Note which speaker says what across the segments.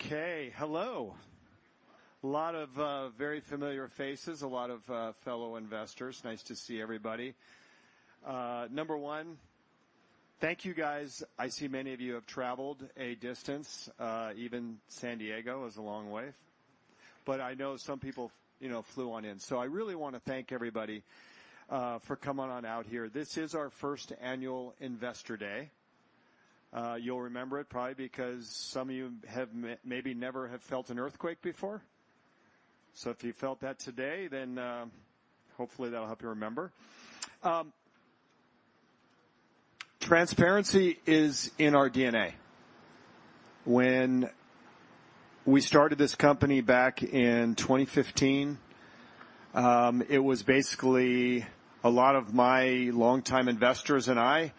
Speaker 1: Okay, hello. A lot of very familiar faces, a lot of fellow investors. Nice to see everybody. Number one, thank you, guys. I see many of you have traveled a distance, even San Diego is a long way, but I know some people, you know, flew on in. So I really want to thank everybody for coming on out here. This is our first annual Investor Day. You'll remember it probably because some of you have maybe never have felt an earthquake before. So if you felt that today, then hopefully, that'll help you remember. Transparency is in our DNA. When we started this company back in 2015, it was basically a lot of my longtime investors and I,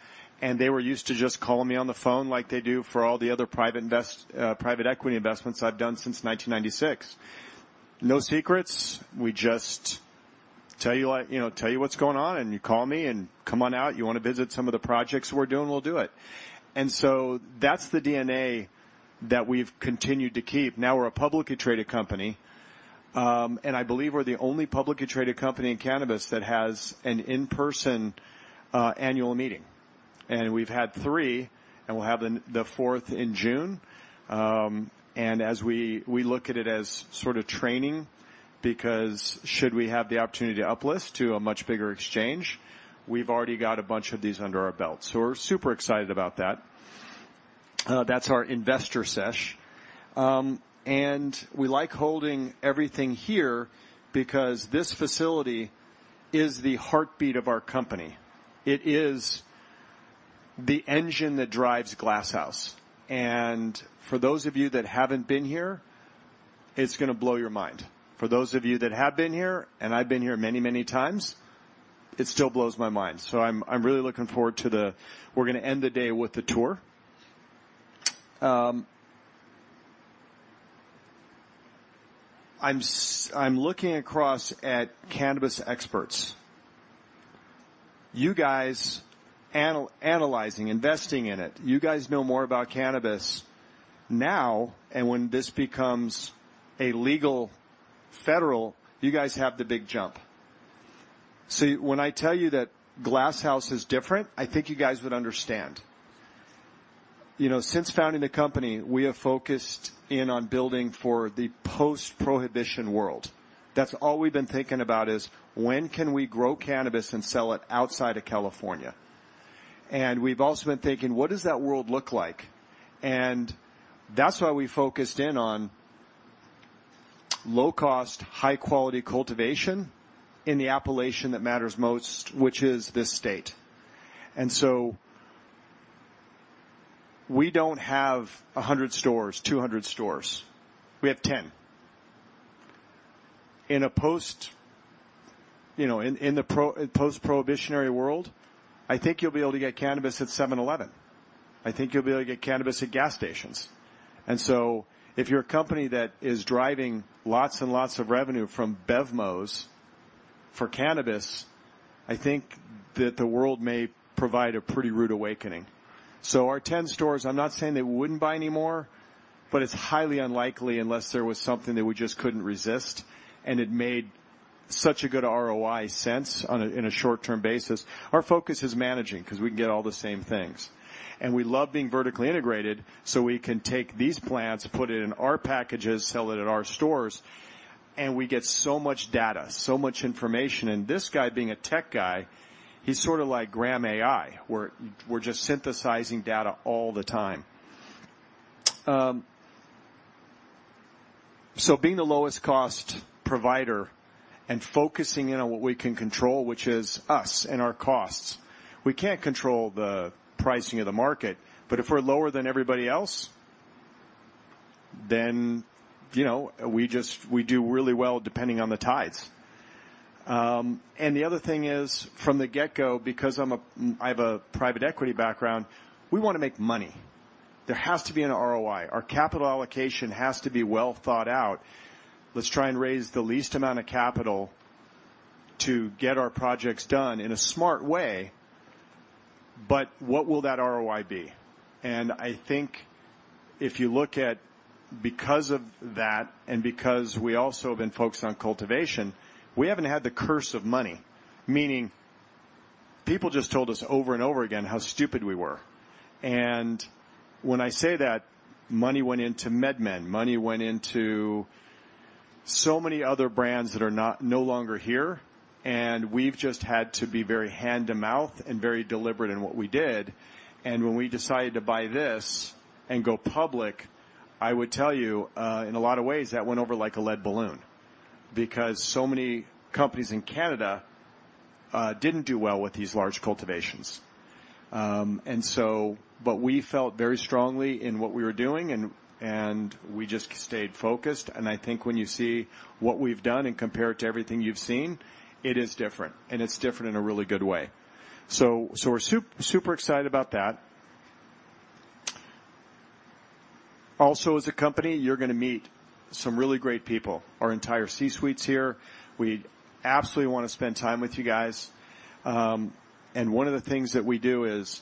Speaker 1: and they were used to just calling me on the phone like they do for all the other private equity investments I've done since 1996. No secrets. We just tell you, like, you know, tell you what's going on, and you call me and come on out. You want to visit some of the projects we're doing, we'll do it. And so that's the DNA that we've continued to keep. Now, we're a publicly traded company, and I believe we're the only publicly traded company in cannabis that has an in-person annual meeting. And we've had three, and we'll have the fourth in June. And as we look at it as sort of training, because should we have the opportunity to uplist to a much bigger exchange, we've already got a bunch of these under our belt. So we're super excited about that. That's our investor sesh. And we like holding everything here because this facility is the heartbeat of our company. It is the engine that drives Glass House. And for those of you that haven't been here, it's gonna blow your mind. For those of you that have been here, and I've been here many, many times, it still blows my mind. So I'm really looking forward to the--we're gonna end the day with a tour. I'm looking across at cannabis experts. You guys analyzing, investing in it. You guys know more about cannabis now, and when this becomes a legal federal, you guys have the big jump. So when I tell you that Glass House is different, I think you guys would understand. You know, since founding the company, we have focused in on building for the post-prohibition world. That's all we've been thinking about, is: When can we grow cannabis and sell it outside of California? And we've also been thinking: What does that world look like? And that's why we focused in on low-cost, high-quality cultivation in the appellation that matters most, which is this state. And so we don't have a hundred stores, two hundred stores. We have ten. In a post, you know, post-prohibitionary world, I think you'll be able to get cannabis at 7-Eleven. I think you'll be able to get cannabis at gas stations. If you're a company that is driving lots and lots of revenue from BevMo's for cannabis, I think that the world may provide a pretty rude awakening. Our 10 stores, I'm not saying they wouldn't buy any more, but it's highly unlikely unless there was something that we just couldn't resist, and it made such a good ROI sense on a, in a short-term basis. Our focus is managing because we can get all the same things. We love being vertically integrated, so we can take these plants, put it in our packages, sell it at our stores, and we get so much data, so much information. This guy, being a tech guy, he's sort of like Graham AI, where we're just synthesizing data all the time. So being the lowest cost provider and focusing in on what we can control, which is us and our costs. We can't control the pricing of the market, but if we're lower than everybody else, then, you know, we just, we do really well, depending on the tides. And the other thing is, from the get-go, because I'm a, I have a private equity background, we want to make money. There has to be an ROI. Our capital allocation has to be well thought out. Let's try and raise the least amount of capital to get our projects done in a smart way, but what will that ROI be? And I think if you look at because of that and because we also have been focused on cultivation, we haven't had the curse of money, meaning people just told us over and over again how stupid we were. When I say that, money went into MedMen, money went into so many other brands that are not, no longer here, and we've just had to be very hand-to-mouth and very deliberate in what we did. When we decided to buy this and go public, I would tell you in a lot of ways, that went over like a lead balloon because so many companies in Canada didn't do well with these large cultivations. We felt very strongly in what we were doing, and we just stayed focused, and I think when you see what we've done and compare it to everything you've seen, it is different, and it's different in a really good way. We're super excited about that. Also, as a company, you're gonna meet some really great people. Our entire C-suite's here. We absolutely want to spend time with you guys. And one of the things that we do is,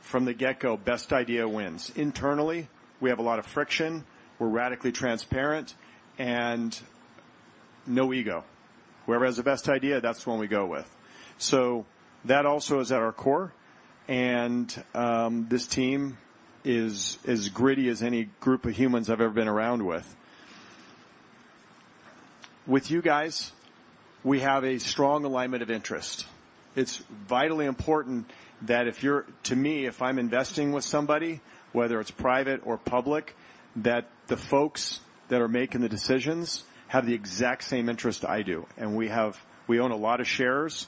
Speaker 1: from the get-go, best idea wins. Internally, we have a lot of friction, we're radically transparent, and no ego. Whoever has the best idea, that's the one we go with. So that also is at our core, and this team is as gritty as any group of humans I've ever been around with. With you guys, we have a strong alignment of interest. It's vitally important. To me, if I'm investing with somebody, whether it's private or public, that the folks that are making the decisions have the exact same interest I do. We own a lot of shares.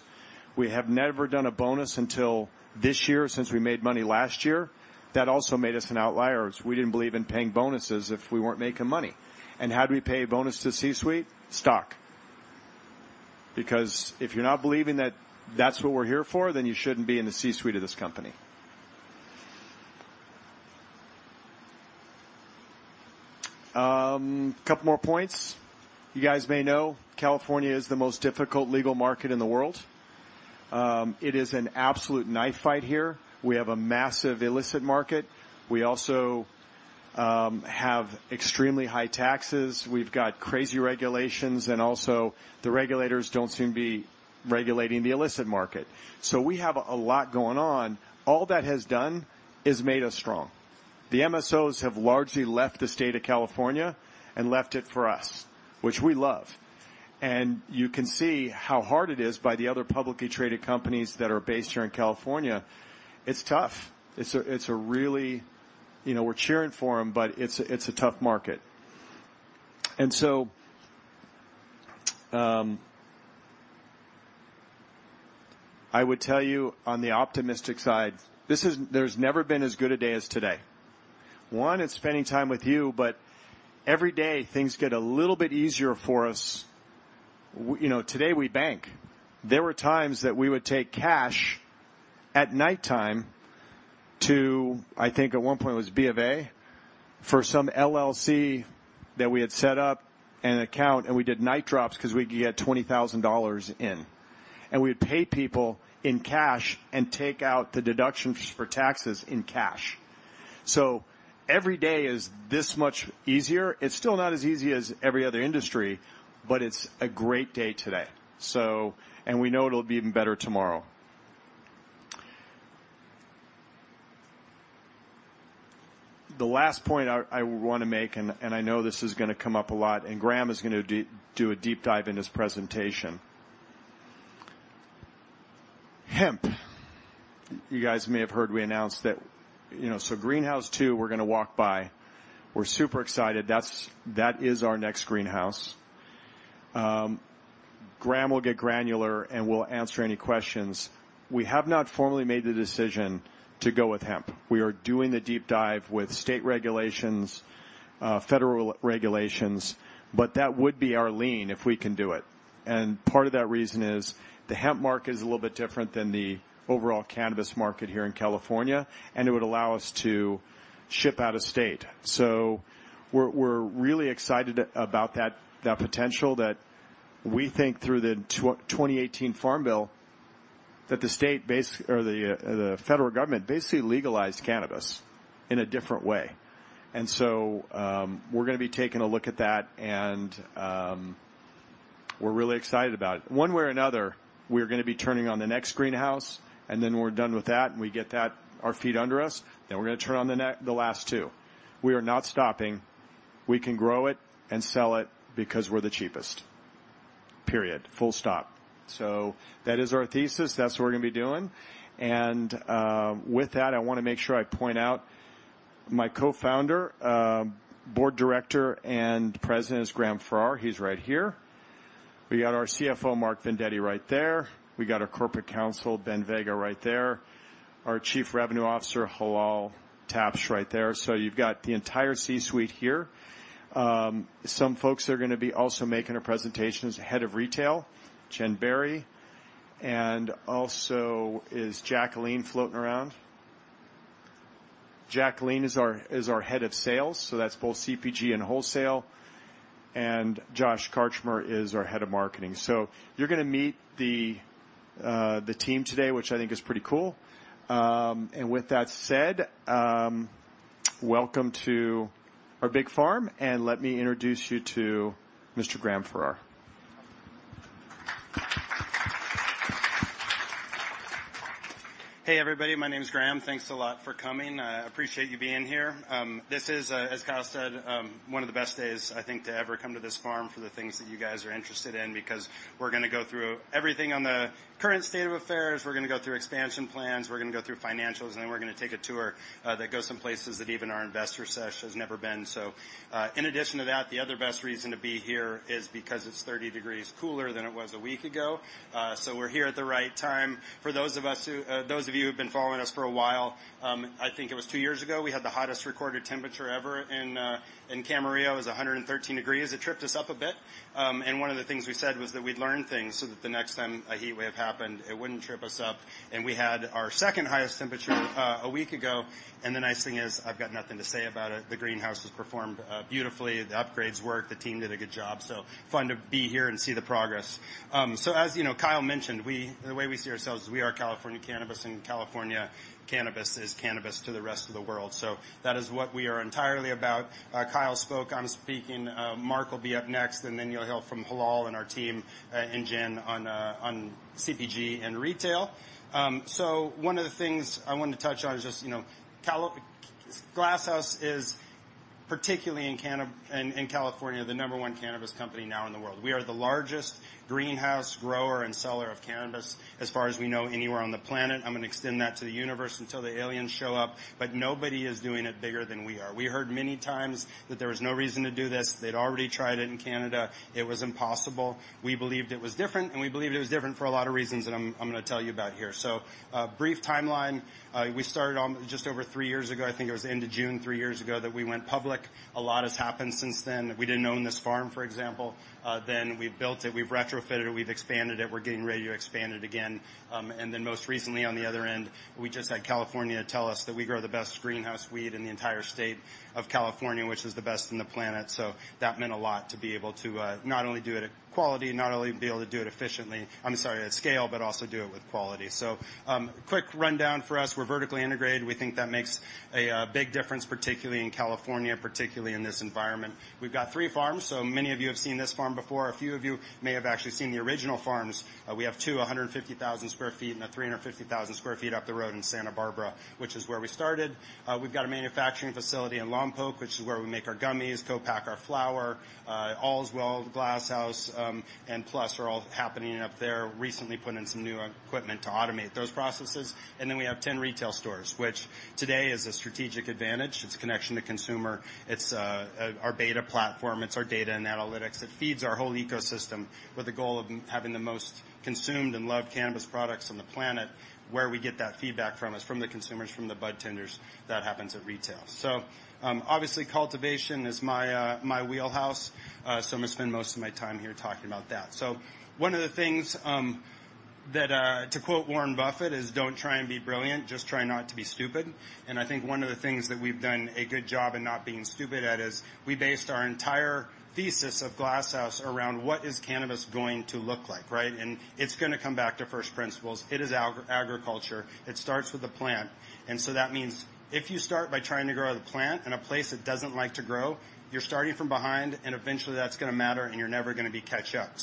Speaker 1: We have never done a bonus until this year, since we made money last year. That also made us an outlier, as we didn't believe in paying bonuses if we weren't making money, and how do we pay a bonus to C-suite? Stock. Because if you're not believing that that's what we're here for, then you shouldn't be in the C-suite of this company. A couple more points. You guys may know, California is the most difficult legal market in the world. It is an absolute knife fight here. We have a massive illicit market. We also have extremely high taxes. We've got crazy regulations, and also, the regulators don't seem to be regulating the illicit market, so we have a lot going on. All that has done is made us strong. The MSOs have largely left the state of California and left it for us, which we love. And you can see how hard it is by the other publicly traded companies that are based here in California. It's tough. It's a really... You know, we're cheering for them, but it's a tough market. And so, I would tell you, on the optimistic side, this is—there's never been as good a day as today. One, it's spending time with you, but every day, things get a little bit easier for us. You know, today, we bank. There were times that we would take cash at nighttime to, I think, at one point, it was B of A, for some LLC that we had set up an account, and we did night drops because we could get $20,000 in. And we would pay people in cash and take out the deductions for taxes in cash. So every day is this much easier. It's still not as easy as every other industry, but it's a great day today. And we know it'll be even better tomorrow. The last point I want to make, and I know this is going to come up a lot, and Graham is going to do a deep dive in his presentation. Hemp. You guys may have heard we announced that, you know. So Greenhouse two, we're going to walk by. We're super excited. That is our next greenhouse. Graham will get granular, and we'll answer any questions. We have not formally made the decision to go with hemp. We are doing the deep dive with state regulations, federal regulations, but that would be our lean if we can do it. Part of that reason is the hemp market is a little bit different than the overall cannabis market here in California, and it would allow us to ship out of state. We're really excited about that potential that we think through the 2018 Farm Bill, that the federal government basically legalized cannabis in a different way. We're going to be taking a look at that, and we're really excited about it. One way or another, we're going to be turning on the next greenhouse, and then we're done with that, and we get our feet under us, then we're going to turn on the last two. We are not stopping. We can grow it and sell it because we're the cheapest, period. Full stop. That is our thesis. That's what we're going to be doing, and with that, I want to make sure I point out my co-founder, board director, and president is Graham Farrar. He's right here. We got our CFO, Mark Vendetti, right there. We got our corporate counsel, Ben Vega, right there. Our Chief Revenue Officer, Hilal Tabsh, right there. So you've got the entire C-suite here. Some folks are going to be also making a presentation, is the head of retail, Jen Barry, and also, is Jacqueline floating around? Jacqueline is our head of sales, so that's both CPG and wholesale. And Josh Karchmer is our head of marketing. So you're going to meet the, the team today, which I think is pretty cool, and with that said, welcome to our big farm, and let me introduce you to Mr. Graham Farrar.
Speaker 2: Hey, everybody, my name is Graham. Thanks a lot for coming. I appreciate you being here. This is, as Kyle said, one of the best days, I think, to ever come to this farm for the things that you guys are interested in, because we're going to go through everything on the current state of affairs. We're going to go through expansion plans. We're going to go through financials, and then we're going to take a tour that goes some places that even our investor sesh has never been. So, in addition to that, the other best reason to be here is because it's 30 degrees Fahrenheit cooler than it was a week ago. So we're here at the right time. For those of us who, those of you who have been following us for a while, I think it was two years ago, we had the hottest recorded temperature ever in Camarillo. It was a hundred and thirteen degrees. It tripped us up a bit. And one of the things we said was that we'd learn things so that the next time a heatwave happened, it wouldn't trip us up. We had our second highest temperature a week ago, and the nice thing is, I've got nothing to say about it. The greenhouse has performed beautifully, the upgrades worked, the team did a good job. So fun to be here and see the progress. So as you know, Kyle mentioned, the way we see ourselves is we are California Cannabis, and California Cannabis is cannabis to the rest of the world. So that is what we are entirely about. Kyle spoke, I'm speaking, Mark will be up next, and then you'll hear from Hilal and our team, and Jen on CPG and retail. So one of the things I wanted to touch on is just, you know, Glass House is particularly in cannabis in California, the number one cannabis company now in the world. We are the largest greenhouse grower and seller of cannabis, as far as we know, anywhere on the planet. I'm going to extend that to the universe until the aliens show up, but nobody is doing it bigger than we are. We heard many times that there was no reason to do this. They'd already tried it in Canada. It was impossible. We believed it was different, and we believed it was different for a lot of reasons that I'm going to tell you about here. So, brief timeline. We started just over three years ago. I think it was end of June, three years ago, that we went public. A lot has happened since then. We didn't own this farm, for example. Then we built it, we've retrofitted it, we've expanded it. We're getting ready to expand it again. And then most recently, on the other end, we just had California tell us that we grow the best greenhouse weed in the entire state of California, which is the best on the planet. So that meant a lot to be able to, not only do it at quality, not only be able to do it efficiently, at scale, but also do it with quality. So, quick rundown for us. We're vertically integrated. We think that makes a, big difference, particularly in California, particularly in this environment. We've got three farms, so many of you have seen this farm before. A few of you may have actually seen the original farms. We have two, 150,000 sq ft, and 350,000 sq ft up the road in Santa Barbara, which is where we started. We've got a manufacturing facility in Lompoc, which is where we make our gummies, co-pack our flower, Allswell, Glass House, and PLUS, are all happening up there. Recently, put in some new equipment to automate those processes, and then we have 10 retail stores, which today is a strategic advantage. It's a connection to consumer. It's our beta platform. It's our data and analytics. It feeds our whole ecosystem with the goal of having the most consumed and loved cannabis products on the planet, where we get that feedback from. It's from the consumers, from the bud tenders, that happens at retail, so obviously, cultivation is my wheelhouse, so I'm going to spend most of my time here talking about that. One of the things, to quote Warren Buffett, is, "Don't try and be brilliant, just try not to be stupid." I think one of the things that we've done a good job in not being stupid at is, we based our entire thesis of Glass House around what is cannabis going to look like, right? It's going to come back to first principles. It is agriculture. It starts with a plant, and so that means if you start by trying to grow the plant in a place that doesn't like to grow, you're starting from behind, and eventually that's going to matter, and you're never going to catch up.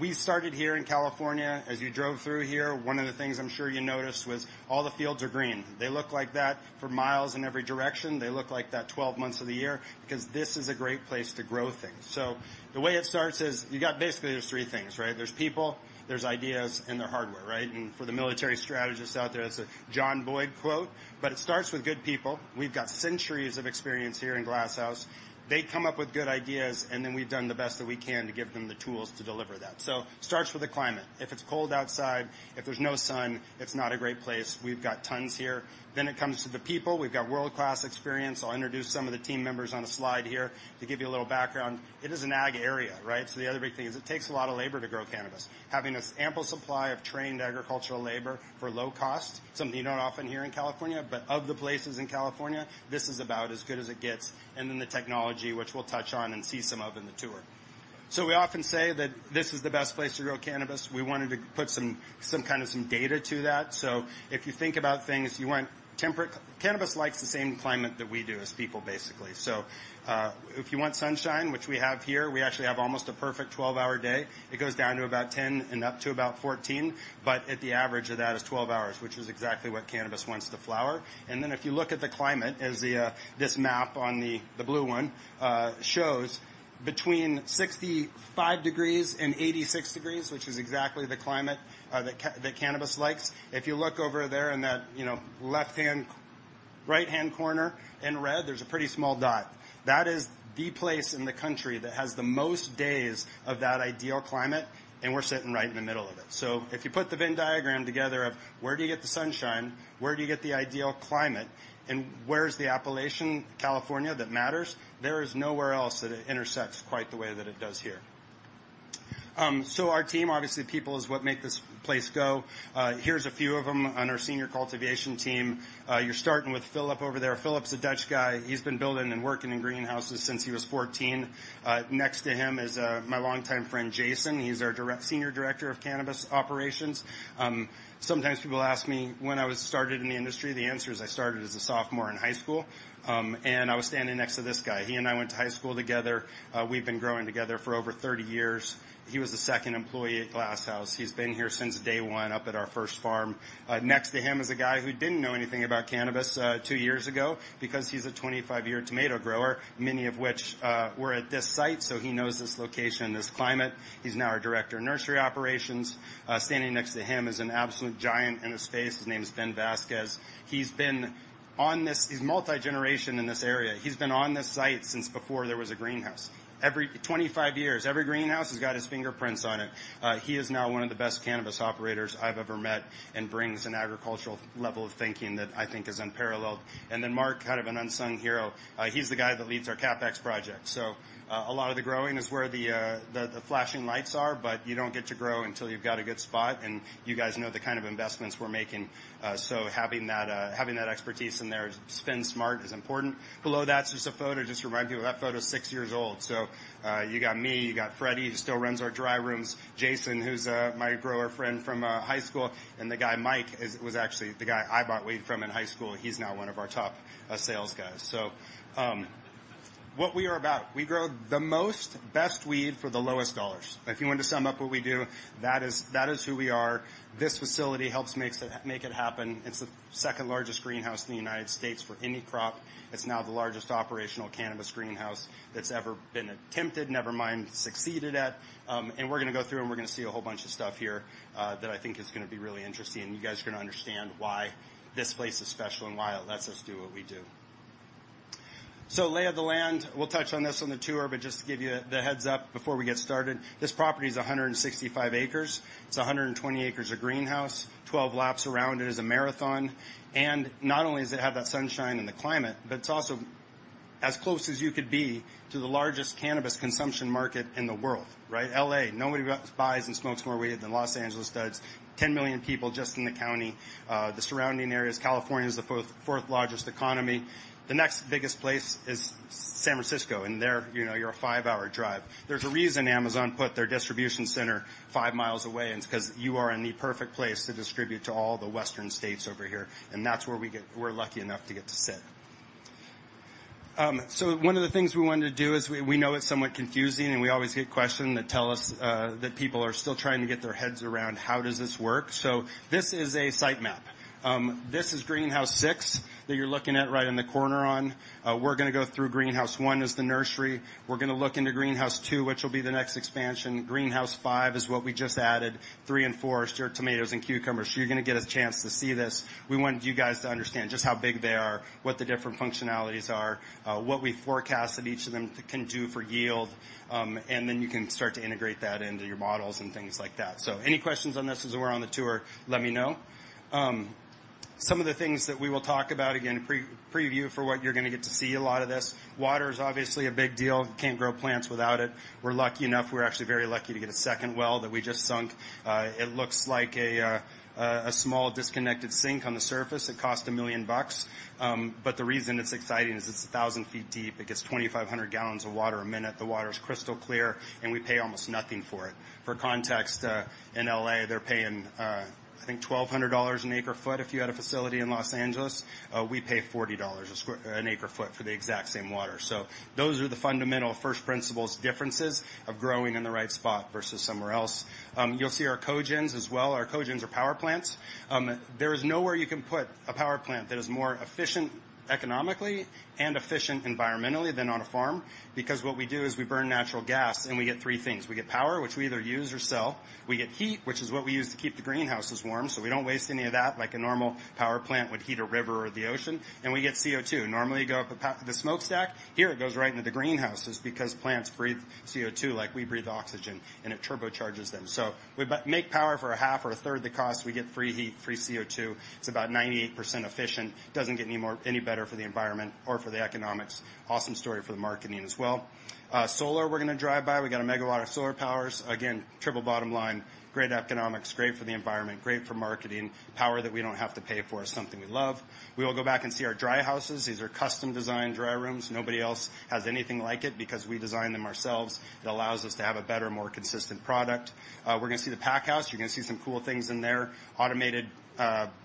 Speaker 2: We started here in California. As you drove through here, one of the things I'm sure you noticed was all the fields are green. They look like that for miles in every direction. They look like that twelve months of the year, because this is a great place to grow things. So the way it starts is you got basically, there's three things, right? There's people, there's ideas, and there's hardware, right? And for the military strategists out there, that's a John Boyd quote. But it starts with good people. We've got centuries of experience here in Glass House. They come up with good ideas, and then we've done the best that we can to give them the tools to deliver that. So it starts with the climate. If it's cold outside, if there's no sun, it's not a great place. We've got tons here. Then it comes to the people. We've got world-class experience. I'll introduce some of the team members on a slide here to give you a little background. It is an ag area, right? So the other big thing is it takes a lot of labor to grow cannabis. Having this ample supply of trained agricultural labor for low cost, something you don't often hear in California, but of the places in California, this is about as good as it gets, and then the technology, which we'll touch on and see some of in the tour. So we often say that this is the best place to grow cannabis. We wanted to put some kind of data to that. So if you think about things, you want temperate, cannabis likes the same climate that we do as people, basically. So, if you want sunshine, which we have here, we actually have almost a perfect twelve-hour day. It goes down to about 10 and up to about 14, but at the average of that is 12 hours, which is exactly what cannabis wants to flower. And then if you look at the climate, as this map on the blue one shows between 65 degrees Fahrenheit and 86 degrees Fahrenheit, which is exactly the climate that cannabis likes. If you look over there in that, you know, right-hand corner in red, there's a pretty small dot. That is the place in the country that has the most days of that ideal climate, and we're sitting right in the middle of it. So if you put the Venn diagram together of: where do you get the sunshine? Where do you get the ideal climate, and where's the appellation, California, that matters? There is nowhere else that it intersects quite the way that it does here. So our team, obviously, people, is what make this place go. Here's a few of them on our senior cultivation team. You're starting with Philip over there. Philip's a Dutch guy. He's been building and working in greenhouses since he was fourteen. Next to him is my longtime friend, Jason. He's our senior director of cannabis operations. Sometimes people ask me, when I was started in the industry, the answer is, I started as a sophomore in high school, and I was standing next to this guy. He and I went to high school together. We've been growing together for over thirty years. He was the second employee at Glass House. He's been here since day one, up at our first farm. Next to him is a guy who didn't know anything about cannabis two years ago, because he's a 25-year tomato grower, many of which were at this site. So he knows this location, this climate. He's now our director of nursery operations. Standing next to him is an absolute giant in the space. His name is Ben Vasquez. He's been on this. He's multi-generation in this area. He's been on this site since before there was a greenhouse. Every 25 years, every greenhouse has got his fingerprints on it. He is now one of the best cannabis operators I've ever met and brings an agricultural level of thinking that I think is unparalleled. And then Mark, kind of an unsung hero. He's the guy that leads our CapEx project. A lot of the growing is where the flashing lights are, but you don't get to grow until you've got a good spot, and you guys know the kind of investments we're making. So having that expertise in there, spend smart, is important. Below that, just a photo, just to remind you, that photo is six years old. So, you got me, you got Freddy, who still runs our dry rooms. Jason, who's my grower friend from high school, and the guy, Mike, was actually the guy I bought weed from in high school. He's now one of our top sales guys. What we are about: We grow the most, best weed for the lowest dollars. If you want to sum up what we do, that is, that is who we are. This facility helps make it happen. It's the second-largest greenhouse in the United States for any crop. It's now the largest operational cannabis greenhouse that's ever been attempted, never mind succeeded at. And we're gonna go through, and we're gonna see a whole bunch of stuff here, that I think is gonna be really interesting, and you guys are gonna understand why this place is special and why it lets us do what we do. Lay of the land, we'll touch on this on the tour, but just to give you the heads-up before we get started, this property is a hundred and sixty-five acres. It's a hundred and twenty acres of greenhouse, 12 laps around it is a marathon. And not only does it have that sunshine and the climate, but it's also as close as you could be to the largest cannabis consumption market in the world, right? LA. Nobody buys and smokes more weed than Los Angeles does. 10 million people just in the county. The surrounding areas, California, is the fourth-largest economy. The next biggest place is San Francisco, and there, you know, you're a 5-hour drive. There's a reason Amazon put their distribution center 5 miles away, and it's 'cause you are in the perfect place to distribute to all the western states over here, and that's where we're lucky enough to get to sit. So one of the things we wanted to do is, we know it's somewhat confusing, and we always get questions that tell us that people are still trying to get their heads around, "How does this work?" So this is a site map. This is Greenhouse Six that you're looking at right in the corner on. We're gonna go through Greenhouse One is the nursery. We're gonna look into Greenhouse Two, which will be the next expansion. Greenhouse Five is what we just added, three and four are tomatoes and cucumbers. So you're gonna get a chance to see this. We wanted you guys to understand just how big they are, what the different functionalities are, what we forecast that each of them can do for yield. And then you can start to integrate that into your models and things like that. Any questions on this as we're on the tour, let me know. Some of the things that we will talk about, again, pre-preview for what you're gonna get to see a lot of this. Water is obviously a big deal. Can't grow plants without it. We're lucky enough, we're actually very lucky, to get a second well that we just sunk. It looks like a small disconnected sink on the surface. It cost $1 million. But the reason it's exciting is it's 1,000 feet deep. It gets 2,500 gallons of water a minute. The water is crystal clear, and we pay almost nothing for it. For context, in LA, they're paying, I think, $1,200 an acre foot, if you had a facility in Los Angeles. We pay $40 an acre foot for the exact same water. So those are the fundamental first principles, differences of growing in the right spot versus somewhere else. You'll see our cogens as well. Our cogens are power plants. There is nowhere you can put a power plant that is more efficient economically and efficient environmentally than on a farm. Because what we do is we burn natural gas, and we get three things: We get power, which we either use or sell. We get heat, which is what we use to keep the greenhouses warm, so we don't waste any of that, like a normal power plant would heat a river or the ocean, and we get CO2. Normally, you go up the smokestack. Here, it goes right into the greenhouses because plants breathe CO2 like we breathe oxygen, and it turbocharges them. So we make power for a half or a third the cost. We get free heat, free CO2. It's about 98% efficient. Doesn't get any better for the environment or for the economics. Awesome story for the marketing as well. Solar, we're gonna drive by. We got a megawatt of solar powers. Again, triple bottom line, great economics, great for the environment, great for marketing. Power that we don't have to pay for is something we love. We will go back and see our dry houses. These are custom-designed dry rooms. Nobody else has anything like it because we design them ourselves. It allows us to have a better, more consistent product. We're gonna see the pack house. You're gonna see some cool things in there. Automated,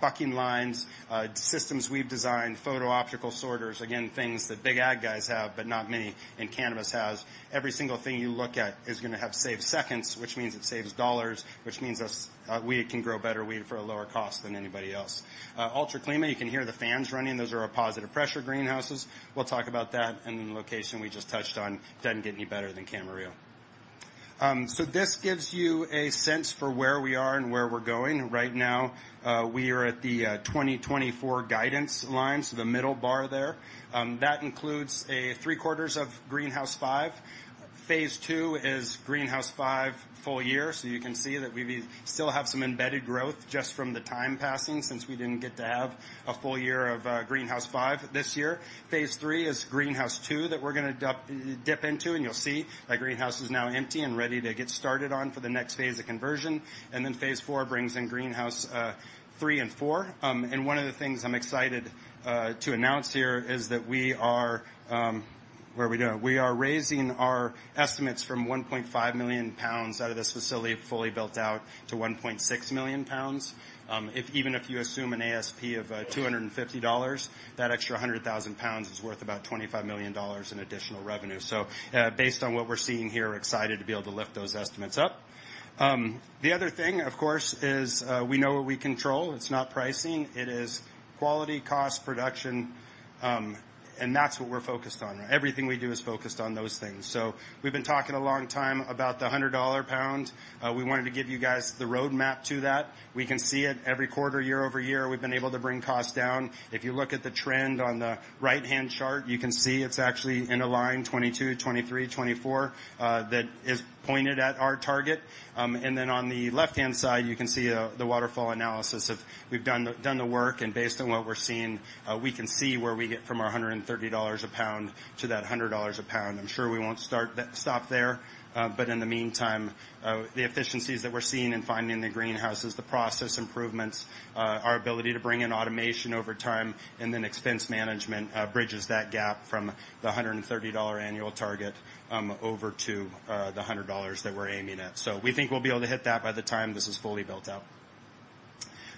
Speaker 2: bucking lines, systems we've designed, photo optical sorters, again, things that big ag guys have, but not many, and cannabis has. Every single thing you look at is gonna have saved seconds, which means it saves dollars, which means us, we can grow better weed for a lower cost than anybody else. Ultra climate, you can hear the fans running. Those are our positive pressure greenhouses. We'll talk about that, and then the location we just touched on, doesn't get any better than Camarillo. So this gives you a sense for where we are and where we're going. Right now, we are at the, twenty twenty-four guidance line, so the middle bar there. That includes three-quarters of Greenhouse five. Phase two is Greenhouse five, full year. So you can see that we still have some embedded growth just from the time passing, since we didn't get to have a full year of Greenhouse five this year. Phase three is Greenhouse two that we're gonna dip into, and you'll see that greenhouse is now empty and ready to get started on for the next phase of conversion. And then phase four brings in Greenhouse three and four. And one of the things I'm excited to announce here is that we are raising our estimates from 1.5 million pounds out of this facility, fully built out, to 1.6 million pounds. Even if you assume an ASP of $250, that extra 100,000 pounds is worth about $25 million in additional revenue. Based on what we're seeing here, we're excited to be able to lift those estimates up. The other thing, of course, is, we know what we control. It's not pricing, it is quality, cost, production, and that's what we're focused on. Everything we do is focused on those things. We've been talking a long time about the $100 pound. We wanted to give you guys the roadmap to that. We can see it every quarter, year over year, we've been able to bring costs down. If you look at the trend on the right-hand chart, you can see it's actually in a line, 2022, 2023, 2024, that is pointed at our target. And then on the left-hand side, you can see the waterfall analysis of—we've done the work, and based on what we're seeing, we can see where we get from our $130 a pound to that $100 a pound. I'm sure we won't stop there, but in the meantime, the efficiencies that we're seeing in finding the greenhouses, the process improvements, our ability to bring in automation over time, and then expense management bridges that gap from the $130 annual target over to the $100 that we're aiming at. We think we'll be able to hit that by the time this is fully built out.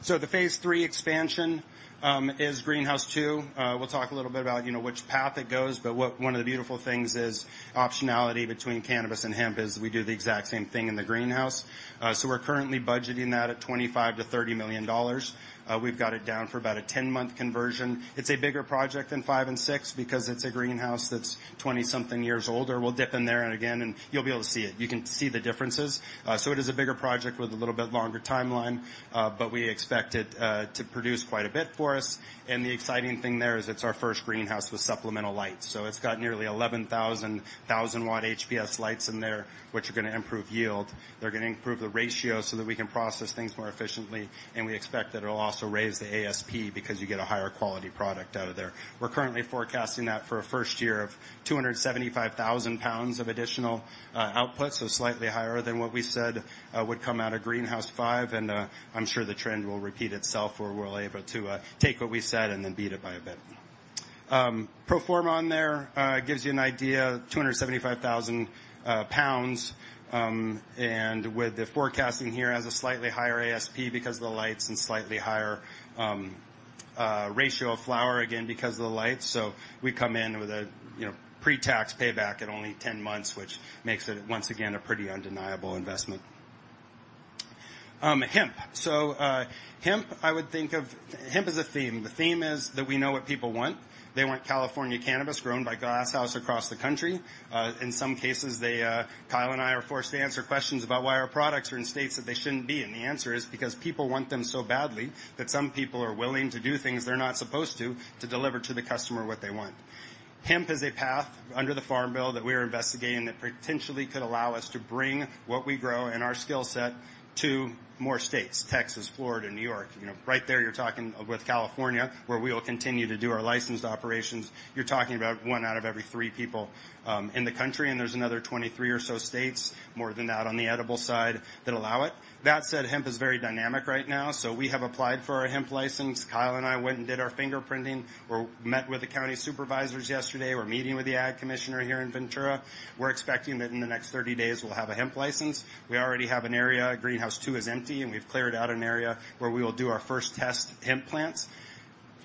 Speaker 2: The phase three expansion is Greenhouse II. We'll talk a little bit about, you know, which path it goes, but what one of the beautiful things is optionality between cannabis and hemp, is we do the exact same thing in the greenhouse. So we're currently budgeting that at $25-$30 million. We've got it down for about a 10-month conversion. It's a bigger project than five and six because it's a greenhouse that's twenty-something years older. We'll dip in there, again, and you'll be able to see it. You can see the differences. So it is a bigger project with a little bit longer timeline, but we expect it to produce quite a bit for us. The exciting thing there is it's our first greenhouse with supplemental lights. So it's got nearly 11,000 1,000-watt HPS lights in there, which are gonna improve yield. They're gonna improve the ratio so that we can process things more efficiently, and we expect that it'll also raise the ASP because you get a higher quality product out of there. We're currently forecasting that for a first year of two hundred and seventy-five thousand pounds of additional output, so slightly higher than what we said would come out of Greenhouse Five, and I'm sure the trend will repeat itself, where we're able to take what we said and then beat it by a bit. Pro forma on there gives you an idea, two hundred and seventy-five thousand pounds. And with the forecasting here, has a slightly higher ASP because of the lights and slightly higher ratio of flower, again because of the lights. So we come in with a, you know, pre-tax payback at only ten months, which makes it, once again, a pretty undeniable investment. Hemp. Hemp is a theme. The theme is that we know what people want. They want California cannabis grown by Glass House across the country. In some cases, they, Kyle and I are forced to answer questions about why our products are in states that they shouldn't be, and the answer is because people want them so badly, that some people are willing to do things they're not supposed to, to deliver to the customer what they want. Hemp is a path under the Farm Bill that we are investigating, that potentially could allow us to bring what we grow and our skill set to more states, Texas, Florida, New York. You know, right there, you're talking with California, where we will continue to do our licensed operations. You're talking about one out of every three people in the country, and there's another 23 or so states, more than that on the edible side, that allow it. That said, hemp is very dynamic right now, so we have applied for our hemp license. Kyle and I went and did our fingerprinting. We met with the county supervisors yesterday. We're meeting with the ag commissioner here in Ventura. We're expecting that in the next 30 days, we'll have a hemp license. We already have an area. Greenhouse II is empty, and we've cleared out an area where we will do our first test hemp plants.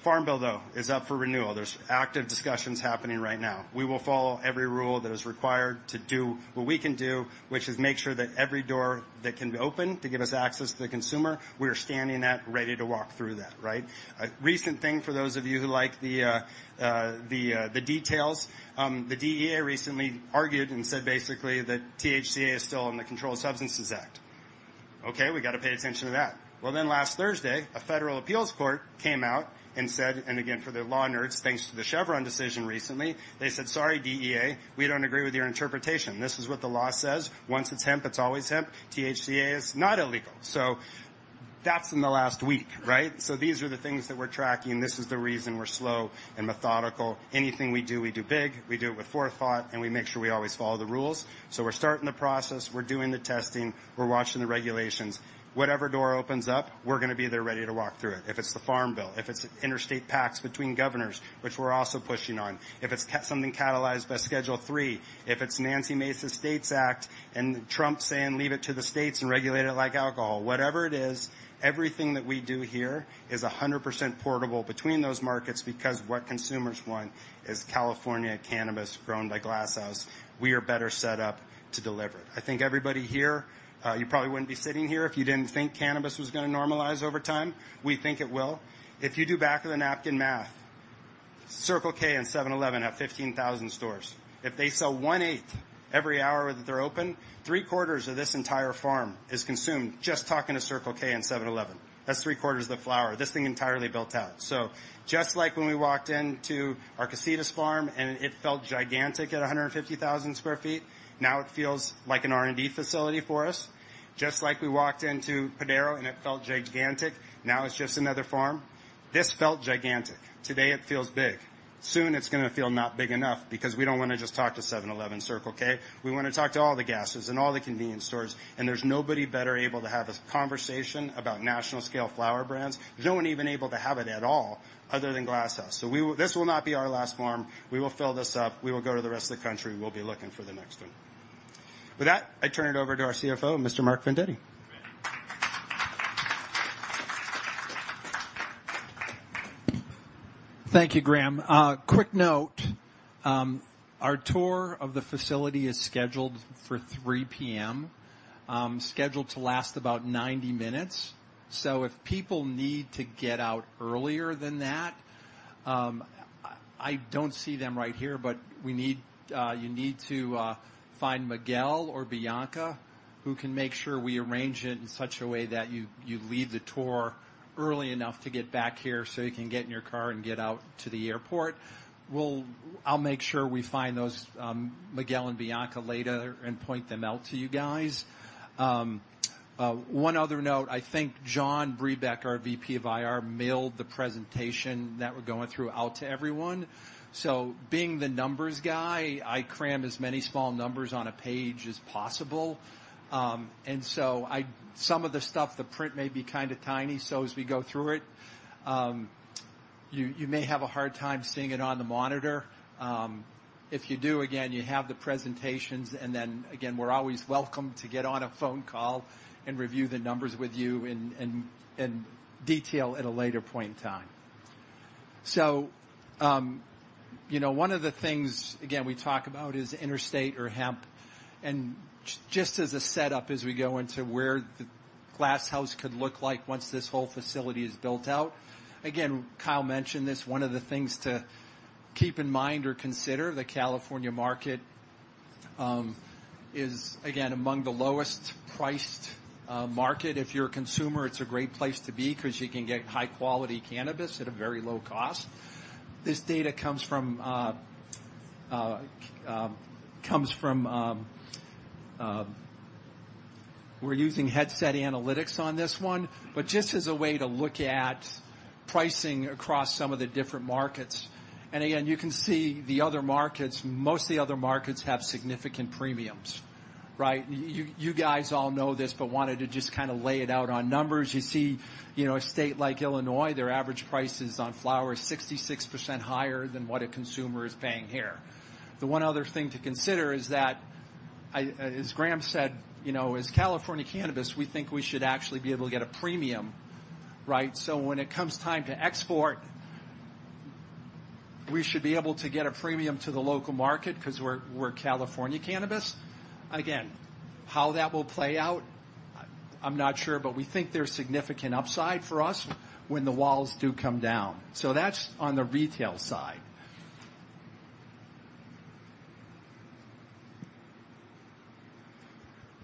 Speaker 2: Farm Bill, though, is up for renewal. There's active discussions happening right now. We will follow every rule that is required to do what we can do, which is make sure that every door that can be open to give us access to the consumer, we are standing at, ready to walk through that, right? A recent thing, for those of you who like the details, the DEA recently argued and said basically that THCA is still on the Controlled Substances Act. Okay, we got to pay attention to that. Well, then last Thursday, a federal appeals court came out and said, and again, for the law nerds, thanks to the Chevron decision recently, they said, "Sorry, DEA, we don't agree with your interpretation. This is what the law says. Once it's hemp, it's always hemp. THCA is not illegal." So that's in the last week, right? So these are the things that we're tracking. This is the reason we're slow and methodical. Anything we do, we do big, we do it with forethought, and we make sure we always follow the rules. We're starting the process. We're doing the testing. We're watching the regulations. Whatever door opens up, we're gonna be there ready to walk through it. If it's the Farm Bill, if it's interstate pacts between governors, which we're also pushing on, if it's something catalyzed by Schedule III, if it's Nancy Mace's STATES Act, and Trump saying, "Leave it to the states and regulate it like alcohol." Whatever it is, everything that we do here is 100% portable between those markets, because what consumers want is California cannabis grown by Glass House. We are better set up to deliver it. I think everybody here, you probably wouldn't be sitting here if you didn't think cannabis was gonna normalize over time. We think it will. If you do back-of-the-napkin math, Circle K and 7-Eleven have 15,000 stores. If they sell one-eighth every hour that they're open, three-quarters of this entire farm is consumed just talking to Circle K and 7-Eleven. That's three-quarters of the flower. This thing entirely built out. So just like when we walked into our Casitas farm, and it felt gigantic at 150,000 sq ft, now it feels like an R&D facility for us. Just like we walked into Padaro, and it felt gigantic, now it's just another farm. This felt gigantic. Today, it feels big. Soon, it's gonna feel not big enough, because we don't wanna just talk to 7-Eleven, Circle K. We wanna talk to all the gas stations and all the convenience stores, and there's nobody better able to have this conversation about national-scale flower brands. No one even able to have it at all other than Glass House. So we will. This will not be our last farm. We will fill this up. We will go to the rest of the country. We'll be looking for the next one. With that, I turn it over to our CFO, Mr. Mark Vendetti.
Speaker 3: Thank you, Graham. Quick note, our tour of the facility is scheduled for 3:00 P.M., scheduled to last about 90 minutes. So if people need to get out earlier than that, I don't see them right here, but you need to find Miguel or Bianca, who can make sure we arrange it in such a way that you leave the tour early enough to get back here, so you can get in your car and get out to the airport. I'll make sure we find those Miguel and Bianca later and point them out to you guys. One other note, I think John Brebeck, our VP of IR, mailed the presentation that we're going through out to everyone. So being the numbers guy, I cram as many small numbers on a page as possible. And so some of the stuff, the print may be kinda tiny, so as we go through it, you may have a hard time seeing it on the monitor. If you do, again, you have the presentations, and then again, we're always welcome to get on a phone call and review the numbers with you in detail at a later point in time. So, you know, one of the things, again, we talk about is interstate or hemp. Just as a setup, as we go into where the Glass House could look like once this whole facility is built out, again, Kyle mentioned this, one of the things to keep in mind or consider, the California market is, again, among the lowest priced market. If you're a consumer, it's a great place to be 'cause you can get high-quality cannabis at a very low cost. This data comes from... We're using Headset analytics on this one, but just as a way to look at pricing across some of the different markets. Again, you can see the other markets. Most of the other markets have significant premiums, right? You guys all know this, but wanted to just kinda lay it out on numbers. You see, you know, a state like Illinois, their average price is on flower, 66% higher than what a consumer is paying here. The one other thing to consider is that I, as Graham said, you know, as California Cannabis, we think we should actually be able to get a premium, right? So when it comes time to export, we should be able to get a premium to the local market 'cause we're California Cannabis. Again, how that will play out, I'm not sure, but we think there's significant upside for us when the walls do come down. So that's on the retail side.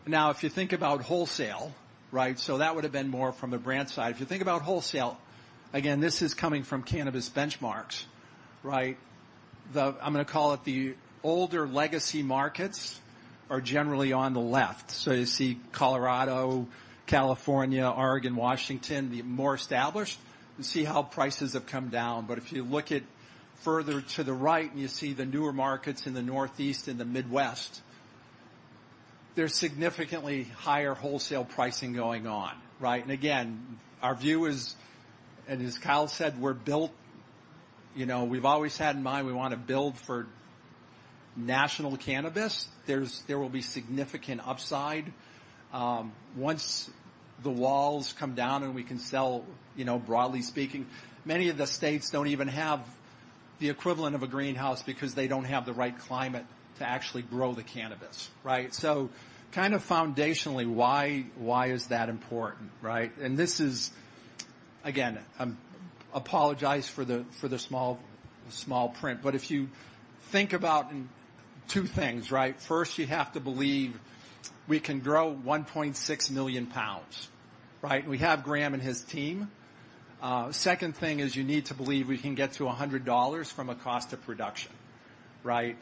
Speaker 3: Now, if you think about wholesale, right? So that would have been more from a brand side. If you think about wholesale, again, this is coming from Cannabis Benchmarks, right? The, I'm gonna call it, the older legacy markets are generally on the left. So you see Colorado, California, Oregon, Washington, the more established, you see how prices have come down. But if you look further to the right, and you see the newer markets in the Northeast and the Midwest, there's significantly higher wholesale pricing going on, right? And again, our view is, and as Kyle said, we're built, you know, we've always had in mind, we wanna build for national cannabis. There will be significant upside once the walls come down, and we can sell, you know, broadly speaking. Many of the states don't even have the equivalent of a greenhouse because they don't have the right climate to actually grow the cannabis, right? So foundationally, why is that important, right? And this is, again, apologize for the small print, but if you think about two things, right? First, you have to believe we can grow 1.6 million pounds, right? We have Graham and his team. Second thing is you need to believe we can get to $100 from a cost of production, right?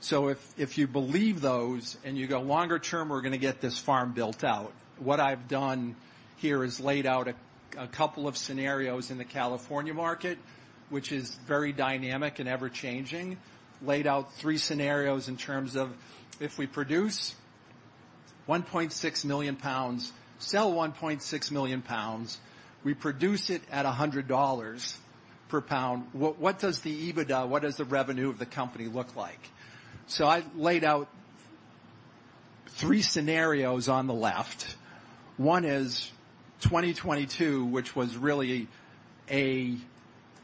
Speaker 3: So if you believe those and you go longer term, we're gonna get this farm built out. What I've done here is laid out a couple of scenarios in the California market, which is very dynamic and ever-changing. Laid out three scenarios in terms of if we produce 1.6 million pounds, sell 1.6 million pounds, we produce it at $100 per pound, what does the EBITDA, what does the revenue of the company look like? I've laid out three scenarios on the left. One is 2022, which was really an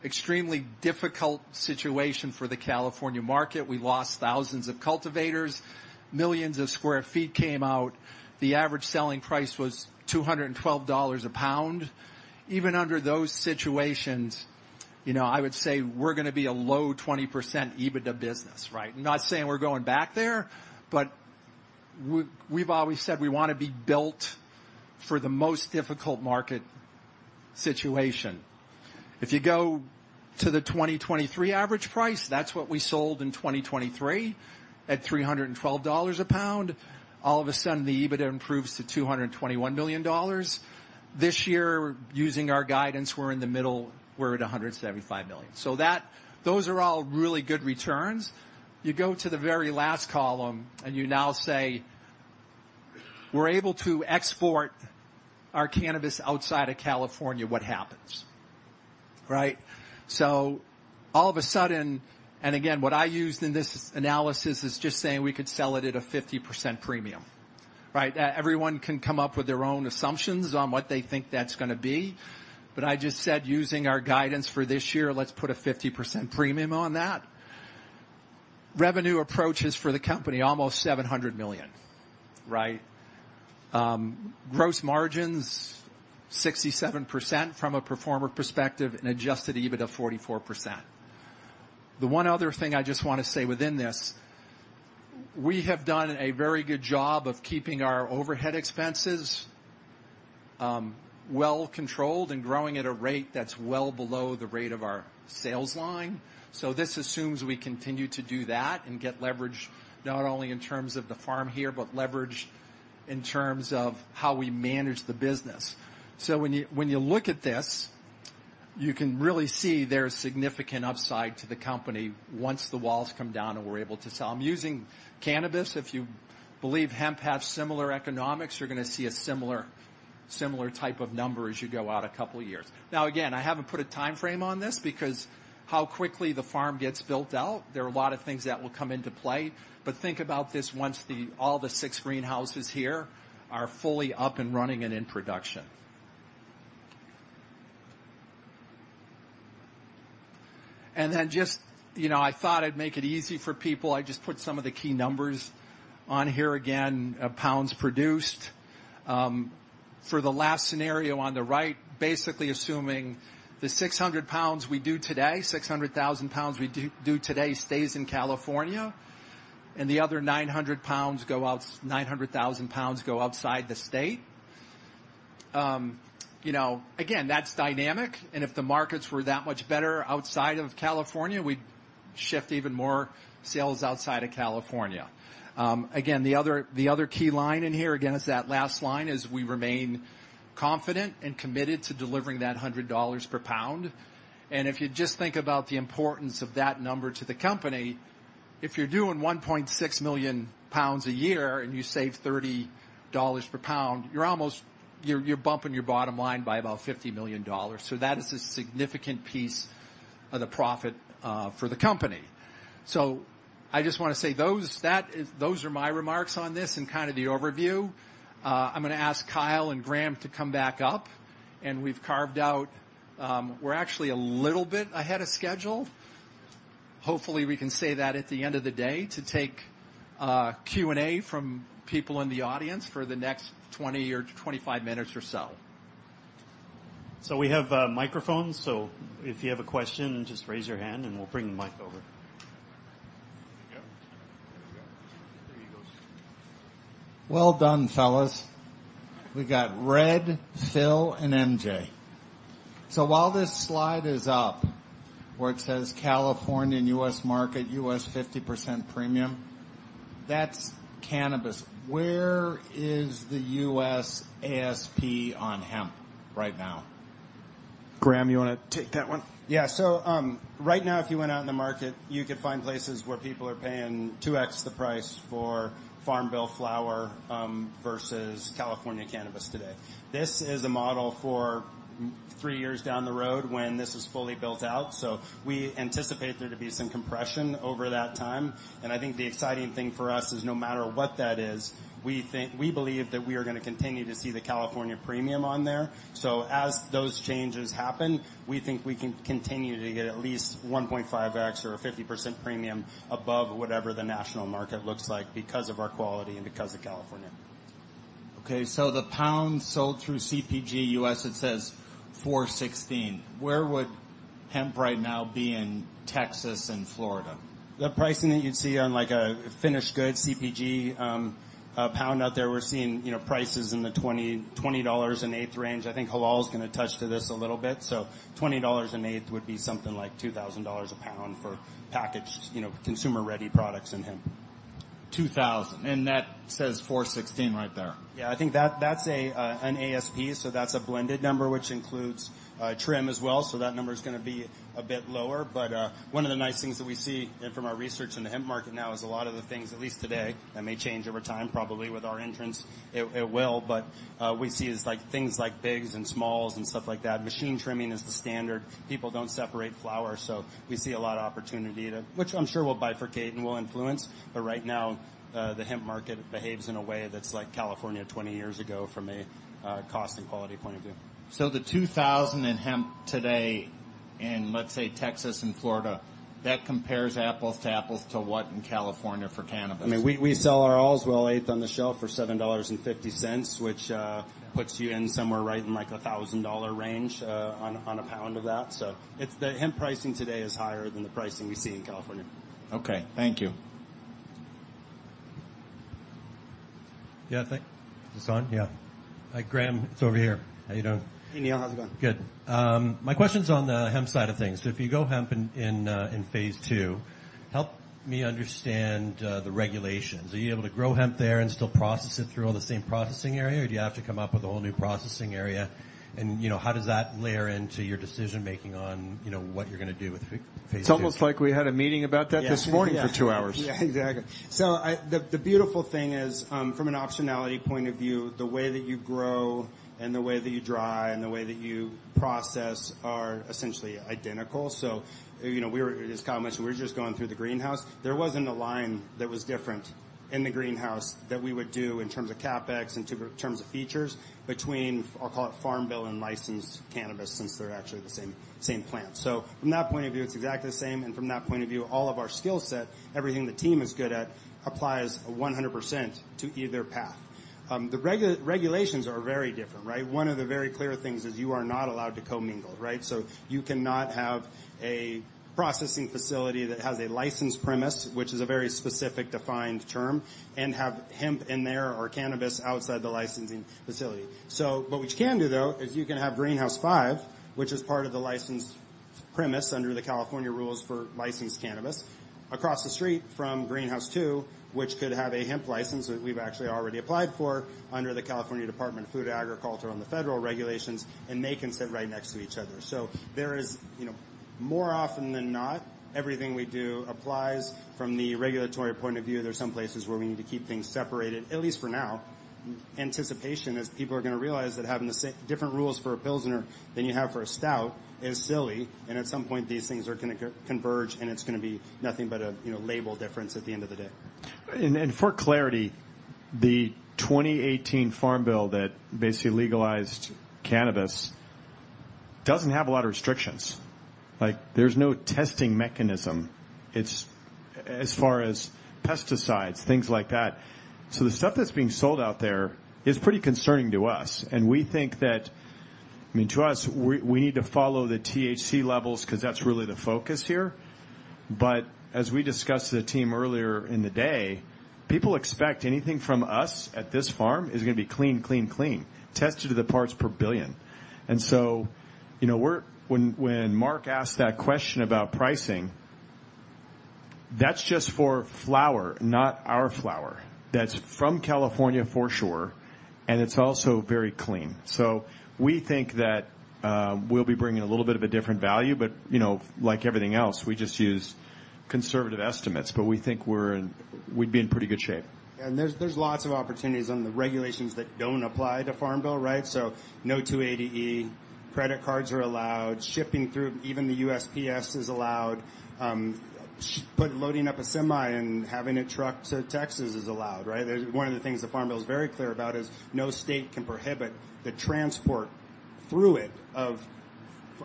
Speaker 3: extremely difficult situation for the California market. We lost thousands of cultivators, millions of sq ft came out. The average selling price was $212 per pound. Even under those situations, you know, I would say we're gonna be a low 20% EBITDA business, right? Not saying we're going back there, but we, we've always said we wanna be built for the most difficult market situation. If you go to the 2023 average price, that's what we sold in 2023, at $300 a pound. All of a sudden, the EBITDA improves to $221 million. This year, using our guidance, we're in the middle, we're at $175 million. So that, those are all really good returns. You go to the very last column, and you now say, "We're able to export our cannabis outside of California, what happens?" Right? So all of a sudden... Again, what I used in this analysis is just saying we could sell it at a 50% premium, right? Everyone can come up with their own assumptions on what they think that's gonna be, but I just said, using our guidance for this year, let's put a 50% premium on that. Revenue approaches for the company almost $700 million, right? Gross margins 67% from a pro forma perspective and adjusted EBITDA 44%. The one other thing I just want to say within this, we have done a very good job of keeping our overhead expenses well controlled and growing at a rate that's well below the rate of our sales line. So this assumes we continue to do that and get leverage, not only in terms of the farm here, but leverage in terms of how we manage the business. So when you look at this, you can really see there's significant upside to the company once the walls come down, and we're able to sell. I'm using cannabis. If you believe hemp has similar economics, you're gonna see a similar type of number as you go out a couple of years. Now, again, I haven't put a time frame on this because how quickly the farm gets built out, there are a lot of things that will come into play. But think about this once all the six greenhouses here are fully up and running and in production. And then just, you know, I thought I'd make it easy for people. I just put some of the key numbers on here. Again, pounds produced. For the last scenario on the right, basically assuming the 600,000 lbs we do today stays in California, and the other 900,000 lbs go outside the state. You know, again, that's dynamic, and if the markets were that much better outside of California, we'd shift even more sales outside of California. Again, the other key line in here, again, is that last line, is we remain confident and committed to delivering that $100 per pound. And if you just think about the importance of that number to the company, if you're doing 1.6 million pounds a year and you save $30 per pound, you're bumping your bottom line by about $50 million. So that is a significant piece of the profit for the company. So I just wanna say those are my remarks on this and kind of the overview. I'm gonna ask Kyle and Graham to come back up, and we've carved out. We're actually a little bit ahead of schedule. Hopefully, we can save that at the end of the day to take Q&A from people in the audience for the next 20 or 25 minutes or so.
Speaker 4: So we have microphones, so if you have a question, then just raise your hand and we'll bring the mic over.
Speaker 5: Well done, fellas. We got Red, Phil, and MJ. So while this slide is up, where it says California and U.S. market, U.S. 50% premium, that's cannabis. Where is the U.S. ASP on hemp right now?
Speaker 1: Graham, you wanna take that one?
Speaker 2: Yeah. So, right now, if you went out in the market, you could find places where people are paying 2x the price for Farm Bill flower versus California cannabis today. This is a model for three years down the road when this is fully built out, so we anticipate there to be some compression over that time, and I think the exciting thing for us is no matter what that is, we think we believe that we are gonna continue to see the California premium on there. So as those changes happen, we think we can continue to get at least 1.5x or a 50% premium above whatever the national market looks like because of our quality and because of California.
Speaker 5: Okay, so the pounds sold through CPG US, it says 416. Where would hemp right now be in Texas and Florida?
Speaker 6: The pricing that you'd see on, like, a finished goods CPG, a pound out there, we're seeing, you know, prices in the $20, 20 an eighth range. I think Hilal is gonna touch to this a little bit. So $20 an eighth would be something like $2,000 a pound for packaged, you know, consumer-ready products in hemp.
Speaker 5: 2,000. And that says 416 right there.
Speaker 2: Yeah, I think that's an ASP, so that's a blended number, which includes trim as well, so that number is gonna be a bit lower. But one of the nice things that we see from our research in the hemp market now is a lot of the things, at least today, that may change over time, probably with our entrants, it will, but we see is like things like bigs and smalls and stuff like that. Machine trimming is the standard. People don't separate flowers, so we see a lot of opportunity to, which I'm sure will bifurcate and will influence, but right now the hemp market behaves in a way that's like California twenty years ago from a cost and quality point of view.
Speaker 5: So the $2,000 in hemp today in, let's say, Texas and Florida, that compares apples to apples to what in California for cannabis?
Speaker 2: We sell our Allswell eighth on the shelf for $7.50, which puts you in somewhere right in, like, a $1,000 range, on a pound of that. So hemp pricing today is higher than the pricing we see in California.
Speaker 5: Okay, thank you.
Speaker 7: Is this on? Yeah. Hi, Graham, it's over here. How you doing?
Speaker 2: Hey, Neil, how's it going?
Speaker 7: Good. My question's on the hemp side of things. If you go hemp in phase two, help me understand the regulations. Are you able to grow hemp there and still process it through all the same processing area, or do you have to come up with a whole new processing area? And, you know, how does that layer into your decision-making on, you know, what you're gonna do with phase II?
Speaker 1: It's almost like we had a meeting about that this morning for two hours.
Speaker 2: Yeah, exactly. So the beautiful thing is, from an optionality point of view, the way that you grow and the way that you dry and the way that you process are essentially identical. So, you know, we were, as Kyle mentioned, we were just going through the greenhouse. There wasn't a line that was different in the greenhouse that we would do in terms of CapEx, in terms of features, between, I'll call it Farm Bill and licensed cannabis, since they're actually the same, same plant. So from that point of view, it's exactly the same, and from that point of view, all of our skill set, everything the team is good at, applies 100% to either path. The regulations are very different, right? One of the very clear things is you are not allowed to commingle, right? So you cannot have a processing facility that has a licensed premise, which is a very specific, defined term, and have hemp in there or cannabis outside the licensing facility. So what we can do, though, is you can have Greenhouse five, which is part of the licensed premise under the California rules for licensed cannabis, across the street from Greenhouse two, which could have a hemp license that we've actually already applied for under the California Department of Food and Agriculture on the federal regulations, and they can sit right next to each other. So there is, you know, more often than not, everything we do applies from the regulatory point of view. There are some places where we need to keep things separated, at least for now. Anticipation is people are gonna realize that having different rules for a pilsner than you have for a stout is silly, and at some point, these things are gonna converge, and it's gonna be nothing but a, you know, label difference at the end of the day.
Speaker 1: For clarity, the 2018 Farm Bill that basically legalized cannabis doesn't have a lot of restrictions. Like, there's no testing mechanism. It's, as far as pesticides, things like that. So the stuff that's being sold out there is pretty concerning to us, and we think that, I mean, to us, we need to follow the THC levels because that's really the focus here. But as we discussed as a team earlier in the day, people expect anything from us at this farm is going to be clean, clean, clean, tested to the parts per billion. And when Mark asked that question about pricing, that's just for flower, not our flower. That's from California, for sure, and it's also very clean. So we think that we'll be bringing a little bit of a different value, but, you know, like everything else, we just use conservative estimates. But we think we'd be in pretty good shape.
Speaker 2: There's lots of opportunities on the regulations that don't apply to Farm Bill, right? So no 280E, credit cards are allowed, shipping through even the USPS is allowed. Put loading up a semi and having it trucked to Texas is allowed, right? One of the things the Farm Bill is very clear about is no state can prohibit the transport through it of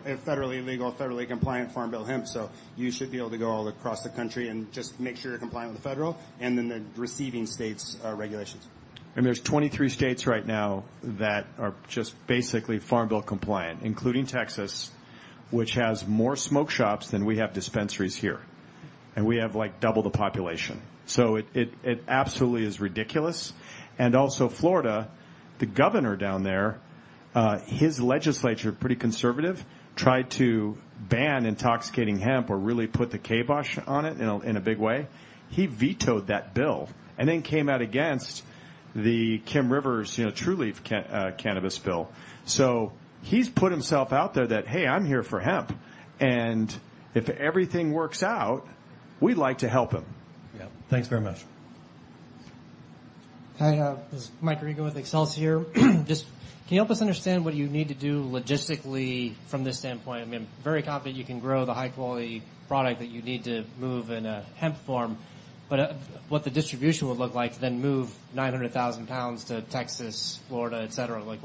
Speaker 2: a federally legal, federally compliant Farm Bill hemp. So you should be able to go all across the country and just make sure you're compliant with the federal and then the receiving state's regulations.
Speaker 1: There's twenty-three states right now that are just basically Farm Bill compliant, including Texas, which has more smoke shops than we have dispensaries here, and we have, like, double the population. So it absolutely is ridiculous. Also, Florida, the governor down there, his legislature, pretty conservative, tried to ban intoxicating hemp or really put the kibosh on it in a big way. He vetoed that bill and then came out against the Kim Rivers, you know, Trulieve cannabis bill. So he's put himself out there that: "Hey, I'm here for hemp," and if everything works out, we'd like to help him.
Speaker 7: Yeah. Thanks very much.
Speaker 8: Hi, this is Mike Regan with Excelsior. Just, can you help us understand what you need to do logistically from this standpoint? I mean, I'm very confident you can grow the high-quality product that you need to move in a hemp form, but, what the distribution would look like to then move nine hundred thousand pounds to Texas, Florida, et cetera. Like,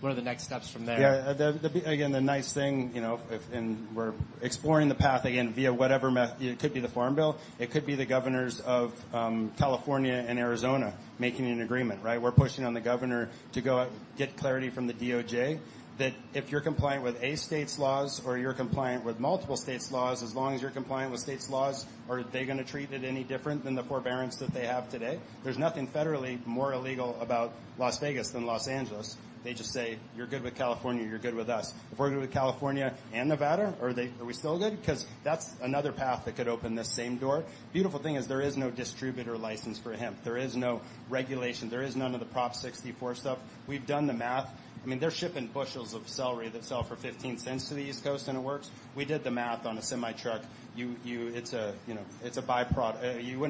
Speaker 8: what are the next steps from there?
Speaker 2: Yeah, again, the nice thing, you know, if and we're exploring the path again via whatever method it could be the Farm Bill, it could be the governors of California and Arizona making an agreement, right? We're pushing on the governor to go out and get clarity from the DOJ, that if you're compliant with a state's laws, or you're compliant with multiple states' laws, as long as you're compliant with states' laws, are they going to treat it any different than the forbearance that they have today? There's nothing federally more illegal about Las Vegas than Los Angeles. They just say, "You're good with California, you're good with us." If we're good with California and Nevada, are they, are we still good? Because that's another path that could open this same door. Beautiful thing is there is no distributor license for hemp. There is no regulation. There is none of the Prop 64 stuff. We've done the math. I mean, they're shipping bushels of celery that sell for fifteen cents to the East Coast, and it works. We did the math on a semi-truck. You know, it's a byproduct. You wouldn't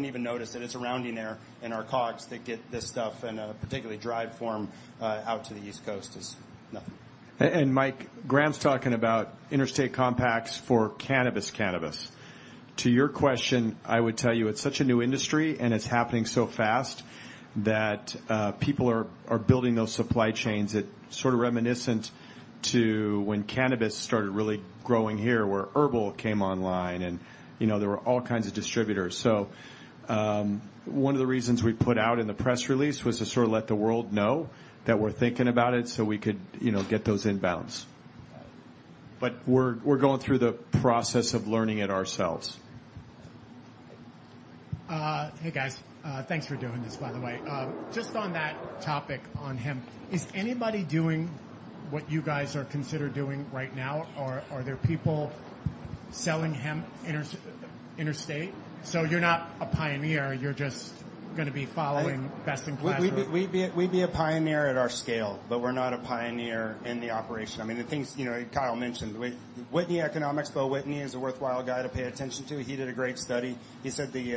Speaker 2: even notice it. It's a rounding error in our COGS to get this stuff in a particularly dried form out to the East Coast. It's nothing.
Speaker 9: And Mike, Graham's talking about interstate compacts for cannabis. To your question, I would tell you it's such a new industry, and it's happening so fast that people are building those supply chains. It's sort of reminiscent to when cannabis started really growing here, where HERBL came online and, you know, there were all kinds of distributors. So, one of the reasons we put out in the press release was to sort of let the world know that we're thinking about it so we could, you know, get those inbounds.
Speaker 8: Got it.
Speaker 1: But we're going through the process of learning it ourselves.
Speaker 10: Hey, guys. Thanks for doing this, by the way. Just on that topic, on hemp, is anybody doing what you guys are considering doing right now, or are there people selling hemp interstate? So you're not a pioneer, you're just going to be following best in class or-
Speaker 2: We'd be, we'd be a pioneer at our scale, but we're not a pioneer in the operation. I mean, the things, you know, Kyle mentioned, Whitney Economics, Beau Whitney is a worthwhile guy to pay attention to. He did a great study. He said the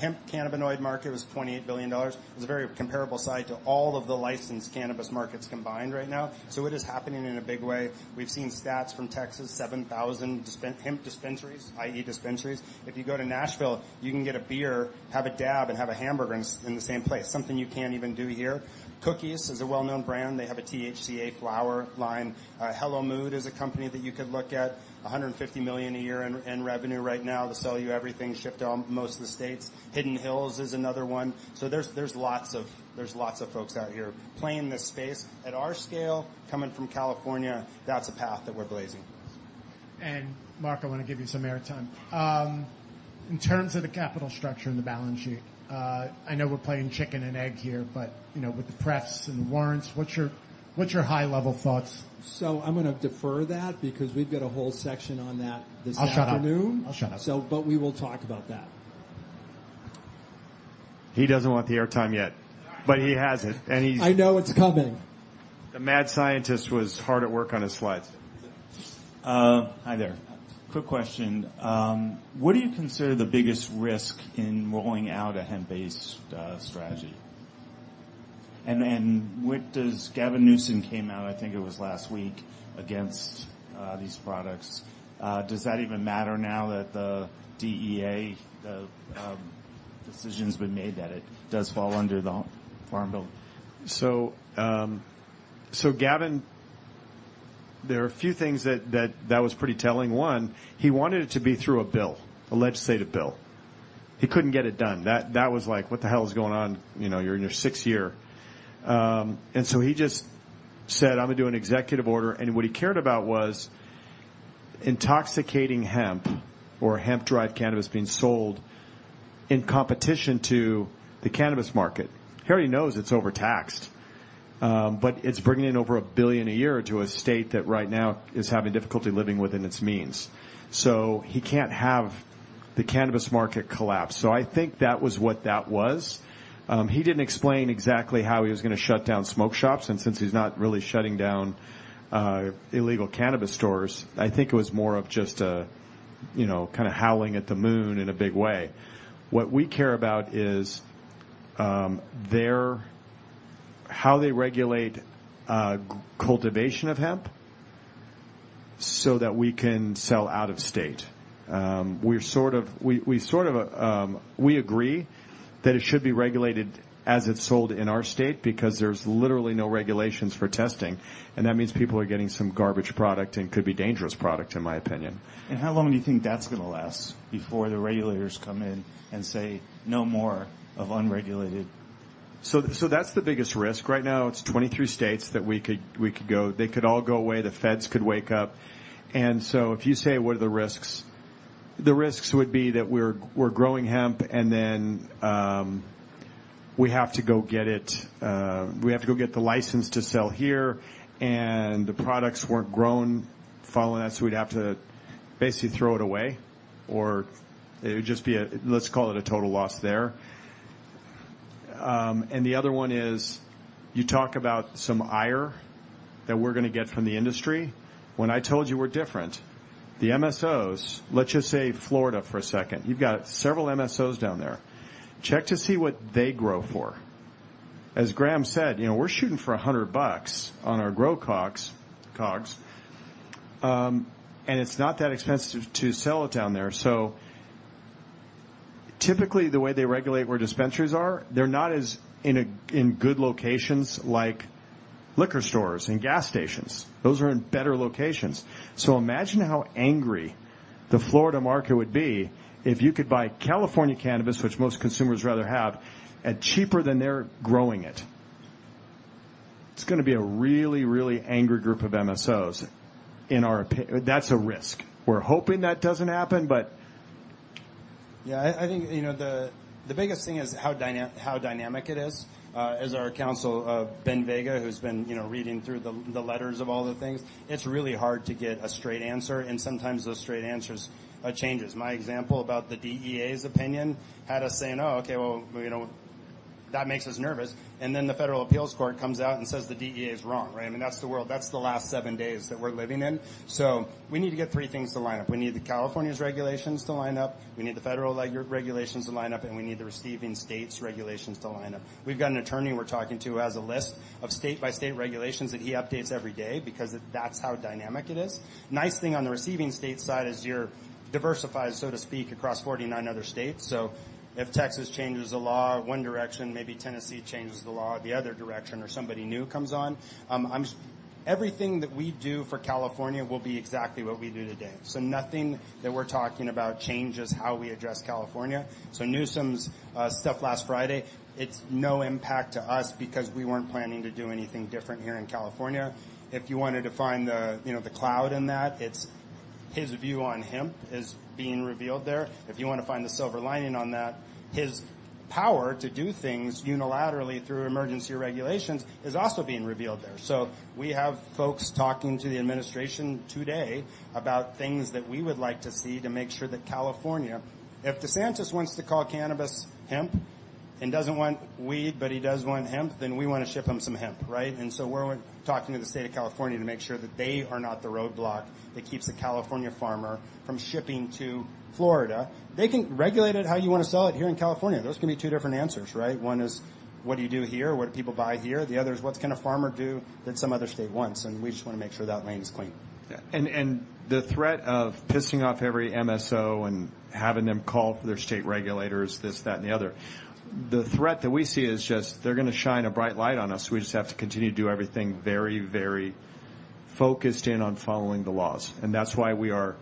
Speaker 2: hemp cannabinoid market was $28 billion. It's a very comparable size to all of the licensed cannabis markets combined right now. So it is happening in a big way. We've seen stats from Texas, 7,000 hemp dispensaries, i.e., dispensaries. If you go to Nashville, you can get a beer, have a dab, and have a hamburger in the same place, something you can't even do here. Cookies is a well-known brand. They have a THCA flower line. Hello Mood is a company that you could look at$150 million a year in revenue right now. They sell everything, ship to almost all of the states. Hidden Hills is another one. So there's lots of folks out here playing in this space. At our scale, coming from California, that's a path that we're blazing.
Speaker 10: Mark, I want to give you some airtime. In terms of the capital structure and the balance sheet, I know we're playing chicken and egg here, but, you know, with the prefs and the warrants, what's your high-level thoughts?
Speaker 3: So I'm going to defer that because we've got a whole section on that this afternoon.
Speaker 10: I'll shut up. I'll shut up.
Speaker 3: But we will talk about that.
Speaker 1: He doesn't want the airtime yet, but he has it, and he's-
Speaker 3: I know it's coming.
Speaker 1: The mad scientist was hard at work on his slides.
Speaker 11: Hi there. Quick question: What do you consider the biggest risk in rolling out a hemp-based strategy? And then what does, Gavin Newsom came out, I think it was last week, against these products. Does that even matter now that the DEA decision's been made, that it does fall under the Farm Bill?
Speaker 1: So, Gavin, there are a few things that was pretty telling. One, he wanted it to be through a bill, a legislative bill. He couldn't get it done. That was like: What the hell is going on? You know, you're in your sixth year. And so he just said, "I'm gonna do an executive order." And what he cared about was intoxicating hemp or hemp-derived cannabis being sold in competition to the cannabis market. He already knows it's overtaxed, but it's bringing in over a billion a year to a state that right now is having difficulty living within its means. So he can't have the cannabis market collapse. So I think that was what that was. He didn't explain exactly how he was gonna shut down smoke shops, and since he's not really shutting down illegal cannabis stores, I think it was more of just a, you know, kinda howling at the moon in a big way. What we care about is their how they regulate cultivation of hemp so that we can sell out of state. We're sort of we agree that it should be regulated as it's sold in our state because there's literally no regulations for testing, and that means people are getting some garbage product and could be dangerous product, in my opinion.
Speaker 11: How long do you think that's gonna last before the regulators come in and say, "No more of unregulated?
Speaker 1: So that's the biggest risk. Right now, it's 23 states that we could go. They could all go away, the feds could wake up. And so if you say, what are the risks? The risks would be that we're growing hemp and then we have to go get it, we have to go get the license to sell here, and the products weren't grown following that, so we'd have to basically throw it away, or it would just be a, let's call it a total loss there. And the other one is, you talk about some ire that we're gonna get from the industry. When I told you we're different, the MSOs, let's just say Florida for a second. You've got several MSOs down there. Check to see what they grow for. As Graham said, you know, we're shooting for $100 on our grow COGS, and it's not that expensive to sell it down there, so typically, the way they regulate where dispensaries are, they're not in good locations like liquor stores and gas stations. Those are in better locations, so imagine how angry the Florida market would be if you could buy California cannabis, which most consumers rather have, at cheaper than they're growing it. It's gonna be a really, really angry group of MSOs, in our opinion. That's a risk. We're hoping that doesn't happen, but...
Speaker 2: Yeah, I think, you know, the biggest thing is how dynamic it is. As our counsel, Ben Vega, who's been, you know, reading through the letters of all the things, it's really hard to get a straight answer, and sometimes those straight answers changes. My example about the DEA's opinion had us saying, "Oh, okay, well, you know, that makes us nervous." And then the Federal Appeals Court comes out and says the DEA is wrong, right? I mean, that's the world. That's the last seven days that we're living in. So we need to get three things to line up. We need California's regulations to line up, we need the federal regulations to line up, and we need the receiving state's regulations to line up. We've got an attorney we're talking to, who has a list of state-by-state regulations that he updates every day because that's how dynamic it is. Nice thing on the receiving state side is you're diversified, so to speak, across forty-nine other states. So if Texas changes the law one direction, maybe Tennessee changes the law the other direction, or somebody new comes on. Everything that we do for California will be exactly what we do today. So nothing that we're talking about changes how we address California. So Newsom's stuff last Friday, it's no impact to us because we weren't planning to do anything different here in California. If you wanted to find the, you know, the cloud in that, it's his view on hemp is being revealed there. If you want to find the silver lining on that, his power to do things unilaterally through emergency regulations is also being revealed there. So we have folks talking to the administration today about things that we would like to see to make sure that California... If DeSantis wants to call cannabis hemp and doesn't want weed, but he does want hemp, then we want to ship him some hemp, right? And so we're talking to the state of California to make sure that they are not the roadblock that keeps the California farmer from shipping to Florida. They can regulate it how you want to sell it here in California. Those can be two different answers, right? One is, what do you do here? What do people buy here? The other is, what can a farmer do that some other state wants, and we just want to make sure that lane is clean.
Speaker 1: Yeah. And the threat of pissing off every MSO and having them call their state regulators, this, that, and the other, the threat that we see is just they're gonna shine a bright light on us. We just have to continue to do everything very, very focused in on following the laws. And that's why we are.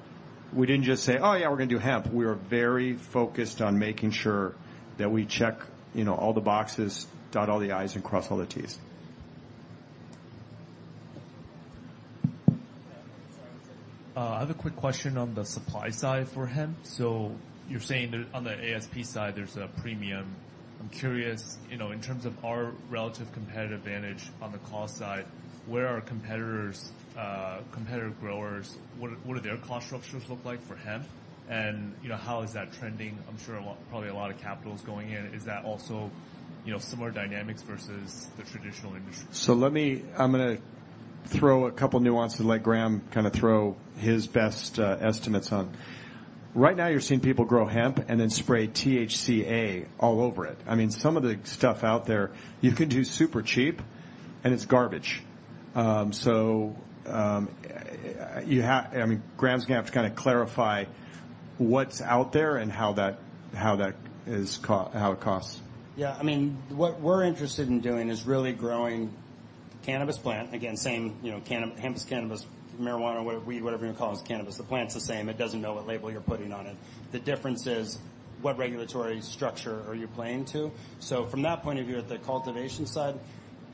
Speaker 1: We didn't just say: Oh, yeah, we're gonna do hemp. We are very focused on making sure that we check, you know, all the boxes, dot all the I's, and cross all the T's. I have a quick question on the supply side for hemp. So you're saying that on the ASP side, there's a premium. I'm curious, you know, in terms of our relative competitive advantage on the cost side, where are competitors, competitor growers, what are their cost structures look like for hemp? And, you know, how is that trending? I'm sure a lot of capital is going in. Is that also, you know, similar dynamics versus the traditional industry?
Speaker 12: So let me. I'm gonna throw a couple of nuances and let Graham kind of throw his best estimates on. Right now, you're seeing people grow hemp and then spray THCA all over it. I mean, some of the stuff out there, you could do super cheap, and it's garbage. So, I mean, Graham's going to have to kind of clarify what's out there and how that costs.
Speaker 2: Yeah. I mean, what we're interested in doing is really growing the cannabis plant. Again, same, you know, hemp, cannabis, marijuana, weed, whatever you call it, it's cannabis. The plant's the same. It doesn't know what label you're putting on it. The difference is, what regulatory structure are you playing to? So from that point of view, at the cultivation side,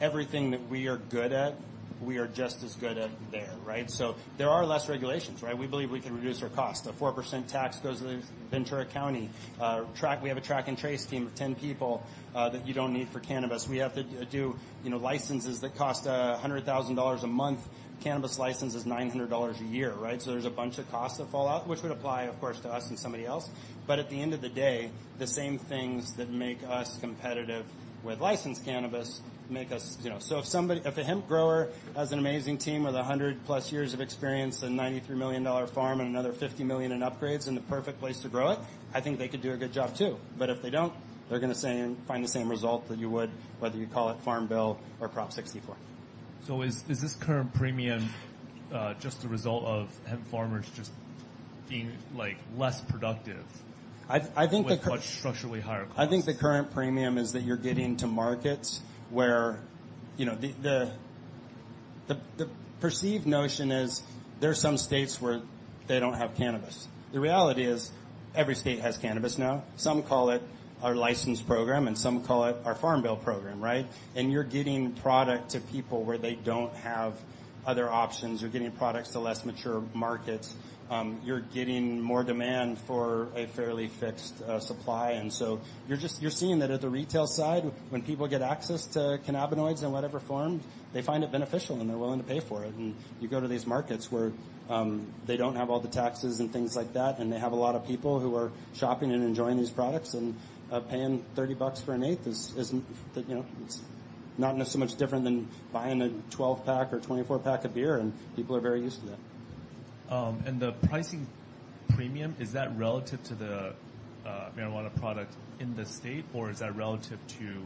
Speaker 2: everything that we are good at, we are just as good at there, right? So there are less regulations, right? We believe we can reduce our cost. A 4% tax goes to the Ventura County. We have a track and trace team of 10 people, that you don't need for cannabis. We have to do, you know, licenses that cost $100,000 a month. Cannabis license is $900 a year, right? There's a bunch of costs that fall out, which would apply, of course, to us and somebody else. But at the end of the day, the same things that make us competitive with licensed cannabis make us, you know. So if a hemp grower has an amazing team with 100-plus years of experience, and a $93 million farm and another $50 million in upgrades, and the perfect place to grow it, I think they could do a good job, too. But if they don't, they're going to pay and find the same result that you would, whether you call it Farm Bill or Prop 64.
Speaker 13: So is this current premium just a result of hemp farmers just being, like, less productive?
Speaker 2: I think the cur-.
Speaker 13: with much structurally higher costs?
Speaker 2: I think the current premium is that you're getting to markets where, you know, the perceived notion is there are some states where they don't have cannabis. The reality is, every state has cannabis now. Some call it our licensed program, and some call it our Farm Bill program, right? And you're getting product to people where they don't have other options. You're getting products to less mature markets. You're getting more demand for a fairly fixed supply. And so you're seeing that at the retail side, when people get access to cannabinoids in whatever form, they find it beneficial, and they're willing to pay for it. You go to these markets where they don't have all the taxes and things like that, and they have a lot of people who are shopping and enjoying these products and paying $30 for an eighth is, you know, it's not so much different than buying a 12-pack or 24-pack of beer, and people are very used to that.
Speaker 13: And the pricing premium, is that relative to the, marijuana product in the state, or is that relative to,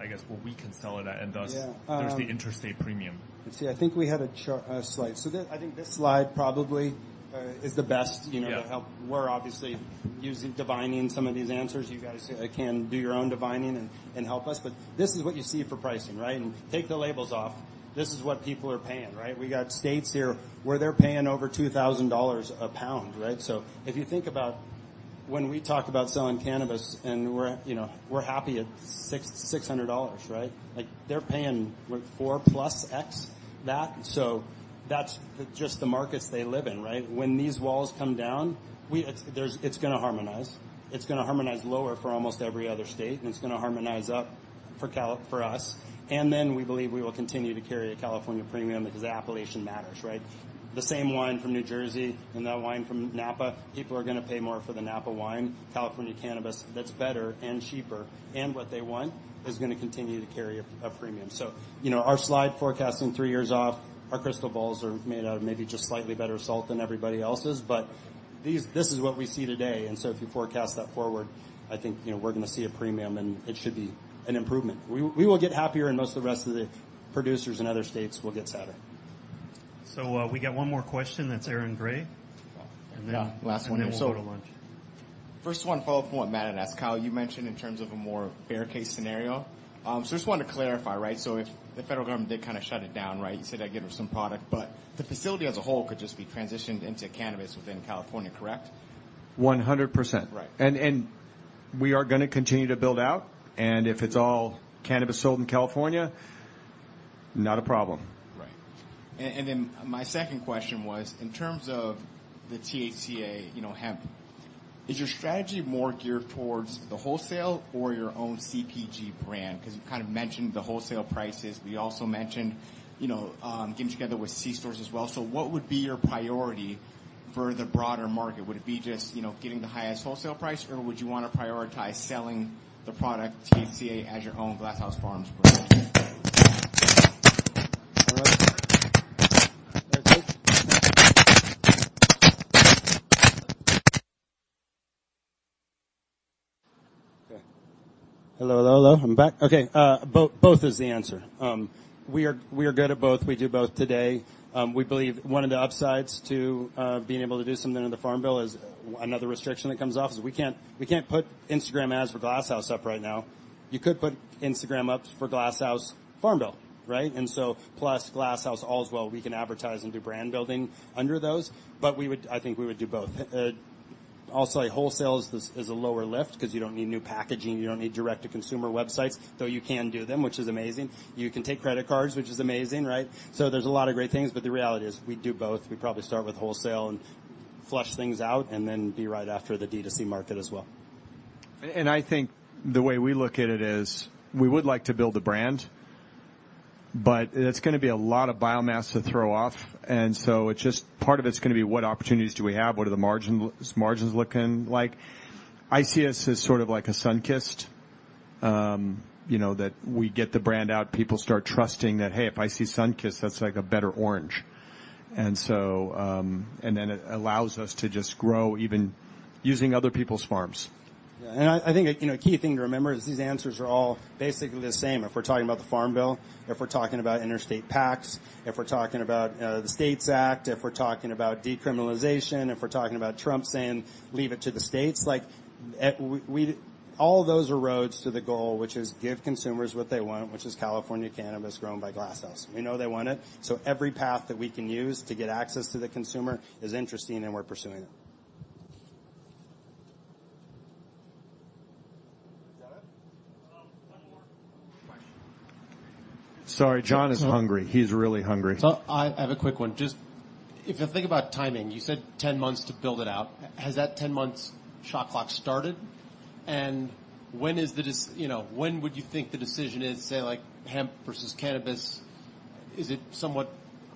Speaker 13: I guess, what we can sell it at-.
Speaker 2: Yeah.
Speaker 13: And thus, there's the interstate premium?
Speaker 2: Let's see, I think we had a slide. So this, I think this slide probably is the best, you know to help. We're obviously using, divining some of these answers. You guys can do your own divining and help us. But this is what you see for pricing, right? And take the labels off. This is what people are paying, right? We got states here where they're paying over $2,000 a pound, right? So if you think about when we talk about selling cannabis, and we're, you know, we're happy at $600, right? Like, they're paying, what,4x+ that. So that's just the markets they live in, right? When these walls come down, it's going to harmonize. It's going to harmonize lower for almost every other state, and it's going to harmonize up for Cal- for us. And then we believe we will continue to carry a California premium because appellation matters, right? The same wine from New Jersey and that wine from Napa, people are going to pay more for the Napa wine. California cannabis, that's better and cheaper, and what they want, is going to continue to carry a premium. So, you know, our slide forecasting three years off, our crystal balls are made out of maybe just slightly better salt than everybody else's, but this is what we see today, and so if you forecast that forward, I think, you know, we're going to see a premium, and it should be an improvement. We will get happier, and most of the rest of the producers in other states will get sadder.
Speaker 4: So, we got one more question, that's Aaron Grey.
Speaker 14: First of all, follow-up on what Matt had asked. Kyle, you mentioned in terms of a more bear case scenario. So just wanted to clarify, right? So if the federal government did kind of shut it down, right, you said that would get rid of some product, but the facility as a whole could just be transitioned into cannabis within California, correct?
Speaker 1: 100%.
Speaker 14: Right.
Speaker 1: We are going to continue to build out, and if it's all cannabis sold in California, not a problem.
Speaker 14: Right. And then my second question was, in terms of the THCA, you know, hemp, is your strategy more geared towards the wholesale or your own CPG brand? Because you kind of mentioned the wholesale prices. You also mentioned, you know, getting together with C stores as well. So what would be your priority for the broader market? Would it be just, you know, getting the highest wholesale price, or would you want to prioritize selling the product, THCA, as your own Glass House Farms brand?
Speaker 2: Okay. I'm back. Okay, both is the answer. We are good at both. We do both today. We believe one of the upsides to being able to do something in the Farm Bill is another restriction that comes off, is we can't put Instagram ads for Glass House up right now. You could put Instagram up for Glass House Farm Bill, right? And so PLUS Glass House Allswell, we can advertise and do brand building under those, but we would. I think we would do both. Also, a wholesale is a lower lift because you don't need new packaging, you don't need direct-to-consumer websites, though you can do them, which is amazing. You can take credit cards, which is amazing, right? So there's a lot of great things, but the reality is we'd do both. We'd probably start with wholesale and flesh things out, and then be right after the D2C market as well.
Speaker 1: I think the way we look at it is, we would like to build a brand, but it's going to be a lot of biomass to throw off, and so it just... Part of it's going to be what opportunities do we have? What are the margin, margins looking like? I see us as sort of like a Sunkist... you know, that we get the brand out, people start trusting that, "Hey, if I see Sunkist, that's, like, a better orange." And so, and then it allows us to just grow even using other people's farms.
Speaker 2: Yeah, and I think, you know, a key thing to remember is these answers are all basically the same. If we're talking about the Farm Bill, if we're talking about interstate compacts, if we're talking about the STATES Act, if we're talking about decriminalization, if we're talking about Trump saying, "Leave it to the states," like, all those are roads to the goal, which is give consumers what they want, which is California cannabis grown by Glass House. We know they want it, so every path that we can use to get access to the consumer is interesting, and we're pursuing it.
Speaker 1: Sorry, John is hungry. He's really hungry.
Speaker 15: I have a quick one. Just if you think about timing, you said 10 months to build it out. Has that 10 months shot clock started? And when would you think the decision is, say, like, hemp versus cannabis? Is it somewhat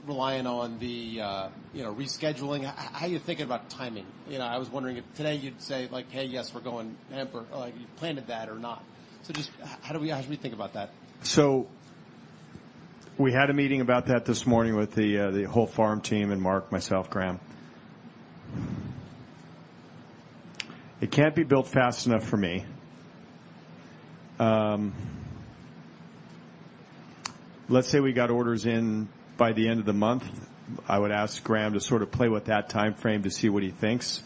Speaker 15: reliant on the rescheduling? How are you thinking about timing? You know, I was wondering if today you'd say, like: "Hey, yes, we're going hemp," or, like, you planted that or not. Just how do we... How should we think about that?
Speaker 1: We had a meeting about that this morning with the whole farm team, and Mark, myself, Graham. It can't be built fast enough for me. Let's say we got orders in by the end of the month. I would ask Graham to sort of play with that timeframe to see what he thinks.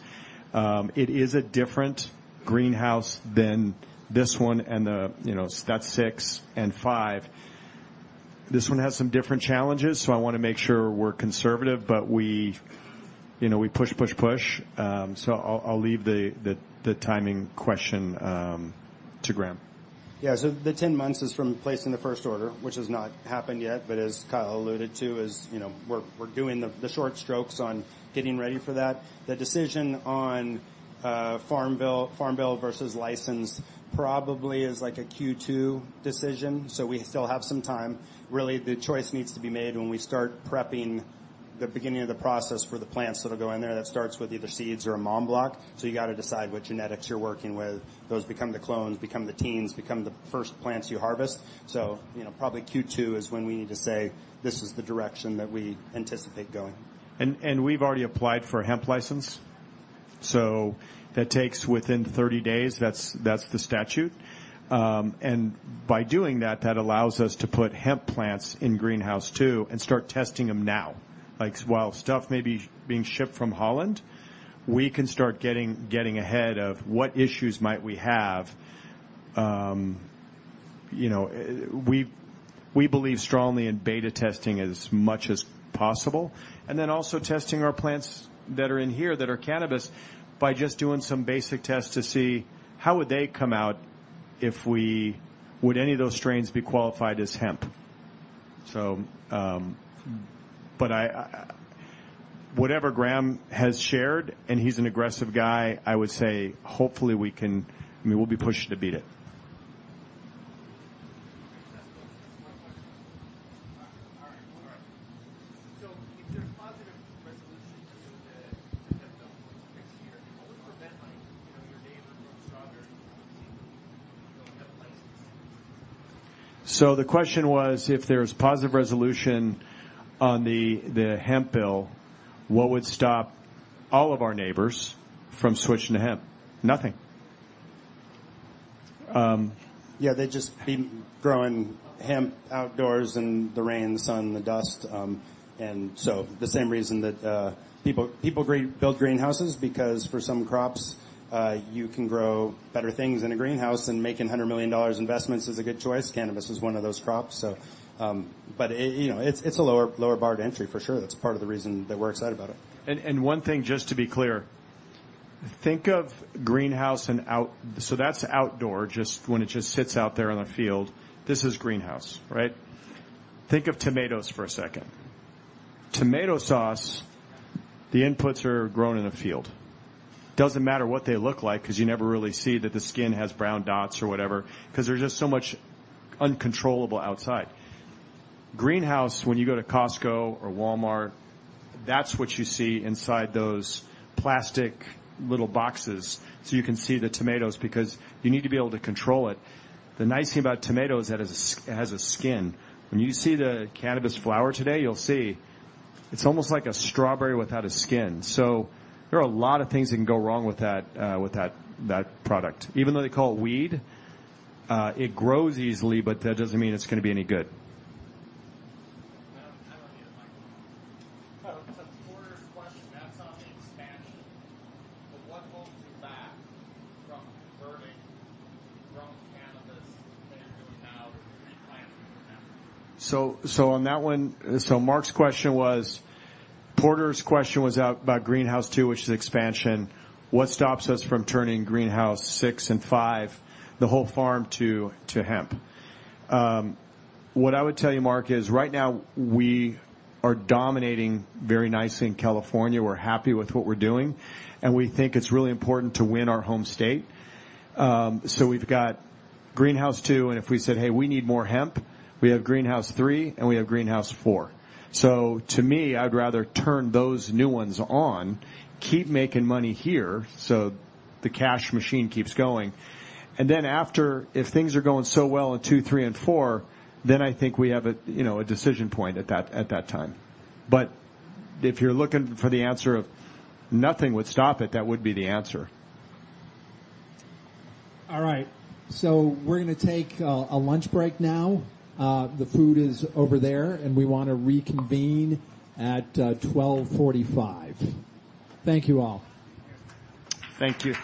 Speaker 1: It is a different greenhouse than this one, and you know, that's six and five. This one has some different challenges, so I want to make sure we're conservative, but you know, we push, push, push. I'll leave the timing question to Graham.
Speaker 2: Yeah. So the ten months is from placing the first order, which has not happened yet, but as Kyle alluded to, is, you know, we're doing the short strokes on getting ready for that. The decision on Farm Bill versus licensed probably is, like, a Q2 decision, so we still have some time. Really, the choice needs to be made when we start prepping the beginning of the process for the plants that'll go in there. That starts with either seeds or a mom block. So you got to decide what genetics you're working with. Those become the clones, become the teens, become the first plants you harvest. So, you know, probably Q2 is when we need to say, "This is the direction that we anticipate going.
Speaker 1: We've already applied for a hemp license, so that takes within thirty days. That's the statute. And by doing that, that allows us to put hemp plants in Greenhouse two and start testing them now. Like, while stuff may be being shipped from Holland, we can start getting ahead of what issues might we have. You know, we believe strongly in beta testing as much as possible, and then also testing our plants that are in here that are cannabis by just doing some basic tests to see how would they come out if we... Would any of those strains be qualified as hemp? But whatever Graham has shared, and he's an aggressive guy, I would say hopefully we can. I mean, we'll be pushing to beat it.
Speaker 16: [inaudible] If there's positive resolution to the hemp bill next year, what would prevent, like, you know, your neighbor growing strawberry from getting a license?
Speaker 1: The question was, if there's positive resolution on the hemp bill, what would stop all of our neighbors from switching to hemp? Nothing.
Speaker 2: Yeah, they'd just be growing hemp outdoors in the rain, the sun, the dust, and so the same reason that people build greenhouses, because for some crops, you can grow better things in a greenhouse, and making $100 million investments is a good choice. Cannabis is one of those crops. So, but it... You know, it's a lower bar to entry for sure. That's part of the reason that we're excited about it.
Speaker 1: One thing, just to be clear, think of greenhouse and outdoor. That's outdoor, just when it sits out there on the field. This is greenhouse, right? Think of tomatoes for a second. Tomato sauce, the inputs are grown in a field. Doesn't matter what they look like, because you never really see that the skin has brown dots or whatever, because there's just so much uncontrollable outside. Greenhouse, when you go to Costco or Walmart, that's what you see inside those plastic little boxes. You can see the tomatoes because you need to be able to control it. The nice thing about tomatoes, that it has a skin. When you see the cannabis flower today, you'll see it's almost like a strawberry without a skin. So there are a lot of things that can go wrong with that product. Even though they call it weed, it grows easily, but that doesn't mean it's going to be any good.
Speaker 16: [inaudible] I don't need a microphone. So Porter's question, that's on the expansion. But what holds you back from converting grown cannabis that you have now and replanting them?
Speaker 1: So on that one, Mark's question was Porter's question was about Greenhouse two, which is expansion. What stops us from turning Greenhouse six and five, the whole farm, to hemp? What I would tell you, Mark, is right now we are dominating very nicely in California. We're happy with what we're doing, and we think it's really important to win our home state. So we've got Greenhouse two, and if we said, "Hey, we need more hemp," we have Greenhouse three, and we have Greenhouse four. So to me, I'd rather turn those new ones on, keep making money here, so the cash machine keeps going. And then after, if things are going so well in two, three, and four, then I think we have a, you know, a decision point at that time. But if you're looking for the answer, nothing would stop it, that would be the answer.
Speaker 3: All right. So we're gonna take a lunch break now. The food is over there, and we want to reconvene at 12:45 P.M. Thank you all.
Speaker 1: Thank you.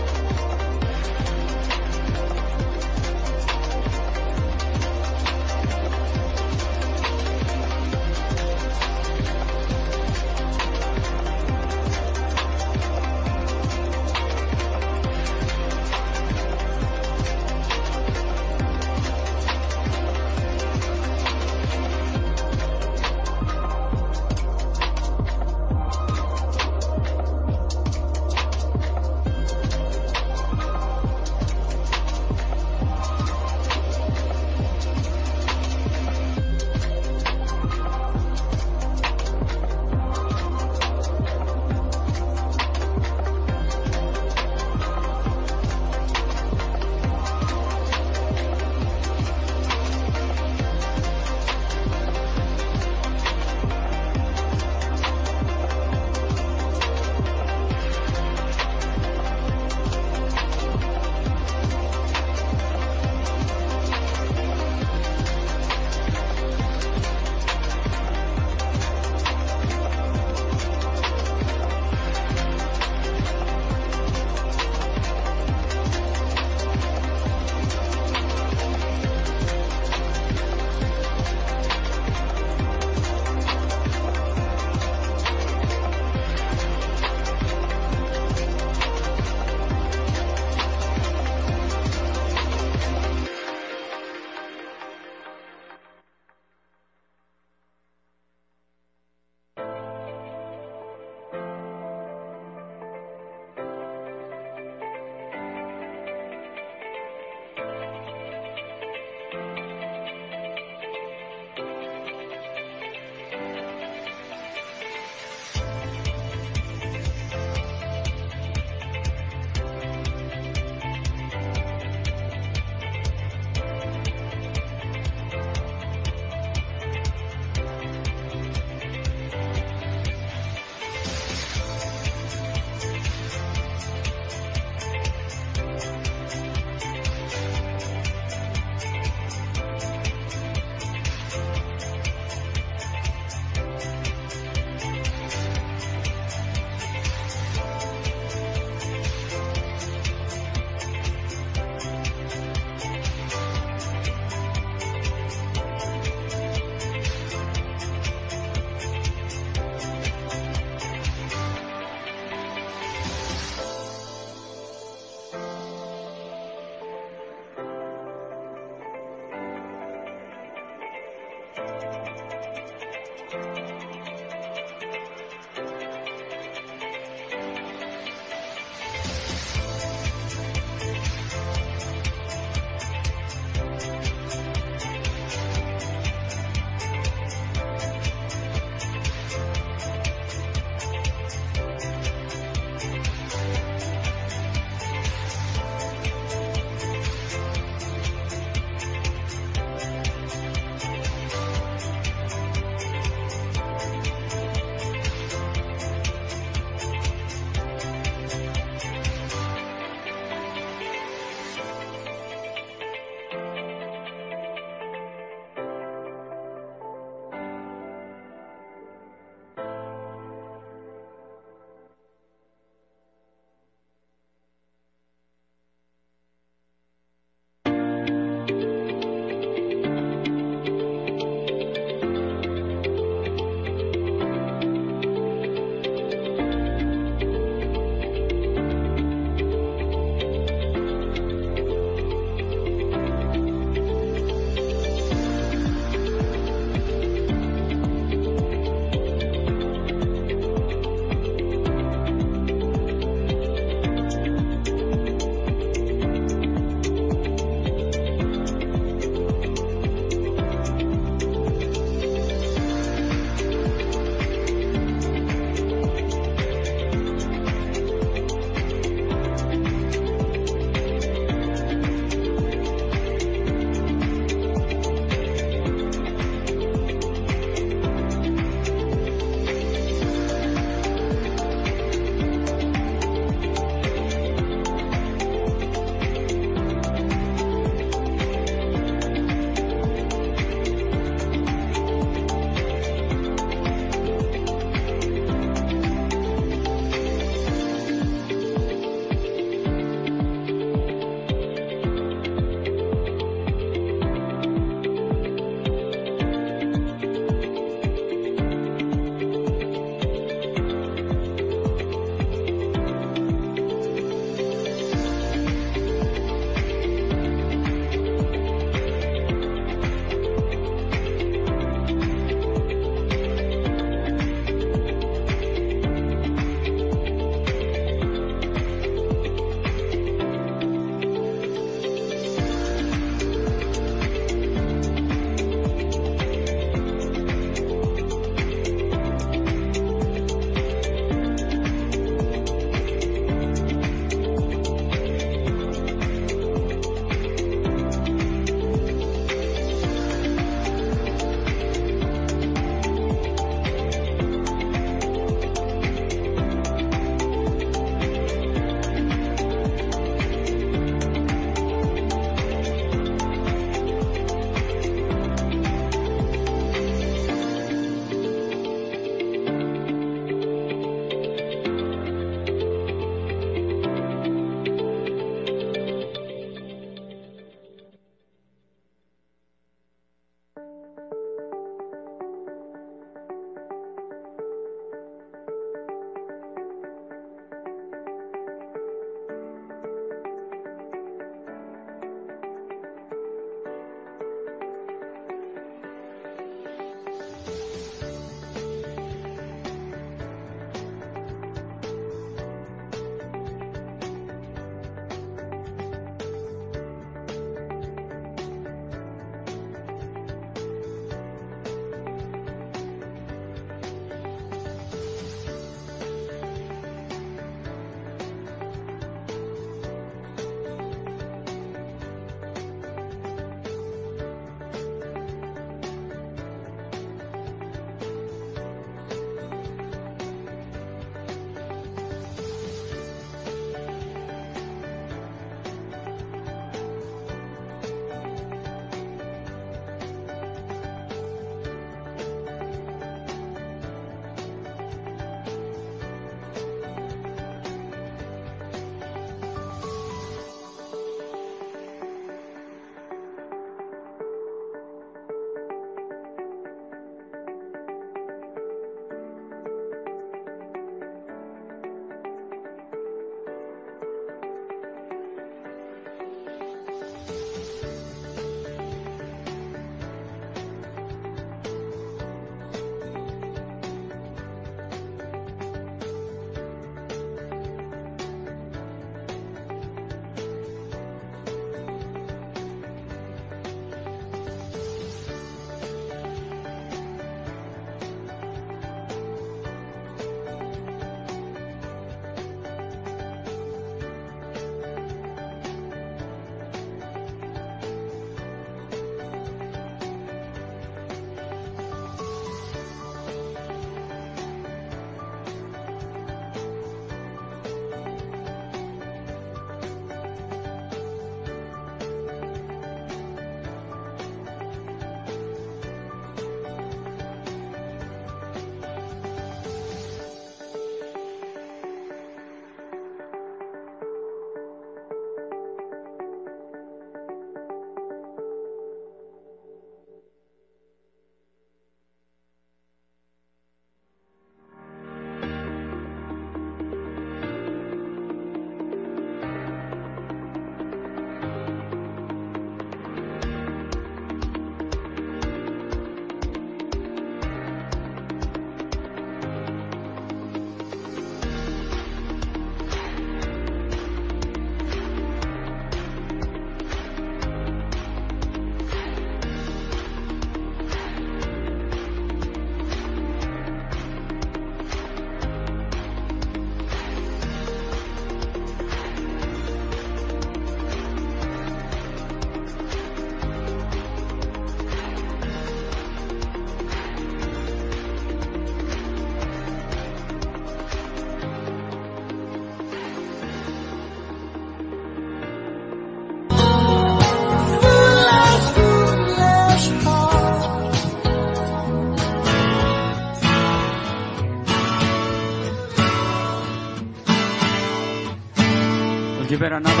Speaker 6: Welcome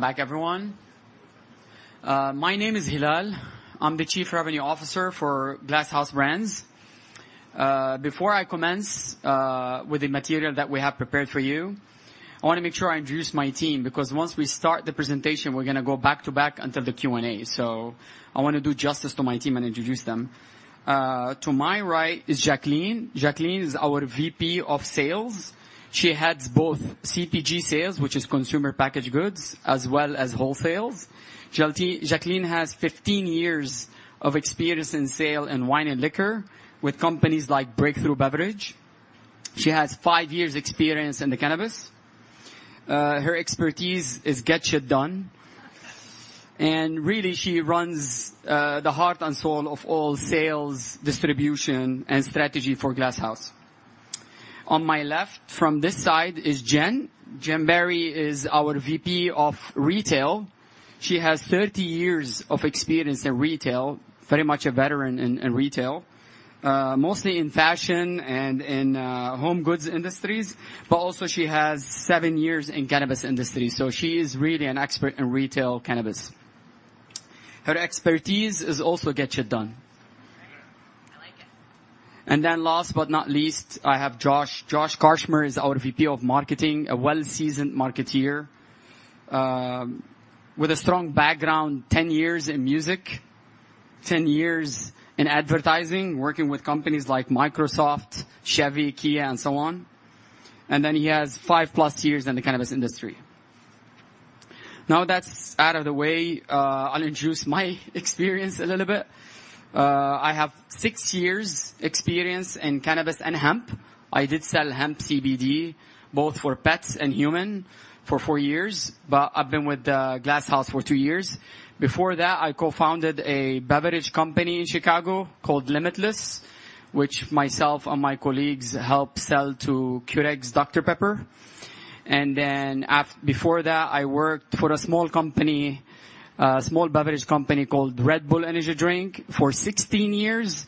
Speaker 6: back, everyone. My name is Hilal. I'm the Chief Revenue Officer for Glass House Brands. Before I commence with the material that we have prepared for you, I want to make sure I introduce my team, because once we start the presentation, we're gonna go back-to-back until the Q&A. So I want to do justice to my team and introduce them. To my right is Jacqueline. Jacqueline is our VP of Sales. She heads both CPG sales, which is consumer packaged goods, as well as wholesale. Jacqueline has 15 years of experience in sales in wine and liquor with companies like Breakthru Beverage. She has 5 years experience in the cannabis. Her expertise is get shit done. Really, she runs the heart and soul of all sales, distribution, and strategy for Glass House. On my left, from this side, is Jen. Jen Barry is our VP of Retail. She has thirty years of experience in retail, very much a veteran in retail, mostly in fashion and in home goods industries, but also she has seven years in cannabis industry, so she is really an expert in retail cannabis. Her expertise is also get it done. And then last but not least, I have Josh. Josh Karchmer is our VP of Marketing, a well-seasoned marketer with a strong background, 10 years in music, 10 years in advertising, working with companies like Microsoft, Chevy, Kia, and so on. And then he has 5+ years in the cannabis industry. Now, that's out of the way, I'll introduce my experience a little bit. I have six years experience in cannabis and hemp. I did sell hemp CBD, both for pets and human, for four years, but I've been with Glass House for two years. Before that, I co-founded a beverage company in Chicago called Limitless, which myself and my colleagues helped sell to Keurig Dr Pepper. Before that, I worked for a small company, a small beverage company called Red Bull Energy Drink, for 16 years,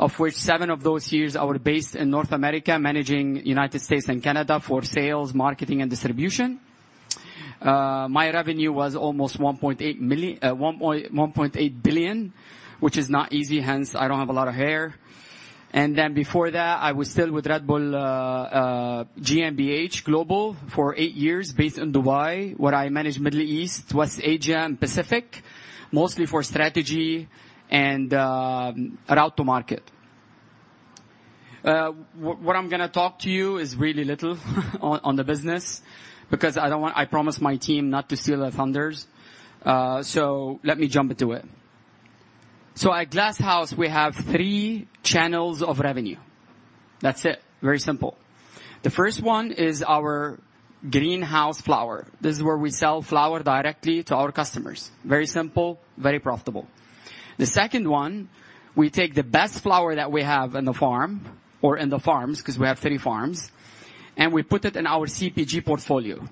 Speaker 6: of which 7 of those years I was based in North America, managing United States and Canada for sales, marketing, and distribution. My revenue was almost $1.8 billion, which is not easy, hence I don't have a lot of hair. And then before that, I was still with Red Bull GmbH Global for 8 years, based in Dubai, where I managed Middle East, West Asia, and Pacific, mostly for strategy and route to market. What I'm gonna talk to you about is really little on the business, because I don't want... I promised my team not to steal their thunder. So let me jump into it. So at Glass House, we have three channels of revenue. That's it. Very simple. The first one is our greenhouse flower. This is where we sell flower directly to our customers. Very simple, very profitable. The second one, we take the best flower that we have in the farm, or in the farms, because we have three farms, and we put it in our CPG portfolio.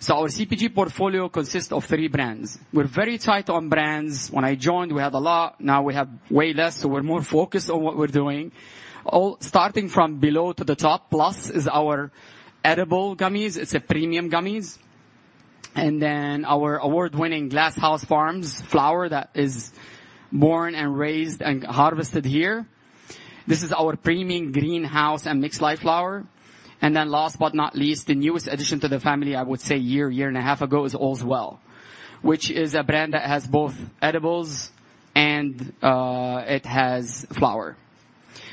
Speaker 6: So our CPG portfolio consists of three brands. We're very tight on brands. When I joined, we had a lot, now we have way less, so we're more focused on what we're doing. Allswell, starting from below to the top, PLUS is our edible gummies. It's a premium gummies, and then our award-winning Glass House Farms flower that is born and raised and harvested here. This is our premium greenhouse and mixed light flower. And then last but not least, the newest addition to the family, I would say year, year and a half ago, is Allswell, which is a brand that has both edibles and it has flower.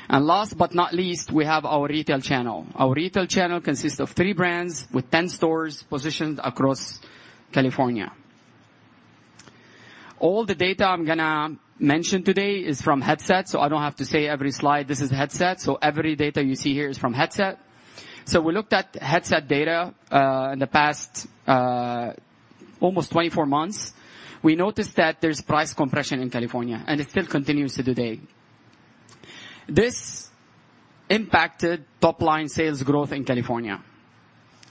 Speaker 6: And last but not least, we have our retail channel. Our retail channel consists of three brands with 10 stores positioned across California. All the data I'm gonna mention today is from Headset, so I don't have to say every slide, "This is Headset." So every data you see here is from Headset. So we looked at Headset data in the past almost 24 months. We noticed that there's price compression in California, and it still continues to today. This impacted top-line sales growth in California.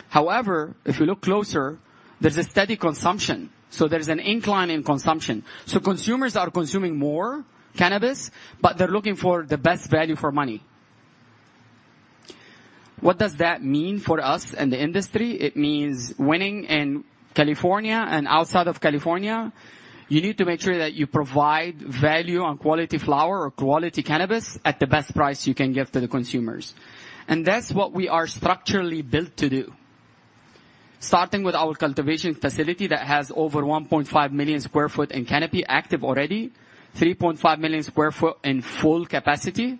Speaker 6: However, if you look closer, there's a steady consumption, so there's an incline in consumption. Consumers are consuming more cannabis, but they're looking for the best value for money. What does that mean for us and the industry? It means winning in California and outside of California, you need to make sure that you provide value on quality flower or quality cannabis at the best price you can give to the consumers. And that's what we are structurally built to do. Starting with our cultivation facility that has over 1.5 million sq ft in canopy, active already, 3.5 million sq ft in full capacity,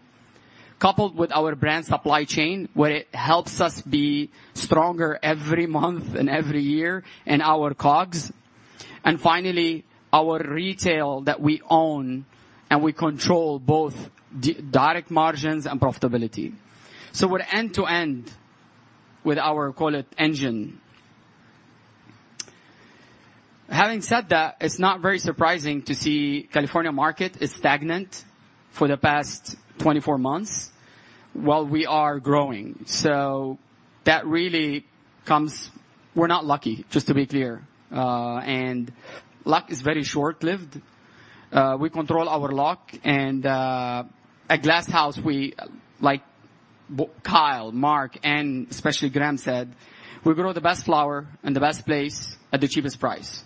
Speaker 6: coupled with our brand supply chain, where it helps us be stronger every month and every year in our COGS. And finally, our retail, that we own and we control both direct margins and profitability. So we're end-to-end with our, call it, engine. Having said that, it's not very surprising to see California market is stagnant for the past 24 months, while we are growing. So that really comes... We're not lucky, just to be clear, and luck is very short-lived. We control our luck, and, at Glass House, we, like Kyle, Mark, and especially Graham said, we grow the best flower in the best place at the cheapest price.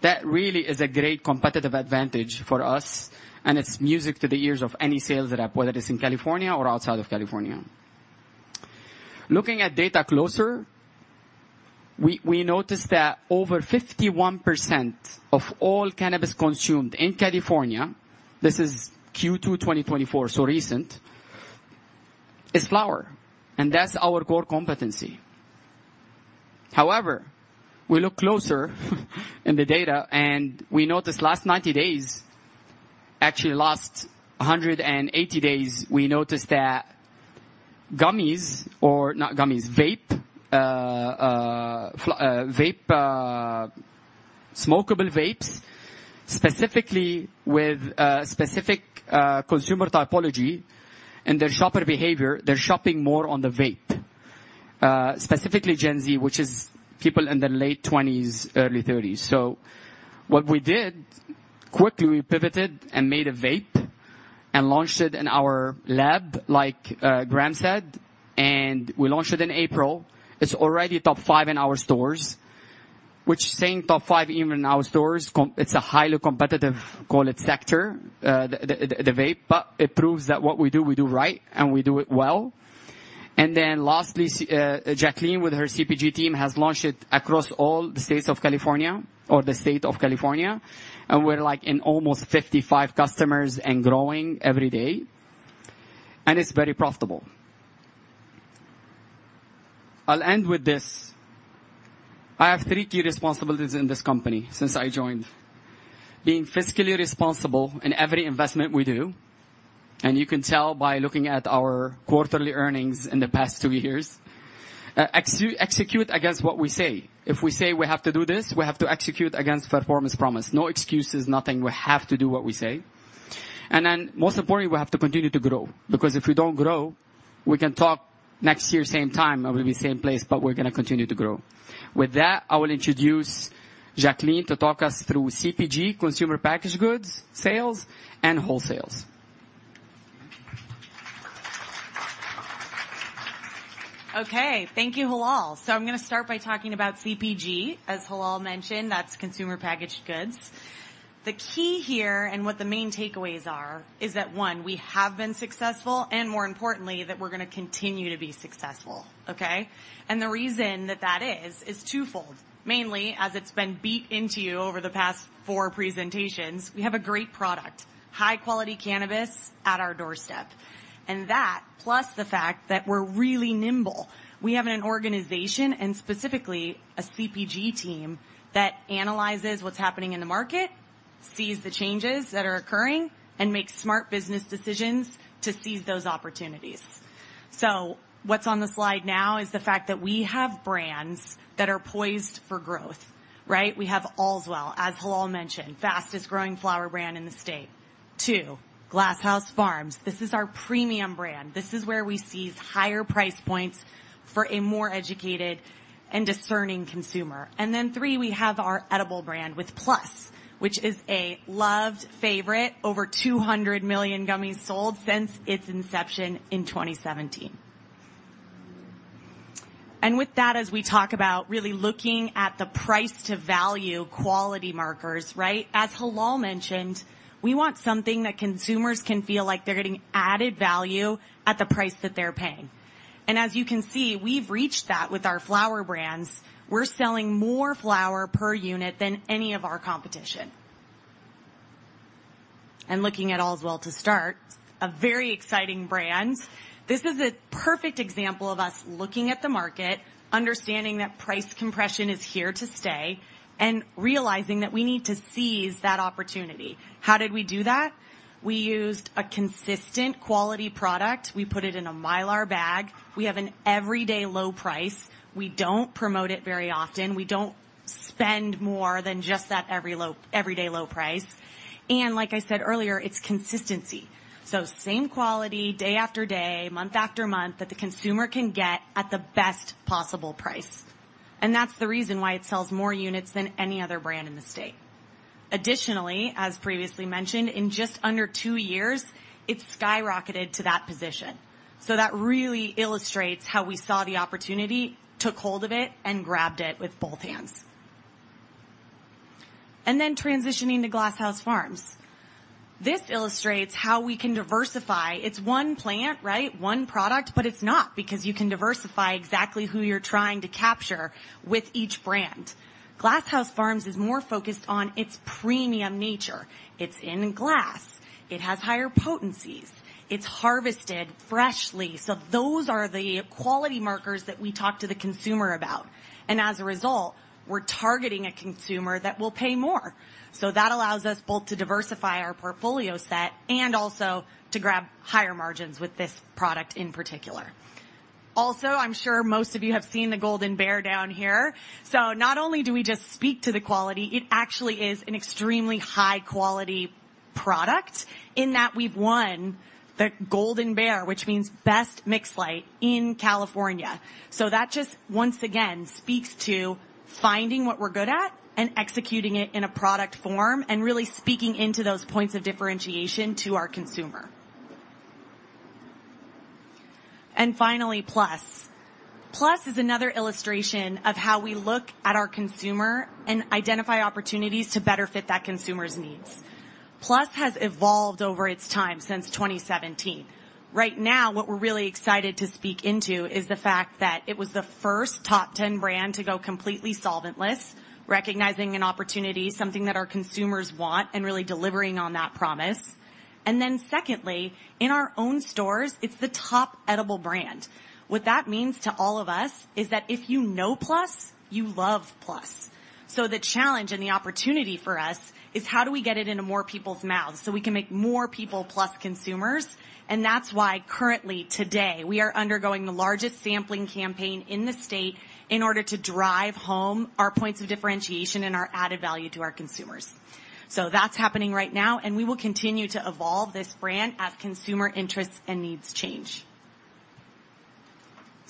Speaker 6: That really is a great competitive advantage for us, and it's music to the ears of any sales rep, whether it's in California or outside of California. Looking at data closer, we noticed that over 51% of all cannabis consumed in California, this is Q2 2024, so recent, is flower, and that's our core competency. However, we look closer in the data, and we notice last ninety days, actually last a hundred and eighty days, we noticed that gummies, or not gummies, vape, smokable vapes, specifically with specific consumer typology and their shopper behavior, they're shopping more on the vape, specifically Gen Z, which is people in their late twenties, early thirties. So what we did, quickly we pivoted and made a vape and launched it in our lab, like Graham said, and we launched it in April. It's already top five in our stores, which saying top five even in our stores, it's a highly competitive, call it, sector, the vape, but it proves that what we do, we do right, and we do it well. And then lastly, Jacqueline, with her CPG team, has launched it across all the states of California, or the state of California, and we're, like, in almost 55 customers and growing every day, and it's very profitable. I'll end with this. I have three key responsibilities in this company since I joined: Being fiscally responsible in every investment we do, and you can tell by looking at our quarterly earnings in the past two years. Execute against what we say. If we say we have to do this, we have to execute against performance promise. No excuses, nothing. We have to do what we say. Then most importantly, we have to continue to grow, because if we don't grow, we can talk next year, same time, and we'll be same place, but we're going to continue to grow. With that, I will introduce Jacqueline to talk us through CPG, consumer packaged goods, sales, and wholesale.
Speaker 17: Okay, thank you, Hilal. So I'm going to start by talking about CPG. As Hilal mentioned, that's consumer packaged goods. The key here, and what the main takeaways are, is that, one, we have been successful, and more importantly, that we're going to continue to be successful. Okay? And the reason that that is, is twofold. Mainly, as it's been beat into you over the past four presentations, we have a great product, high-quality cannabis at our doorstep. And that, plus the fact that we're really nimble. We have an organization, and specifically a CPG team, that analyzes what's happening in the market, sees the changes that are occurring, and makes smart business decisions to seize those opportunities. So what's on the slide now is the fact that we have brands that are poised for growth, right? We have Allswell, as Hilal mentioned, fastest-growing flower brand in the state. Two, Glass House Farms. This is our premium brand. This is where we seize higher price points for a more educated and discerning consumer. And then three, we have our edible brand with PLUS, which is a loved favorite, over 200 million gummies sold since its inception in 2017. And with that, as we talk about really looking at the price to value quality markers, right? As Hilal mentioned, we want something that consumers can feel like they're getting added value at the price that they're paying. And as you can see, we've reached that with our flower brands. We're selling more flower per unit than any of our competition. And looking at Allswell to start, a very exciting brand. This is a perfect example of us looking at the market, understanding that price compression is here to stay, and realizing that we need to seize that opportunity. How did we do that? We used a consistent quality product. We put it in a Mylar bag. We have an everyday low price. We don't promote it very often. We don't spend more than just that everyday low price. And like I said earlier, it's consistency. So same quality day after day, month after month, that the consumer can get at the best possible price. And that's the reason why it sells more units than any other brand in the state. Additionally, as previously mentioned, in just under two years, it skyrocketed to that position. So that really illustrates how we saw the opportunity, took hold of it, and grabbed it with both hands. And then transitioning to Glass House Farms. This illustrates how we can diversify. It's one plant, right? One product, but it's not, because you can diversify exactly who you're trying to capture with each brand. Glass House Farms is more focused on its premium nature. It's in glass, it has higher potencies, it's harvested freshly. So those are the quality markers that we talk to the consumer about, and as a result, we're targeting a consumer that will pay more. So that allows us both to diversify our portfolio set and also to grab higher margins with this product in particular. Also, I'm sure most of you have seen the Golden Bear down here. So not only do we just speak to the quality, it actually is an extremely high-quality product in that we've won the Golden Bear, which means best mixed light in California. So that just once again speaks to finding what we're good at and executing it in a product form and really speaking into those points of differentiation to our consumer. And finally, PLUS. PLUS is another illustration of how we look at our consumer and identify opportunities to better fit that consumer's needs. PLUSs has evolved over its time since 2017. Right now, what we're really excited to speak into is the fact that it was the first top 10 brand to go completely solventless, recognizing an opportunity, something that our consumers want, and really delivering on that promise. And then secondly, in our own stores, it's the top edible brand. What that means to all of us is that if you know plus, you love PLUS. The challenge and the opportunity for us is: how do we get it into more people's mouths so we can make more people PLUS consumers? That's why currently, today, we are undergoing the largest sampling campaign in the state in order to drive home our points of differentiation and our added value to our consumers. That's happening right now, and we will continue to evolve this brand as consumer interests and needs change.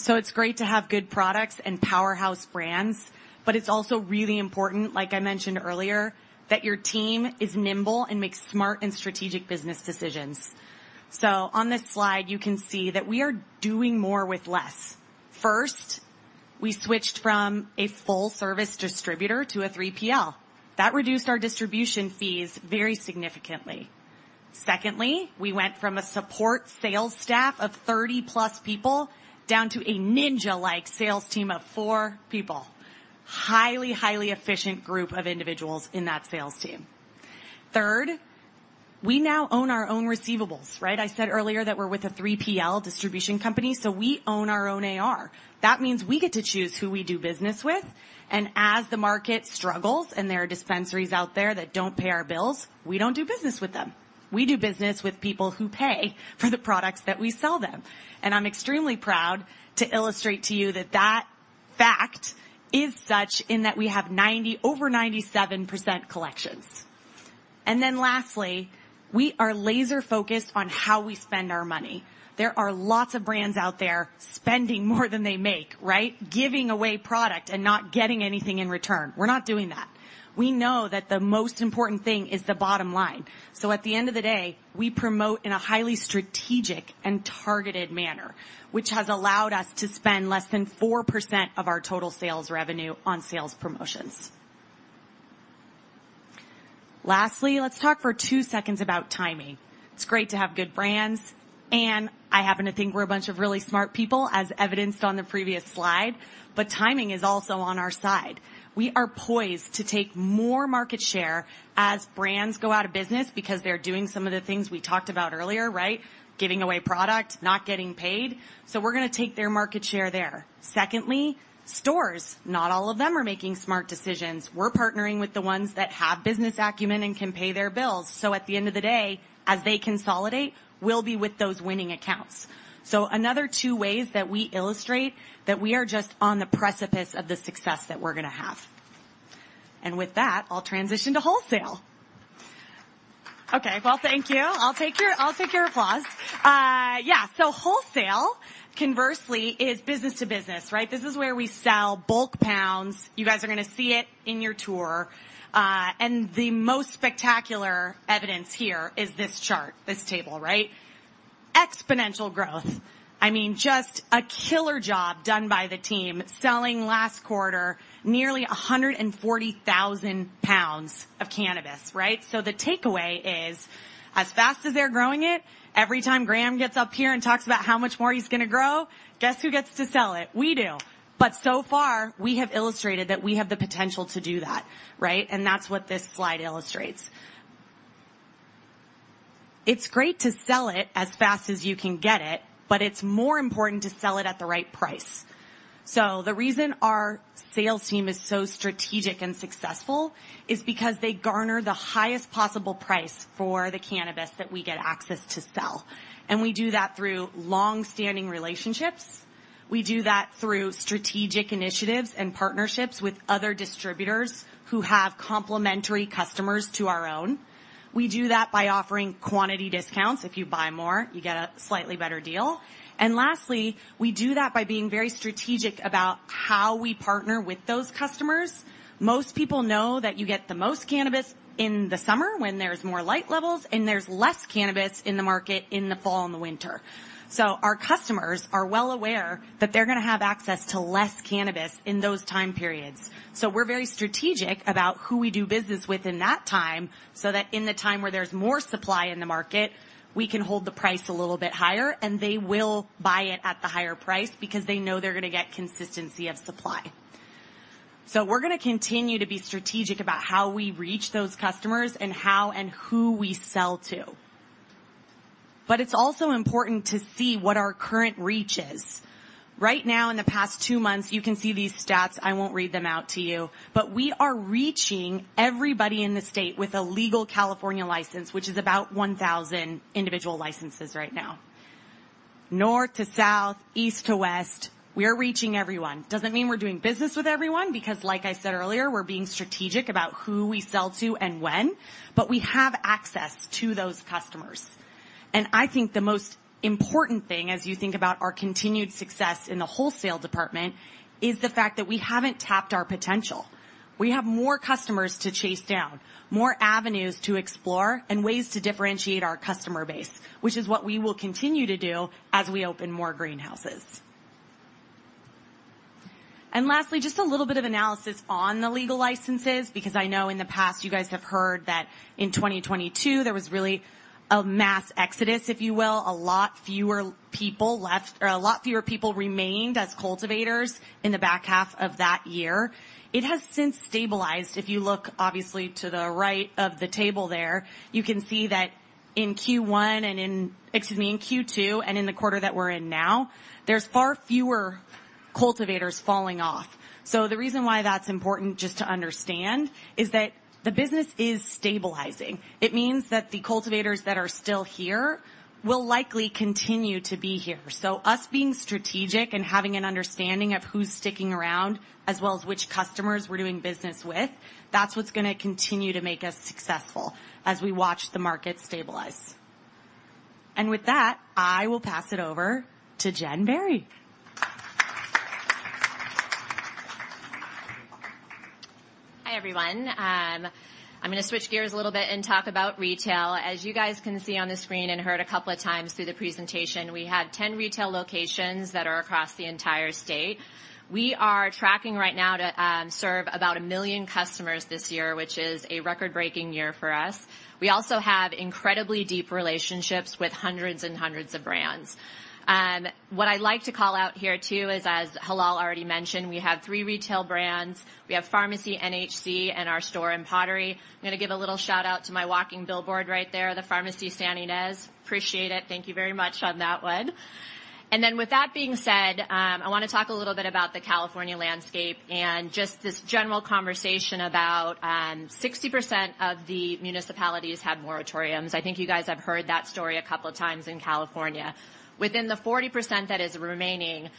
Speaker 17: It's great to have good products and powerhouse brands, but it's also really important, like I mentioned earlier, that your team is nimble and makes smart and strategic business decisions. On this slide, you can see that we are doing more with less. First, we switched from a full-service distributor to a 3PL. That reduced our distribution fees very significantly. Secondly, we went from a support sales staff of 30+ people down to a ninja-like sales team of four people. Highly, highly efficient group of individuals in that sales team. Third, we now own our own receivables, right? I said earlier that we're with a 3PL distribution company, so we own our own AR. That means we get to choose who we do business with, and as the market struggles, and there are dispensaries out there that don't pay our bills, we don't do business with them. We do business with people who pay for the products that we sell them. And I'm extremely proud to illustrate to you that that fact is such that we have over 97% collections. And then lastly, we are laser-focused on how we spend our money. There are lots of brands out there spending more than they make, right? Giving away product and not getting anything in return. We're not doing that. We know that the most important thing is the bottom line. So at the end of the day, we promote in a highly strategic and targeted manner, which has allowed us to spend less than 4% of our total sales revenue on sales promotions. Lastly, let's talk for two seconds about timing. It's great to have good brands, and I happen to think we're a bunch of really smart people, as evidenced on the previous slide, but timing is also on our side. We are poised to take more market share as brands go out of business because they're doing some of the things we talked about earlier, right? Giving away product, not getting paid. So we're gonna take their market share there. Secondly, stores, not all of them are making smart decisions. We're partnering with the ones that have business acumen and can pay their bills. So at the end of the day, as they consolidate, we'll be with those winning accounts. So another two ways that we illustrate that we are just on the precipice of the success that we're gonna have. And with that, I'll transition to wholesale. Okay, well, thank you. I'll take your applause. Yeah, so wholesale, conversely, is business to business, right? This is where we sell bulk pounds. You guys are gonna see it in your tour. And the most spectacular evidence here is this chart, this table, right? Exponential growth. I mean, just a killer job done by the team, selling last quarter nearly 140,000 pounds of cannabis, right? So the takeaway is, as fast as they're growing it, every time Graham gets up here and talks about how much more he's gonna grow, guess who gets to sell it? We do. But so far, we have illustrated that we have the potential to do that, right? And that's what this slide illustrates. It's great to sell it as fast as you can get it, but it's more important to sell it at the right price. So the reason our sales team is so strategic and successful is because they garner the highest possible price for the cannabis that we get access to sell. And we do that through long-standing relationships. We do that through strategic initiatives and partnerships with other distributors who have complementary customers to our own. We do that by offering quantity discounts. If you buy more, you get a slightly better deal. Lastly, we do that by being very strategic about how we partner with those customers. Most people know that you get the most cannabis in the summer when there's more light levels, and there's less cannabis in the market in the fall and the winter. So our customers are well aware that they're gonna have access to less cannabis in those time periods. So we're very strategic about who we do business with in that time, so that in the time where there's more supply in the market, we can hold the price a little bit higher, and they will buy it at the higher price because they know they're gonna get consistency of supply. So we're gonna continue to be strategic about how we reach those customers and how and who we sell to. But it's also important to see what our current reach is. Right now, in the past two months, you can see these stats. I won't read them out to you, but we are reaching everybody in the state with a legal California license, which is about 1,000 individual licenses right now. North to south, east to west, we are reaching everyone. Doesn't mean we're doing business with everyone, because like I said earlier, we're being strategic about who we sell to and when, but we have access to those customers. And I think the most important thing, as you think about our continued success in the wholesale department, is the fact that we haven't tapped our potential. We have more customers to chase down, more avenues to explore, and ways to differentiate our customer base, which is what we will continue to do as we open more greenhouses. And lastly, just a little bit of analysis on the legal licenses, because I know in the past you guys have heard that in 2022, there was really a mass exodus, if you will. A lot fewer people left, or a lot fewer people remained as cultivators in the back half of that year. It has since stabilized. If you look, obviously, to the right of the table there, you can see that in Q1 and in... Excuse me, in Q2 and in the quarter that we're in now, there's far fewer cultivators falling off. So the reason why that's important just to understand, is that the business is stabilizing. It means that the cultivators that are still here will likely continue to be here. So us being strategic and having an understanding of who's sticking around, as well as which customers we're doing business with, that's what's gonna continue to make us successful as we watch the market stabilize. And with that, I will pass it over to Jen Barry.
Speaker 18: Hi, everyone. I'm gonna switch gears a little bit and talk about retail. As you guys can see on the screen and heard a couple of times through the presentation, we have 10 retail locations that are across the entire state. We are tracking right now to serve about a million customers this year, which is a record-breaking year for us. We also have incredibly deep relationships with hundreds and hundreds of brands. What I'd like to call out here, too, is, as Hilal already mentioned, we have three retail brands. We have Farmacy, NHC, and our store in The Pottery. I'm gonna give a little shout-out to my walking billboard right there, the Farmacy standing as. Appreciate it. Thank you very much on that one. With that being said, I wanna talk a little bit about the California landscape and just this general conversation about 60% of the municipalities have moratoriums. I think you guys have heard that story a couple of times in California... Within the 40% that is remaining,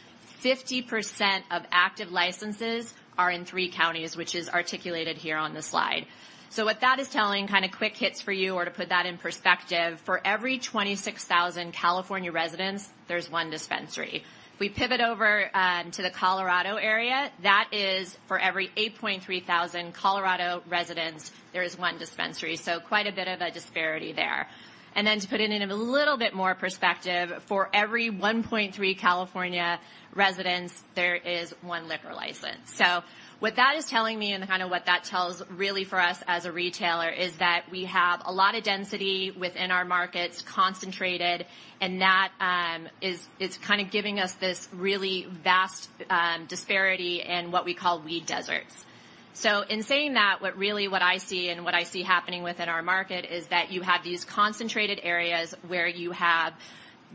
Speaker 18: 50% of active licenses are in three counties, which is articulated here on the slide. So what that is telling, kind of quick hits for you, or to put that in perspective, for every 26,000 California residents, there's one dispensary. If we pivot over to the Colorado area, that is for every 8.3 thousand Colorado residents, there is one dispensary. So quite a bit of a disparity there. To put it in a little bit more perspective, for every 1.3 California residents, there is one liquor license. What that is telling me, and kind of what that tells really for us as a retailer, is that we have a lot of density within our markets, concentrated, and that is, it's kind of giving us this really vast disparity in what we call weed deserts. In saying that, what really, what I see and what I see happening within our market is that you have these concentrated areas where you have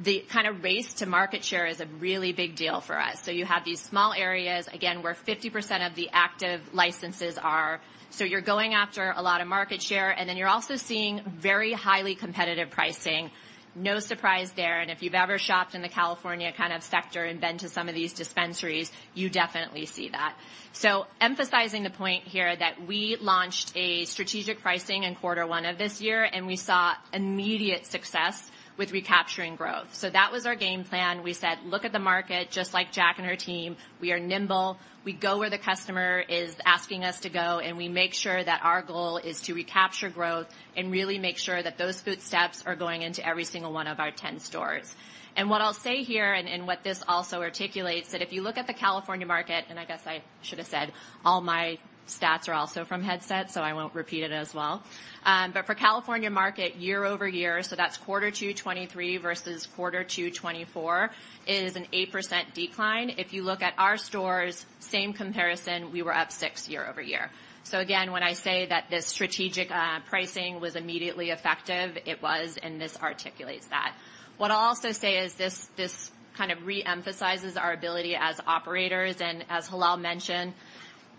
Speaker 18: the kind of race to market share is a really big deal for us. You have these small areas, again, where 50% of the active licenses are. You're going after a lot of market share, and then you're also seeing very highly competitive pricing. No surprise there, and if you've ever shopped in the California kind of sector and been to some of these dispensaries, you definitely see that. So emphasizing the point here that we launched a strategic pricing in quarter one of this year, and we saw immediate success with recapturing growth. So that was our game plan. We said, "Look at the market, just like Jack and her team, we are nimble. We go where the customer is asking us to go, and we make sure that our goal is to recapture growth and really make sure that those footsteps are going into every single one of our 10 stores." And what I'll say here, and what this also articulates, that if you look at the California market, and I guess I should have said, all my stats are also from Headset, so I won't repeat it as well. But for California market, year over year, so that's quarter two, 2023 versus quarter two, 2024, is an 8% decline. If you look at our stores, same comparison, we were up six year over year. So again, when I say that this strategic pricing was immediately effective, it was, and this articulates that. What I'll also say is this kind of re-emphasizes our ability as operators, and as Hilal mentioned,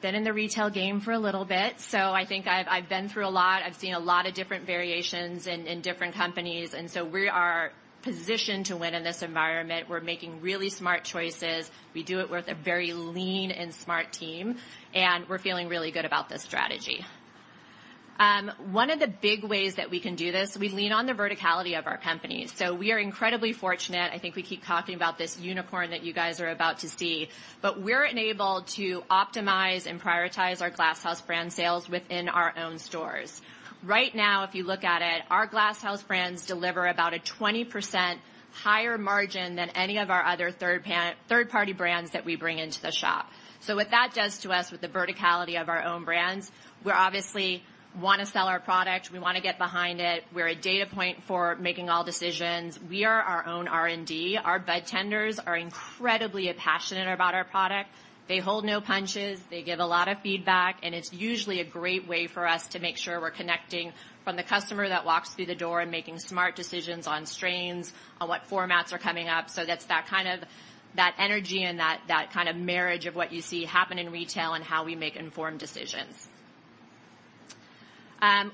Speaker 18: been in the retail game for a little bit, so I think I've been through a lot. I've seen a lot of different variations in different companies, and so we are positioned to win in this environment. We're making really smart choices. We do it with a very lean and smart team, and we're feeling really good about this strategy. One of the big ways that we can do this, we lean on the verticality of our company. So we are incredibly fortunate. I think we keep talking about this unicorn that you guys are about to see, but we're enabled to optimize and prioritize our Glass House brand sales within our own stores. Right now, if you look at it, our Glass House brands deliver about a 20% higher margin than any of our other third-party brands that we bring into the shop. So what that does to us with the verticality of our own brands, we obviously wanna sell our product, we wanna get behind it. We're a data point for making all decisions. We are our own R&D. Our budtenders are incredibly passionate about our product. They hold no punches, they give a lot of feedback, and it's usually a great way for us to make sure we're connecting from the customer that walks through the door and making smart decisions on strains, on what formats are coming up, so that's that kind of, that energy and that, that kind of marriage of what you see happen in retail and how we make informed decisions.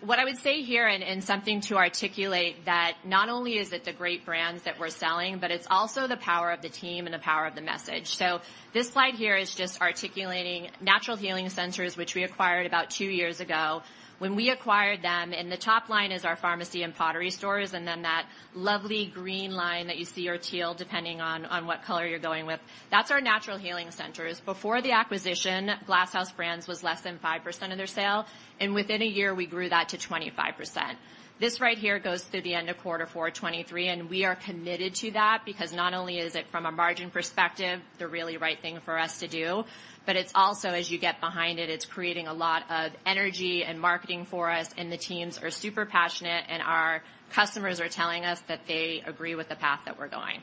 Speaker 18: What I would say here, and, and something to articulate, that not only is it the great brands that we're selling, but it's also the power of the team and the power of the message, so this slide here is just articulating Natural Healing Centers, which we acquired about two years ago. When we acquired them, and the top line is our Farmacy and The Pottery stores, and then that lovely green line that you see, or teal, depending on what color you're going with, that's our Natural Healing Centers. Before the acquisition, Glass House Brands was less than 5% of their sale, and within a year, we grew that to 25%. This right here goes through the end of quarter four, 2023, and we are committed to that because not only is it from a margin perspective, the really right thing for us to do, but it's also, as you get behind it, it's creating a lot of energy and marketing for us, and the teams are super passionate, and our customers are telling us that they agree with the path that we're going.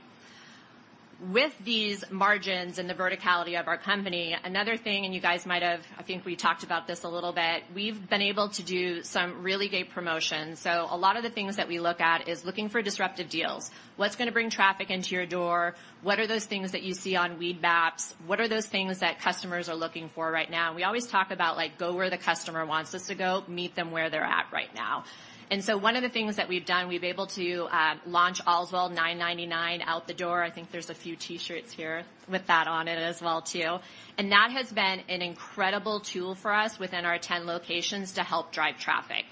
Speaker 18: With these margins and the verticality of our company, another thing, and you guys might have. I think we talked about this a little bit. We've been able to do some really great promotions, so a lot of the things that we look at is looking for disruptive deals. What's gonna bring traffic into your door? What are those things that you see on weed maps? What are those things that customers are looking for right now? We always talk about, like, go where the customer wants us to go, meet them where they're at right now. And so one of the things that we've done, we've been able to launch Allswell $9.99 out the door. I think there's a few T-shirts here with that on it as well, too. And that has been an incredible tool for us within our 10 locations to help drive traffic.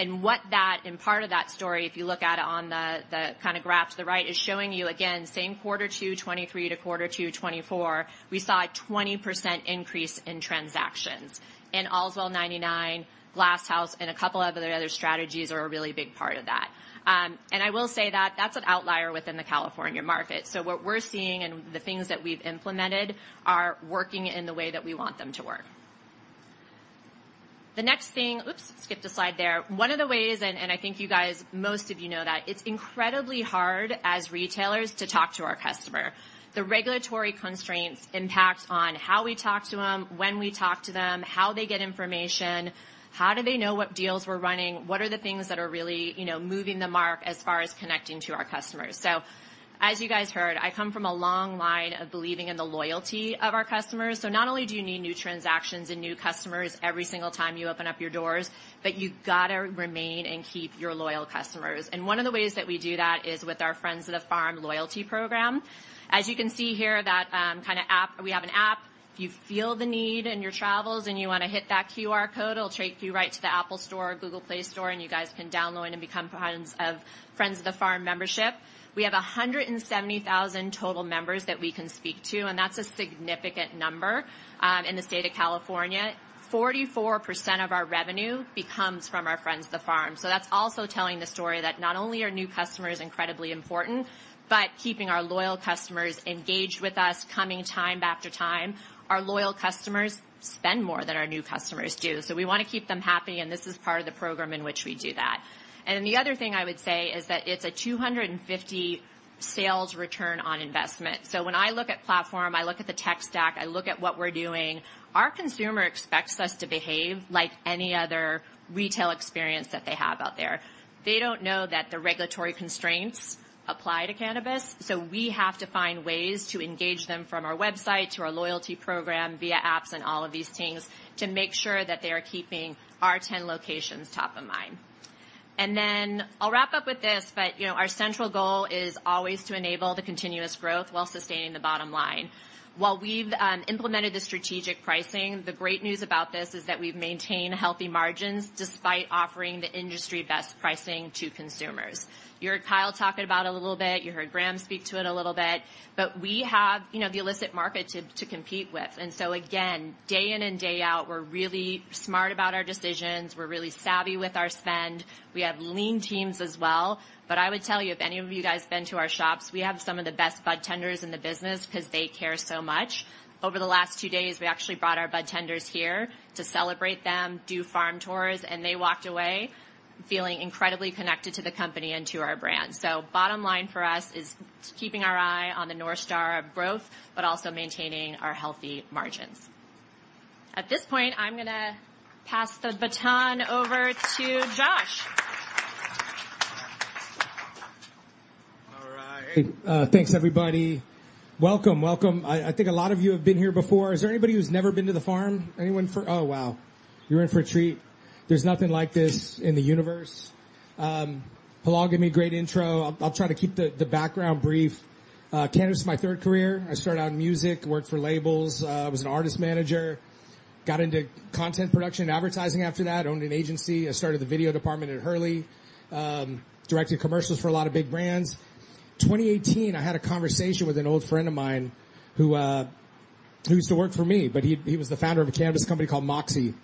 Speaker 18: What that, and part of that story, if you look at it on the kind of graph to the right, is showing you, again, same quarter two, 2023 to quarter two, 2024, we saw a 20% increase in transactions. And Allswell ninety-nine, Glass House, and a couple of the other strategies are a really big part of that. And I will say that that's an outlier within the California market. So what we're seeing and the things that we've implemented are working in the way that we want them to work. The next thing. Oops, skipped a slide there. One of the ways, and I think you guys, most of you know that, it's incredibly hard as retailers to talk to our customer. The regulatory constraints impact on how we talk to them, when we talk to them, how they get information, how do they know what deals we're running? What are the things that are really, you know, moving the mark as far as connecting to our customers? So as you guys heard, I come from a long line of believing in the loyalty of our customers. So not only do you need new transactions and new customers every single time you open up your doors, but you've got to remain and keep your loyal customers. And one of the ways that we do that is with our Friends of the Farm loyalty program. As you can see here, that app. We have an app. If you feel the need in your travels and you want to hit that QR code, it'll take you right to the Apple Store or Google Play Store, and you guys can download and become friends of Friends of the Farm membership. We have 170,000 total members that we can speak to, and that's a significant number. In the state of California, 44% of our revenue comes from our Friends of the Farm, so that's also telling the story that not only are new customers incredibly important, but keeping our loyal customers engaged with us, coming time after time. Our loyal customers spend more than our new customers do, so we want to keep them happy, and this is part of the program in which we do that. And then the other thing I would say is that it's a 250 sales return on investment. So when I look at platform, I look at the tech stack, I look at what we're doing, our consumer expects us to behave like any other retail experience that they have out there. They don't know that the regulatory constraints apply to cannabis, so we have to find ways to engage them from our website to our loyalty program, via apps and all of these things, to make sure that they are keeping our 10 locations top of mind. And then I'll wrap up with this, but, you know, our central goal is always to enable the continuous growth while sustaining the bottom line. While we've implemented the strategic pricing, the great news about this is that we've maintained healthy margins despite offering the industry best pricing to consumers. You heard Kyle talk about it a little bit. You heard Graham speak to it a little bit. But we have, you know, the illicit market to compete with, and so again, day in and day out, we're really smart about our decisions. We're really savvy with our spend. We have lean teams as well. But I would tell you, if any of you guys have been to our shops, we have some of the best budtenders in the business because they care so much. Over the last two days, we actually brought our budtenders here to celebrate them, do farm tours, and they walked away feeling incredibly connected to the company and to our brand. So bottom line for us is keeping our eye on the North Star of growth, but also maintaining our healthy margins. At this point, I'm gonna pass the baton over to Josh.
Speaker 19: All right. Thanks, everybody. Welcome, welcome. I think a lot of you have been here before. Is there anybody who's never been to the farm? Anyone for... Oh, wow, you're in for a treat. There's nothing like this in the universe. Hilal gave me a great intro. I'll try to keep the background brief. Cannabis is my third career. I started out in music, worked for labels, was an artist manager, got into content production, advertising after that, owned an agency. I started the video department at Hurley, directed commercials for a lot of big brands. 2018, I had a conversation with an old friend of mine who used to work for me, but he was the founder of a cannabis company called Moxie,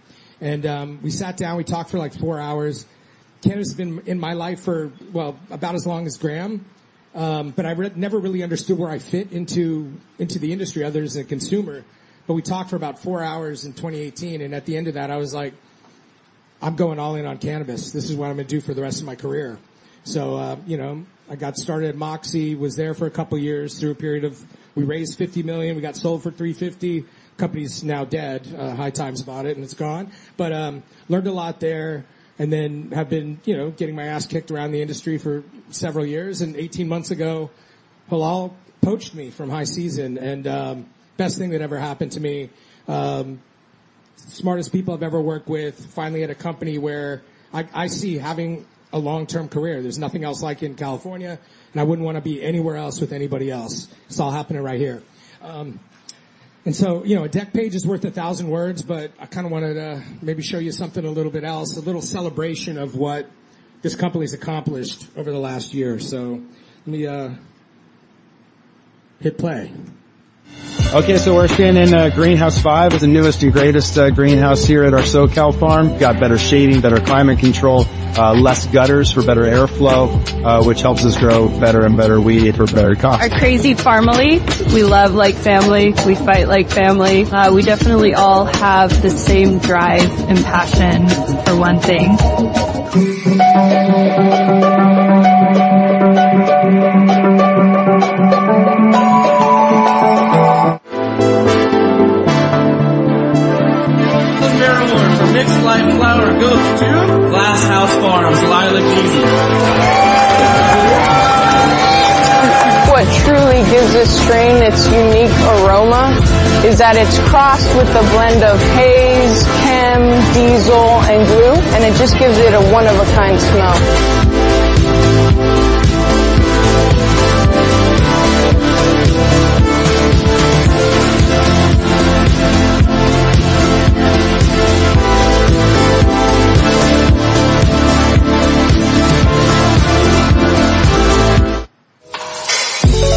Speaker 19: and we sat down, we talked for, like, four hours. Cannabis has been in my life for, well, about as long as Graham, but I never really understood where I fit into the industry other than as a consumer. But we talked for about four hours in 2018, and at the end of that, I was like: "I'm going all in on cannabis. This is what I'm going to do for the rest of my career." So, you know, I got started at Moxie, was there for a couple of years through a period of... We raised $50 million. We got sold for $350 million. Company's now dead. High Times bought it, and it's gone. But, learned a lot there and then have been, you know, getting my ass kicked around the industry for several years. Eighteen months ago, Hilal poached me from High Season, and best thing that ever happened to me. Smartest people I've ever worked with. Finally, at a company where I see having a long-term career. There's nothing else like it in California, and I wouldn't want to be anywhere else with anybody else. It's all happening right here. And so, you know, a deck page is worth a thousand words, but I kind of wanted to maybe show you something a little bit else, a little celebration of what this company's accomplished over the last year. Let me hit play.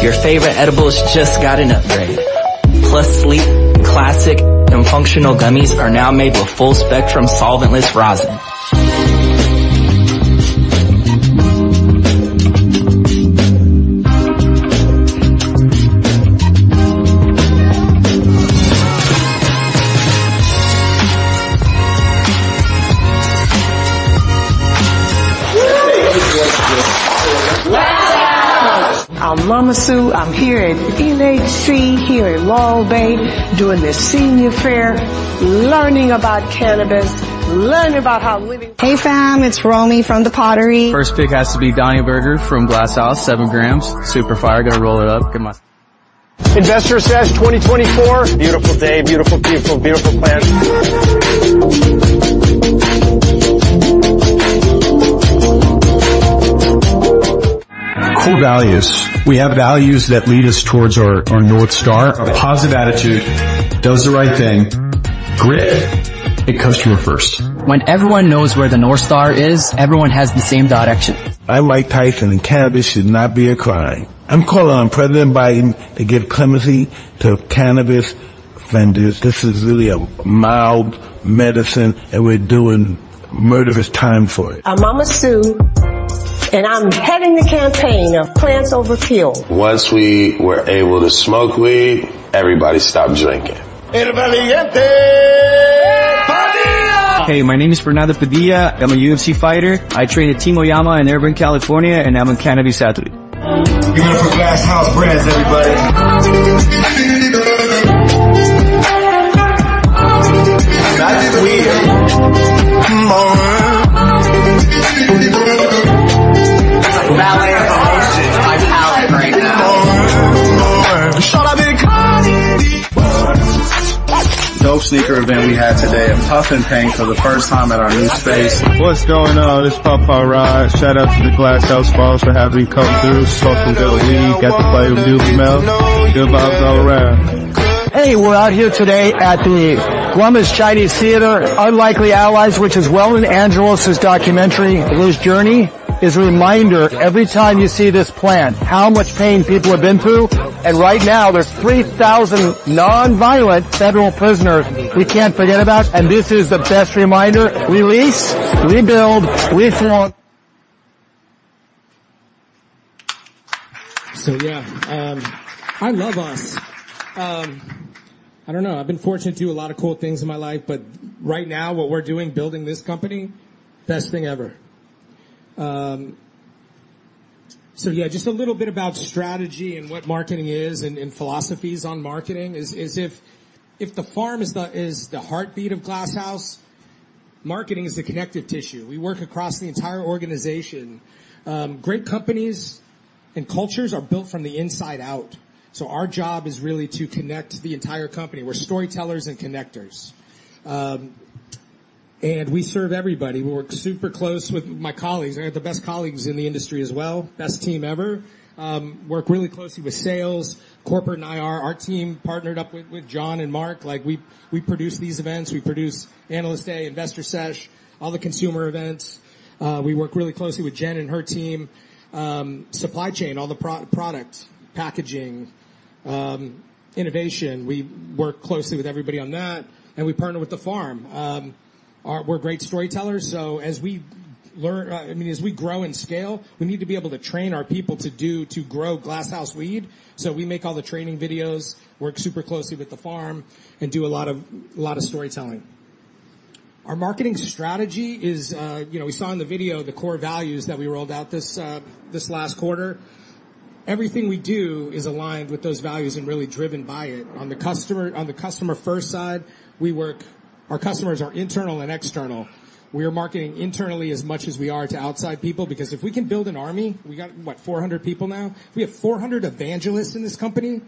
Speaker 19: [Promotional Video Playing] So yeah, I love us. I don't know. I've been fortunate to do a lot of cool things in my life, but right now, what we're doing, building this company, best thing ever. So yeah, just a little bit about strategy and what marketing is and philosophies on marketing is if the farm is the heartbeat of Glass House, marketing is the connective tissue. We work across the entire organization. Great companies and cultures are built from the inside out, so our job is really to connect the entire company. We're storytellers and connectors. And we serve everybody. We work super close with my colleagues, and I have the best colleagues in the industry as well. Best team ever. Work really closely with sales, corporate and IR. Our team partnered up with John and Mark. Like, we produce these events. We produce Analyst Day, Investor Sesh, all the consumer events. We work really closely with Jen and her team. Supply chain, all the product, packaging, innovation. We work closely with everybody on that, and we partner with the farm. Our... We're great storytellers, so as we learn, I mean, as we grow and scale, we need to be able to train our people to grow Glass House weed. So we make all the training videos, work super closely with the farm, and do a lot of storytelling. Our marketing strategy is, you know, we saw in the video the core values that we rolled out this last quarter. Everything we do is aligned with those values and really driven by it. On the customer-first side, we work, our customers are internal and external. We are marketing internally as much as we are to outside people, because if we can build an army, we got, what? 400 people now. If we have 400 evangelists in this company,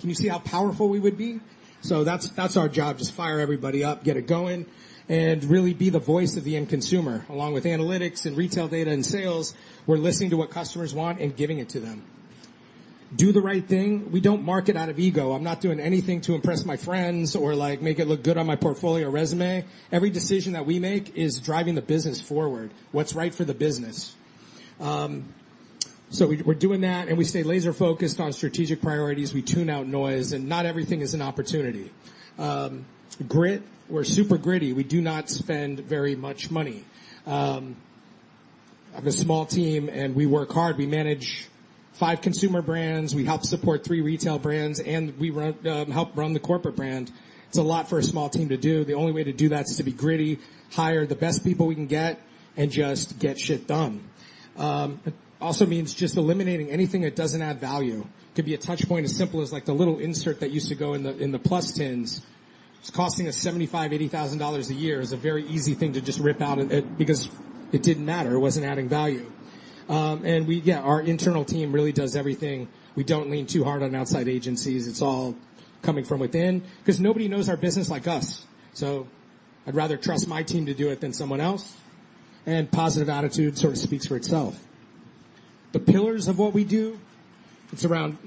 Speaker 19: can you see how powerful we would be? So that's, that's our job, just fire everybody up, get it going, and really be the voice of the end consumer. Along with analytics and retail data and sales, we're listening to what customers want and giving it to them. Do the right thing. We don't market out of ego. I'm not doing anything to impress my friends or, like, make it look good on my portfolio resume. Every decision that we make is driving the business forward, what's right for the business. So we're doing that, and we stay laser-focused on strategic priorities. We tune out noise, and not everything is an opportunity. Grit, we're super gritty. We do not spend very much money. I have a small team, and we work hard. We manage five consumer brands, we help support three retail brands, and we run, help run the corporate brand. It's a lot for a small team to do. The only way to do that is to be gritty, hire the best people we can get, and just get shit done. It also means just eliminating anything that doesn't add value. Could be a touch point as simple as, like, the little insert that used to go in the PLUS tins. It's costing us $75,000-$80,000 a year. It's a very easy thing to just rip out of it because it didn't matter. It wasn't adding value. And we, yeah, our internal team really does everything. We don't lean too hard on outside agencies. It's all coming from within because nobody knows our business like us. So I'd rather trust my team to do it than someone else, and positive attitude sort of speaks for itself. The pillars of what we do, it's around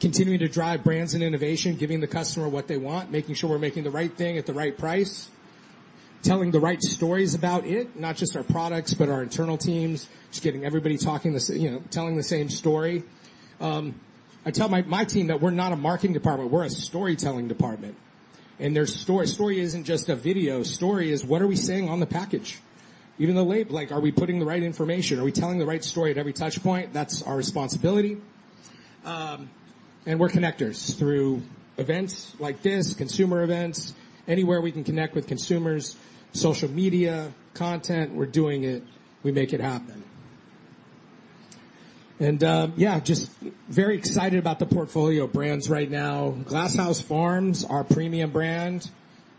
Speaker 19: continuing to drive brands and innovation, giving the customer what they want, making sure we're making the right thing at the right price, telling the right stories about it, not just our products, but our internal teams. Just getting everybody talking the same, you know, telling the same story. I tell my team that we're not a marketing department, we're a storytelling department, and their story. Story isn't just a video. Story is what are we saying on the package? Even the label, like, are we putting the right information? Are we telling the right story at every touch point? That's our responsibility. And we're connectors through events like this, consumer events, anywhere we can connect with consumers, social media, content, we're doing it. We make it happen. And, yeah, just very excited about the portfolio of brands right now. Glass House Farms, our premium brand.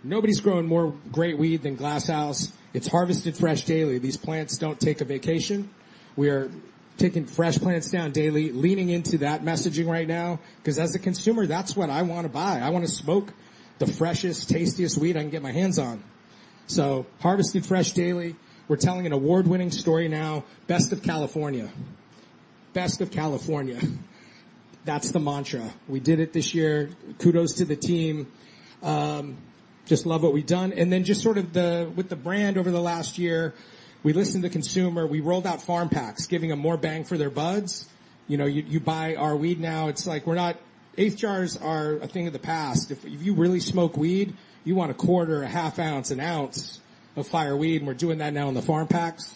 Speaker 19: Nobody's growing more great weed than Glass House. It's harvested fresh daily. These plants don't take a vacation. We are taking fresh plants down daily, leaning into that messaging right now, 'cause as a consumer, that's what I wanna buy. I wanna smoke the freshest, tastiest weed I can get my hands on. So harvested fresh daily. We're telling an award-winning story now, Best of California. Best of California. That's the mantra. We did it this year. Kudos to the team. Just love what we've done, and then just sort of with the brand over the last year. We listened to consumer. We rolled out Farm Packs, giving them more bang for their buds. You know, you buy our weed now; it's like we're not... Eighth jars are a thing of the past. If you really smoke weed, you want a quarter, a half ounce, an ounce of fire weed, and we're doing that now in the Farm Packs.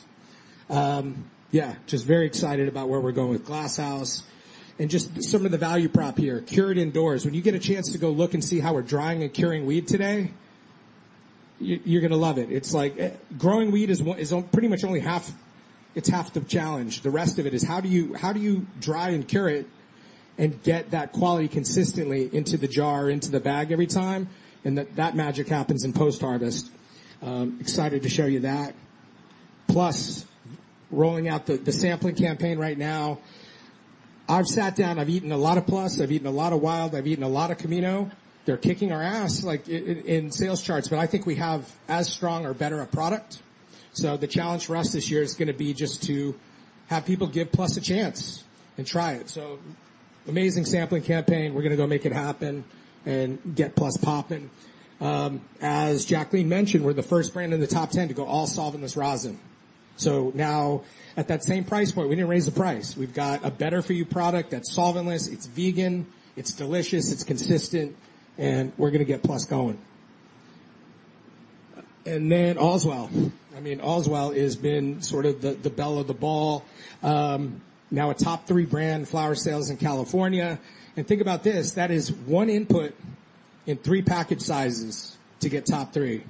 Speaker 19: Yeah, just very excited about where we're going with Glass House. And just some of the value prop here, cured indoors. When you get a chance to go look and see how we're drying and curing weed today, you're gonna love it. It's like, growing weed is pretty much only half; it's half the challenge. The rest of it is, how do you dry and cure it and get that quality consistently into the jar or into the bag every time? And that magic happens in post-harvest. Excited to show you that. PLUS, rolling out the sampling campaign right now. I've sat down, I've eaten a lot of PLUS, I've eaten a lot of Wyld, I've eaten a lot of Camino. They're kicking our ass, like, in sales charts, but I think we have as strong or better a product. So the challenge for us this year is gonna be just to have people give PLUS a chance and try it. So amazing sampling campaign. We're gonna go make it happen and get PLUS popping. As Jacqueline mentioned, we're the first brand in the top ten to go all solventless rosin. So now, at that same price point, we didn't raise the price. We've got a better-for-you product that's solventless, it's vegan, it's delicious, it's consistent, and we're gonna get PLUS going. And then Allswell. I mean, Allswell has been sort of the belle of the ball. Now a top three brand in flower sales in California. And think about this, that is one input in three package sizes to get top three.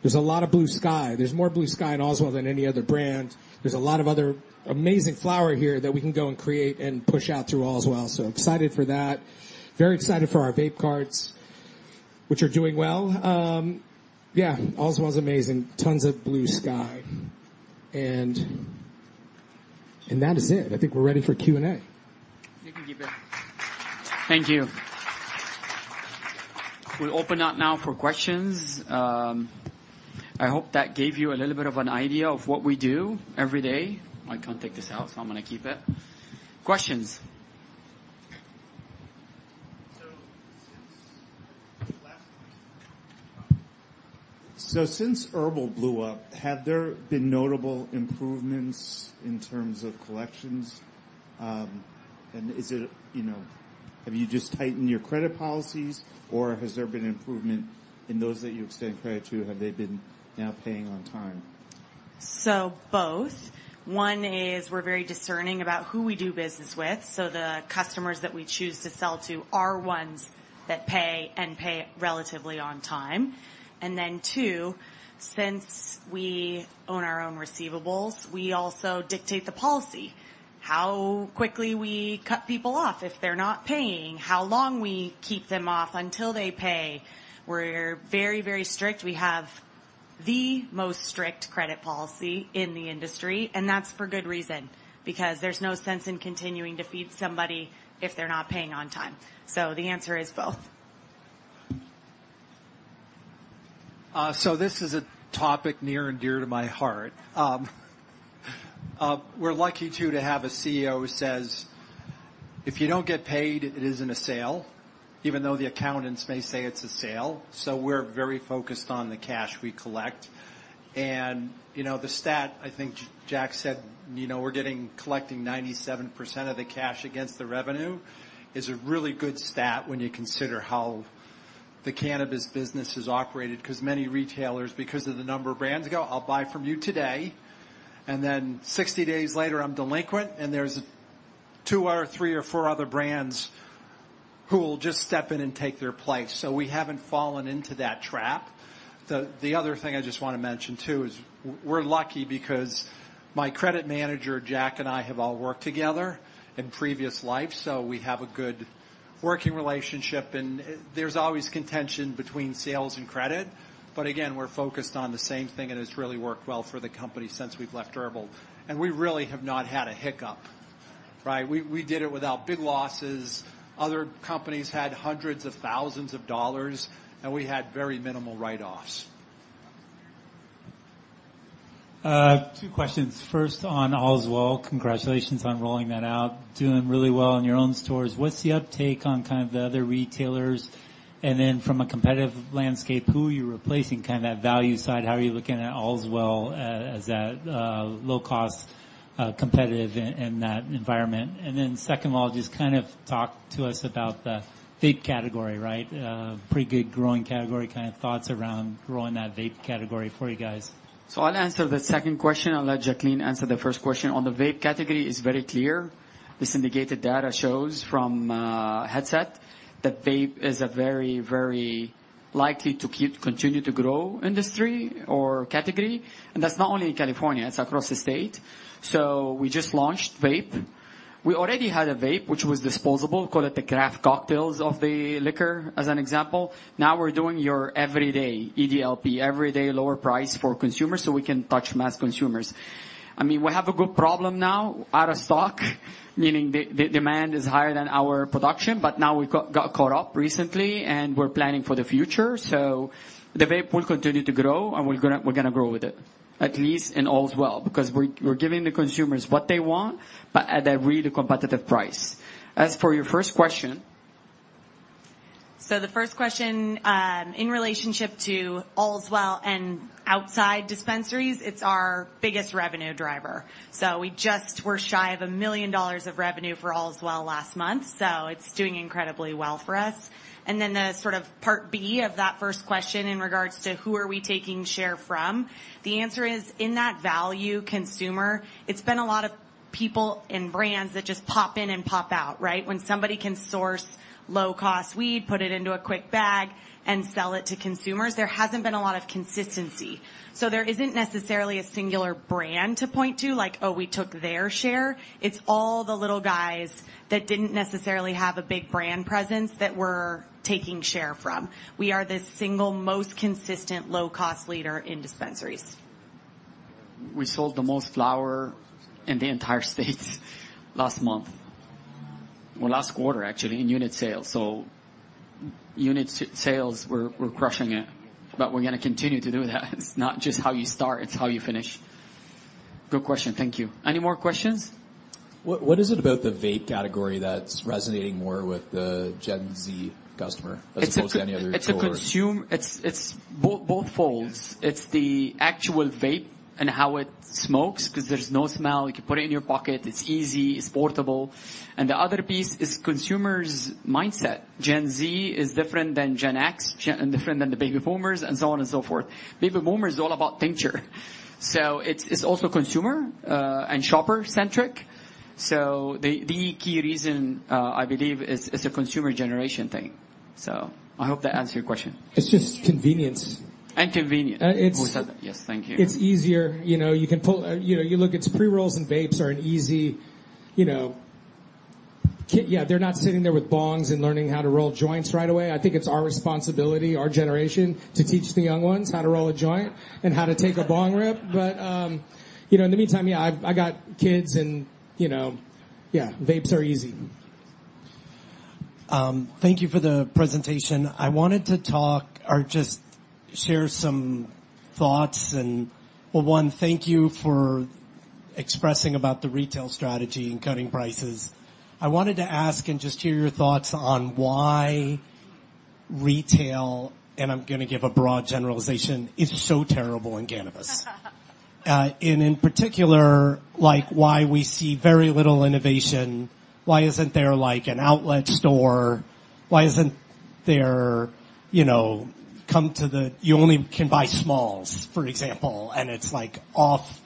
Speaker 19: There's a lot of blue sky. There's more blue sky in Allswell than any other brand. There's a lot of other amazing flower here that we can go and create and push out through Allswell. So excited for that. Very excited for our vape carts, which are doing well. Yeah, Allswell's amazing. Tons of blue sky. And that is it. I think we're ready for Q&A.
Speaker 6: You can keep it. Thank you. We open up now for questions. I hope that gave you a little bit of an idea of what we do every day. I can't take this out, so I'm gonna keep it. Questions? So since HERBL blew up, have there been notable improvements in terms of collections? Have you just tightened your credit policies, or has there been improvement in those that you extend credit to, have they been now paying on time?
Speaker 17: So both. One is we're very discerning about who we do business with, so the customers that we choose to sell to are ones that pay and pay relatively on time. And then, two, since we own our own receivables, we also dictate the policy. How quickly we cut people off if they're not paying, how long we keep them off until they pay. We're very, very strict. We have the most strict credit policy in the industry, and that's for good reason, because there's no sense in continuing to feed somebody if they're not paying on time. So the answer is both.
Speaker 3: So this is a topic near and dear to my heart. We're lucky, too, to have a CEO who says, "If you don't get paid, it isn't a sale," even though the accountants may say it's a sale, so we're very focused on the cash we collect. And, you know, the stat, I think Jack said, you know, we're collecting 97% of the cash against the revenue, is a really good stat when you consider how the cannabis business is operated, because many retailers, because of the number of brands, go, "I'll buy from you today," and then 60 days later, I'm delinquent, and there's two or three or four other brands who will just step in and take their place. So we haven't fallen into that trap. The other thing I just want to mention, too, is we're lucky because my credit manager, Jack, and I have all worked together in previous lives, so we have a good working relationship, and there's always contention between sales and credit, but again, we're focused on the same thing, and it's really worked well for the company since we've left HERBL, and we really have not had a hiccup, right? We did it without big losses. Other companies had $100,000, and we had very minimal write-offs.
Speaker 20: Two questions. First, on Allswell. Congratulations on rolling that out, doing really well in your own stores. What's the uptake on kind of the other retailers? And then from a competitive landscape, who are you replacing, kind of that value side? How are you looking at Allswell as that low cost competitive in that environment? And then second of all, just kind of talk to us about the vape category, right? Pretty good growing category, kind of thoughts around growing that vape category for you guys?
Speaker 6: I'll answer the second question. I'll let Jacqueline answer the first question. On the vape category, it's very clear. The syndicated data shows from Headset that vape is very likely to continue to grow industry or category, and that's not only in California, it's across the state. We just launched vape. We already had a vape, which was disposable, call it the craft cocktails of the liquor, as an example. Now we're doing your everyday EDLP, everyday lower price for consumers, so we can touch mass consumers. I mean, we have a good problem now, out of stock, meaning the demand is higher than our production, but now we've got caught up recently, and we're planning for the future. So the vape will continue to grow, and we're gonna grow with it, at least in Allswell, because we're giving the consumers what they want, but at a really competitive price. As for your first question?
Speaker 17: The first question, in relationship to Allswell and outside dispensaries, it's our biggest revenue driver. We just were shy of $1 million of revenue for Allswell last month, so it's doing incredibly well for us. Then the sort of part B of that first question in regards to who are we taking share from? The answer is, in that value consumer, it's been a lot of people and brands that just pop in and pop out, right? When somebody can source low-cost weed, put it into a quick bag, and sell it to consumers, there hasn't been a lot of consistency. There isn't necessarily a singular brand to point to, like, oh, we took their share. It's all the little guys that didn't necessarily have a big brand presence that we're taking share from. We are the single most consistent low-cost leader in dispensaries.
Speaker 6: We sold the most flower in the entire state last month. Well, last quarter, actually, in unit sales. So unit sales, we're crushing it, but we're gonna continue to do that. It's not just how you start, it's how you finish. Good question. Thank you. Any more questions?
Speaker 7: What is it about the vape category that's resonating more with the Gen Z customer as opposed to any other cohort?
Speaker 6: It's both folds. It's the actual vape and how it smokes, 'cause there's no smell. You can put it in your pocket, it's easy, it's portable. And the other piece is consumers' mindset. Gen Z is different than Gen X and different than the baby boomers, and so on and so forth. Baby boomer is all about tincture. So it's also consumer and shopper-centric. So the key reason, I believe, is it's a consumer generation thing. So I hope that answers your question.
Speaker 19: It's just convenience.
Speaker 6: Convenience. Yes, thank you.
Speaker 19: It's easier. You know, you can pull... You know, you look, it's pre-rolls and vapes are an easy, you know, yeah, they're not sitting there with bongs and learning how to roll joints right away. I think it's our responsibility, our generation, to teach the young ones how to roll a joint and how to take a bong rip. But, you know, in the meantime, yeah, I've, I got kids and, you know, yeah, vapes are easy.
Speaker 21: Thank you for the presentation. I wanted to talk or just share some thoughts and... One, thank you for expressing about the retail strategy and cutting prices. I wanted to ask and just hear your thoughts on why retail, and I'm gonna give a broad generalization, is so terrible in cannabis, and in particular, like, why we see very little innovation. Why isn't there, like, an outlet store? Why isn't there, you know, come to the, you only can buy smalls, for example, and it's, like, off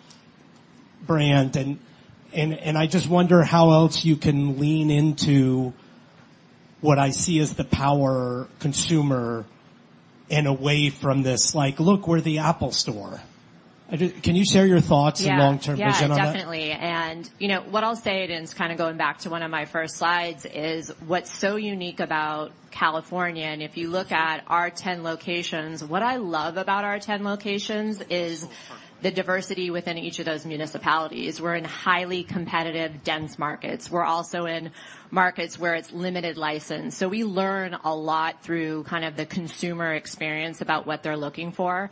Speaker 21: brand, and, and, and I just wonder how else you can lean into what I see as the power consumer, and away from this, like: "Look, we're the Apple store." Can you share your thoughts and long-term vision on that?
Speaker 18: Yeah. Yeah, definitely. And, you know, what I'll say, and it's kinda going back to one of my first slides, is what's so unique about California, and if you look at our ten locations, what I love about our ten locations is the diversity within each of those municipalities. We're in highly competitive, dense markets. We're also in markets where it's limited license. So we learn a lot through kind of the consumer experience about what they're looking for.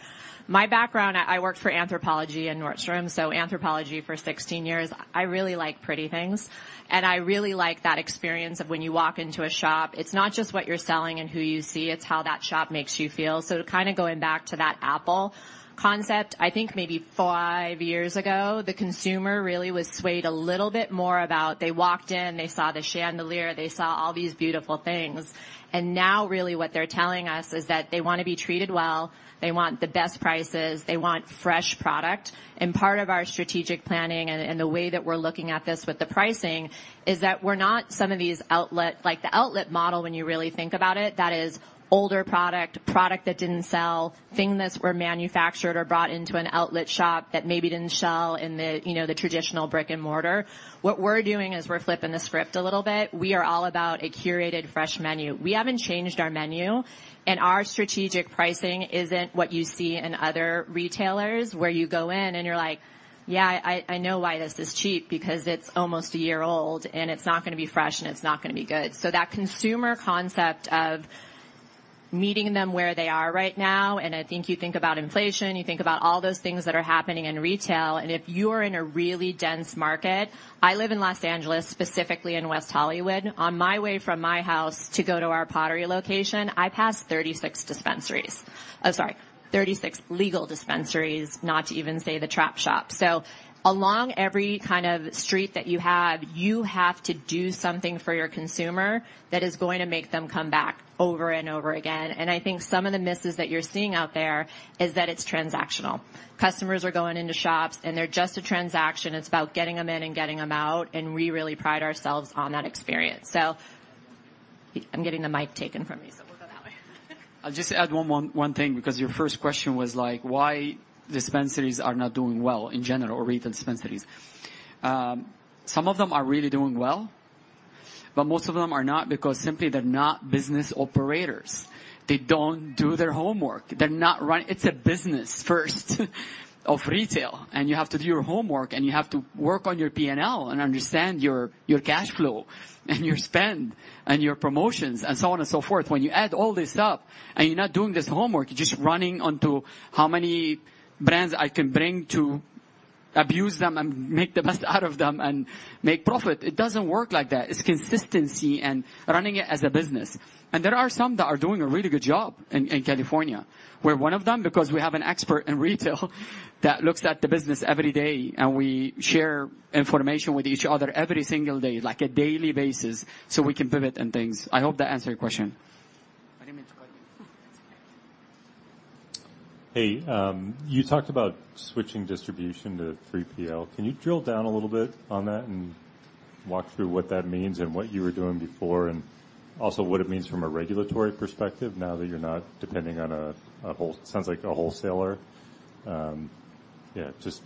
Speaker 18: My background, I worked for Anthropologie and Nordstrom, so Anthropologie for sixteen years. I really like pretty things, and I really like that experience of when you walk into a shop, it's not just what you're selling and who you see, it's how that shop makes you feel. So kind of going back to that Apple concept, I think maybe five years ago, the consumer really was swayed a little bit more about, they walked in, they saw the chandelier, they saw all these beautiful things. And now, really, what they're telling us is that they want to be treated well, they want the best prices, they want fresh product. And part of our strategic planning and the way that we're looking at this with the pricing, is that we're not some of these outlet... Like, the outlet model, when you really think about it, that is older product, product that didn't sell, things that were manufactured or brought into an outlet shop that maybe didn't sell in the, you know, the traditional brick-and-mortar. What we're doing is we're flipping the script a little bit. We are all about a curated, fresh menu. We haven't changed our menu, and our strategic pricing isn't what you see in other retailers, where you go in and you're like: "Yeah, I, I know why this is cheap, because it's almost a year old, and it's not gonna be fresh, and it's not gonna be good." So that consumer concept of meeting them where they are right now, and I think you think about inflation, you think about all those things that are happening in retail, and if you're in a really dense market... I live in Los Angeles, specifically in West Hollywood. On my way from my house to go to our Pottery location, I pass 36 dispensaries. I'm sorry, 36 legal dispensaries, not to even say the trap shops. So along every kind of street that you have, you have to do something for your consumer that is going to make them come back over and over again. And I think some of the misses that you're seeing out there is that it's transactional. Customers are going into shops, and they're just a transaction. It's about getting them in and getting them out, and we really pride ourselves on that experience. So... I'm getting the mic taken from me. [inaudible]
Speaker 6: I'll just add one thing, because your first question was like, why dispensaries are not doing well in general, or retail dispensaries? Some of them are really doing well, but most of them are not, because simply they're not business operators. They don't do their homework. They're not run. It's a business first, of retail, and you have to do your homework, and you have to work on your P&L and understand your cash flow and your spend and your promotions and so on and so forth. When you add all this up and you're not doing this homework, you're just running onto how many brands I can bring to abuse them and make the best out of them and make profit, it doesn't work like that. It's consistency and running it as a business. There are some that are doing a really good job in California. We're one of them, because we have an expert in retail that looks at the business every day, and we share information with each other every single day, like a daily basis, so we can pivot and things. I hope that answered your question.
Speaker 21: Hey, you talked about switching distribution to 3PL. Can you drill down a little bit on that and walk through what that means and what you were doing before, and also what it means from a regulatory perspective, now that you're not depending on a wholesaler? Yeah, just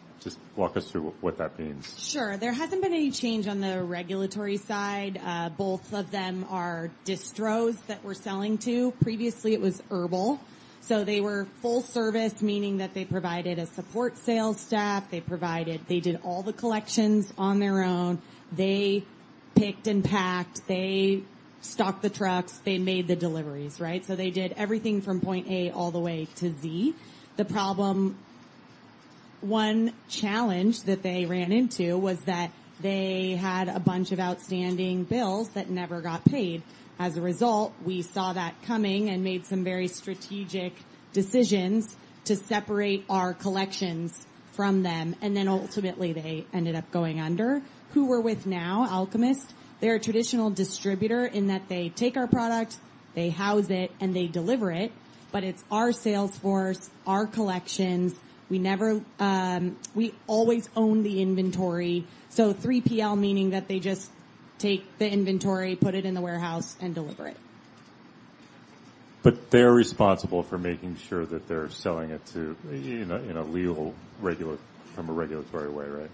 Speaker 21: walk us through what that means?
Speaker 17: Sure. There hasn't been any change on the regulatory side. Both of them are distros that we're selling to. Previously, it was HERBL. So they were full service, meaning that they provided a support sales staff, they provided, they did all the collections on their own. They picked and packed, they stocked the trucks, they made the deliveries, right? So they did everything from point A all the way to Z. The problem. One challenge that they ran into was that they had a bunch of outstanding bills that never got paid. As a result, we saw that coming and made some very strategic decisions to separate our collections from them, and then ultimately, they ended up going under. Who we're with now, Alchemist, they're a traditional distributor in that they take our product, they house it, and they deliver it, but it's our sales force, our collections. We never, we always own the inventory, so 3PL, meaning that they just take the inventory, put it in the warehouse, and deliver it.
Speaker 21: But they're responsible for making sure that they're selling it to, you know, in a legal, regular, from a regulatory way, right?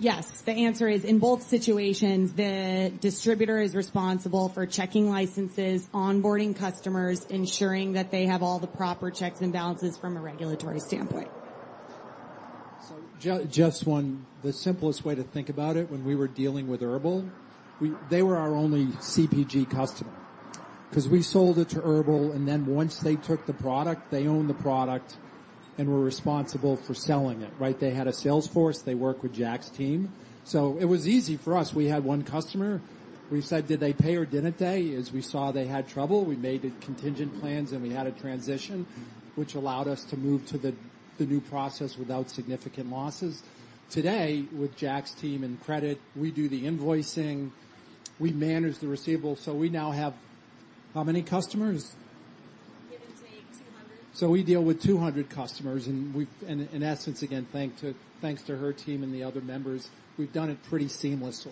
Speaker 17: Yes, the answer is, in both situations, the distributor is responsible for checking licenses, onboarding customers, ensuring that they have all the proper checks and balances from a regulatory standpoint.
Speaker 3: So just one. The simplest way to think about it, when we were dealing with HERBL, we - they were our only CPG customer. 'Cause we sold it to HERBL, and then once they took the product, they owned the product and were responsible for selling it, right? They had a sales force. They worked with Jack's team. So it was easy for us. We had one customer. We said, "Did they pay or didn't they?" As we saw, they had trouble, we made contingent plans, and we had a transition, which allowed us to move to the new process without significant losses. Today, with Jack's team and credit, we do the invoicing, we manage the receivables, so we now have how many customers?
Speaker 17: Give or take, two hundred.
Speaker 3: We deal with 200 customers, and in essence, again, thanks to her team and the other members, we've done it pretty seamlessly.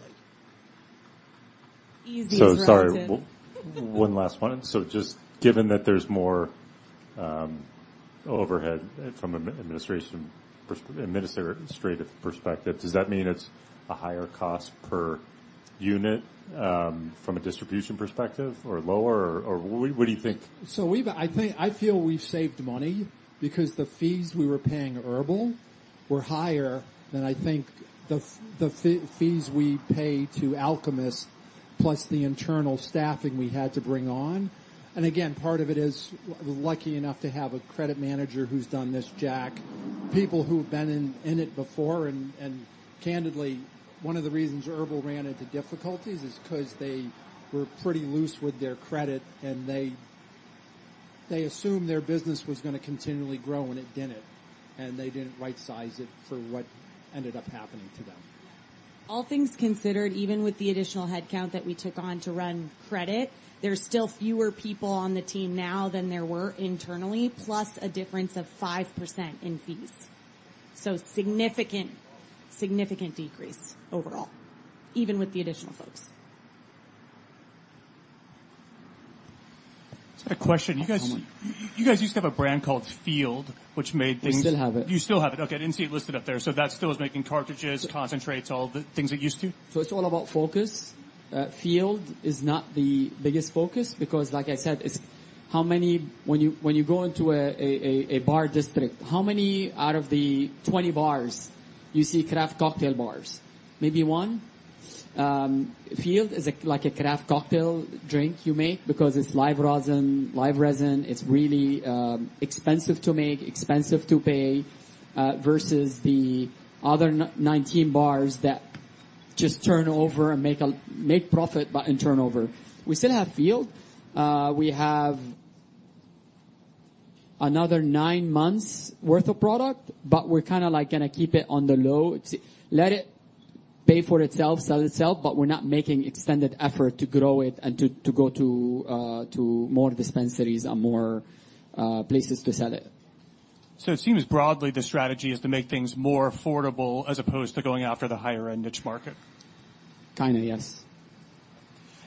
Speaker 17: Easy as relative.
Speaker 21: So sorry, one last one. So just given that there's more overhead from an administrative perspective, does that mean it's a higher cost per unit from a distribution perspective, or lower, or what, what do you think?
Speaker 3: So we've I think, I feel we've saved money because the fees we were paying HERBL were higher than I think the fees we pay to Alchemist, plus the internal staffing we had to bring on. And again, part of it is lucky enough to have a credit manager who's done this, Jack. People who've been in it before, and candidly, one of the reasons HERBL ran into difficulties is 'cause they were pretty loose with their credit, and they assumed their business was gonna continually grow, and it didn't. And they didn't right size it for what ended up happening to them.
Speaker 17: All things considered, even with the additional headcount that we took on to run credit, there's still fewer people on the team now than there were internally, plus a difference of 5% in fees. So significant, significant decrease overall, even with the additional folks.
Speaker 22: I just had a question. You guys used to have a brand called Field, which made things?
Speaker 6: We still have it.
Speaker 22: You still have it. Okay, I didn't see it listed up there. So that still is making cartridges, concentrates, all the things it used to?
Speaker 6: It's all about focus. Field is not the biggest focus because, like I said, it's how many. When you go into a bar district, how many out of the twenty bars you see craft cocktail bars? Maybe one. Field is like a craft cocktail drink you make because it's live rosin, live resin. It's really expensive to make, expensive to pay versus the other nineteen bars that just turn over and make profit, but in turnover. We still have Field. We have another nine months worth of product, but we're kinda like gonna keep it on the low. To let it pay for itself, sell itself, but we're not making extended effort to grow it and to go to more dispensaries and more places to sell it.
Speaker 22: So it seems broadly the strategy is to make things more affordable as opposed to going after the higher-end niche market?
Speaker 6: Kind of, yes.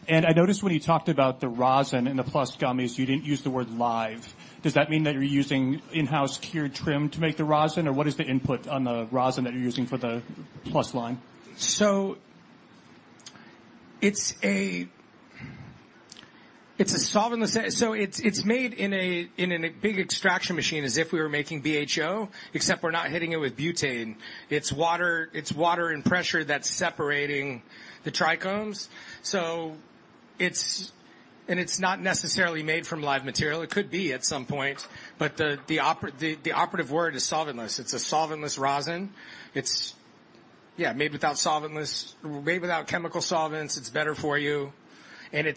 Speaker 22: I noticed when you talked about the rosin in the Plus gummies, you didn't use the word live. Does that mean that you're using in-house cured trim to make the rosin, or what is the input on the rosin that you're using for the Plus line?
Speaker 19: It's a solventless. It's made in a big extraction machine, as if we were making BHO, except we're not hitting it with butane. It's water and pressure that's separating the trichomes. And it's not necessarily made from live material. It could be at some point, but the operative word is solventless. It's a solventless rosin. Yeah, made without chemical solvents. It's better for you, and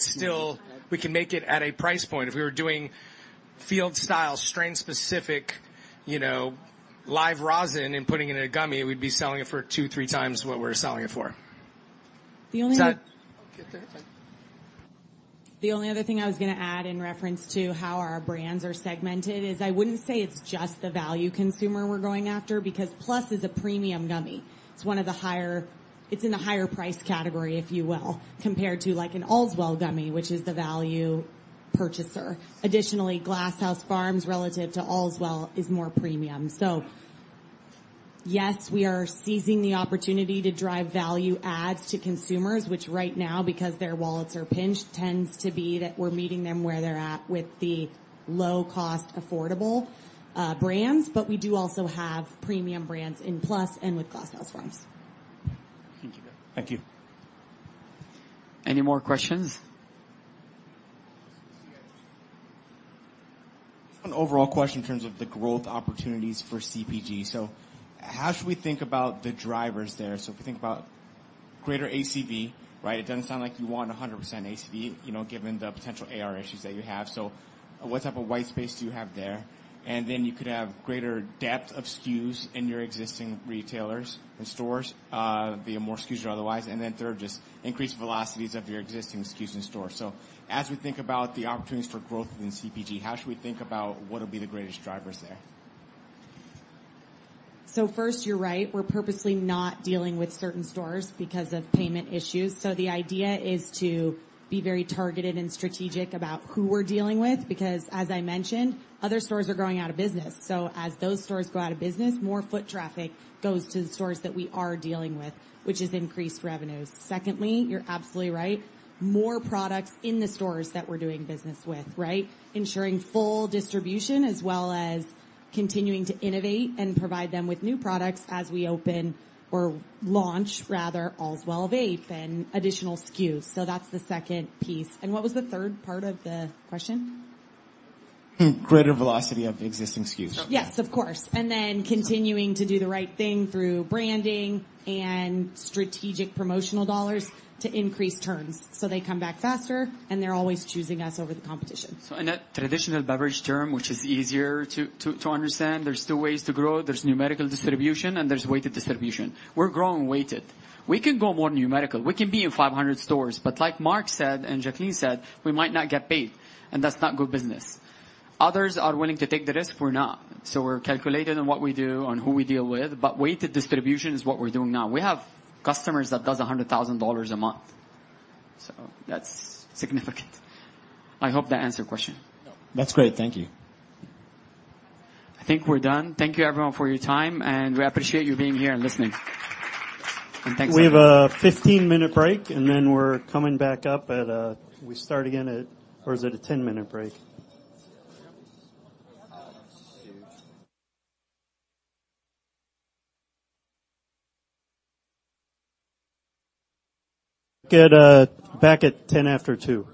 Speaker 19: we can make it at a price point. If we were doing field style, strain-specific, you know, live rosin and putting it in a gummy, we'd be selling it for two, three times what we're selling it for.
Speaker 17: The only-. The only other thing I was gonna add in reference to how our brands are segmented is I wouldn't say it's just the value consumer we're going after, because Plus is a premium gummy. It's one of the higher... It's in the higher price category, if you will, compared to like an Allswell gummy, which is the value purchaser. Additionally, Glass House Farms, relative to Allswell, is more premium. So yes, we are seizing the opportunity to drive value adds to consumers, which right now, because their wallets are pinched, tends to be that we're meeting them where they're at with the low-cost, affordable, brands. But we do also have premium brands in Plus and with Glass House Farms.
Speaker 22: Thank you.
Speaker 6: Thank you. Any more questions?
Speaker 14: An overall question in terms of the growth opportunities for CPG. So how should we think about the drivers there? So if we think about greater ACV, right? It doesn't sound like you want 100% ACV, you know, given the potential AR issues that you have. So what type of white space do you have there? And then you could have greater depth of SKUs in your existing retailers and stores, via more SKUs or otherwise. And then third, just increased velocities of your existing SKUs in store. So as we think about the opportunities for growth within CPG, how should we think about what will be the greatest drivers there?
Speaker 17: First, you're right. We're purposely not dealing with certain stores because of payment issues. So the idea is to be very targeted and strategic about who we're dealing with, because, as I mentioned, other stores are going out of business. So as those stores go out of business, more foot traffic goes to the stores that we are dealing with, which is increased revenues. Secondly, you're absolutely right. More products in the stores that we're doing business with, right? Ensuring full distribution, as well as continuing to innovate and provide them with new products as we open or launch, rather, Allswell Vape and additional SKUs. So that's the second piece. And what was the third part of the question?
Speaker 14: greater velocity of the existing SKUs.
Speaker 17: Yes, of course, and then continuing to do the right thing through branding and strategic promotional dollars to increase turns, so they come back faster, and they're always choosing us over the competition.
Speaker 6: In a traditional beverage term, which is easier to understand, there are two ways to grow. There is numerical distribution, and there is weighted distribution. We are growing weighted. We can go more numerical. We can be in 500 stores, but like Mark said, and Jacqueline said, we might not get paid, and that is not good business. Others are willing to take the risk, we are not. We are calculated on what we do, on who we deal with, but weighted distribution is what we are doing now. We have customers that do $100,000 a month, so that is significant. I hope that answered your question.
Speaker 14: That's great. Thank you.
Speaker 6: I think we're done. Thank you, everyone, for your time, and we appreciate you being here and listening, and thanks again.
Speaker 4: We have a fifteen-minute break, and then we're coming back up at... We start again at... Or is it a ten-minute break. Get back at 2:10 P.M.
Speaker 3: That, that'll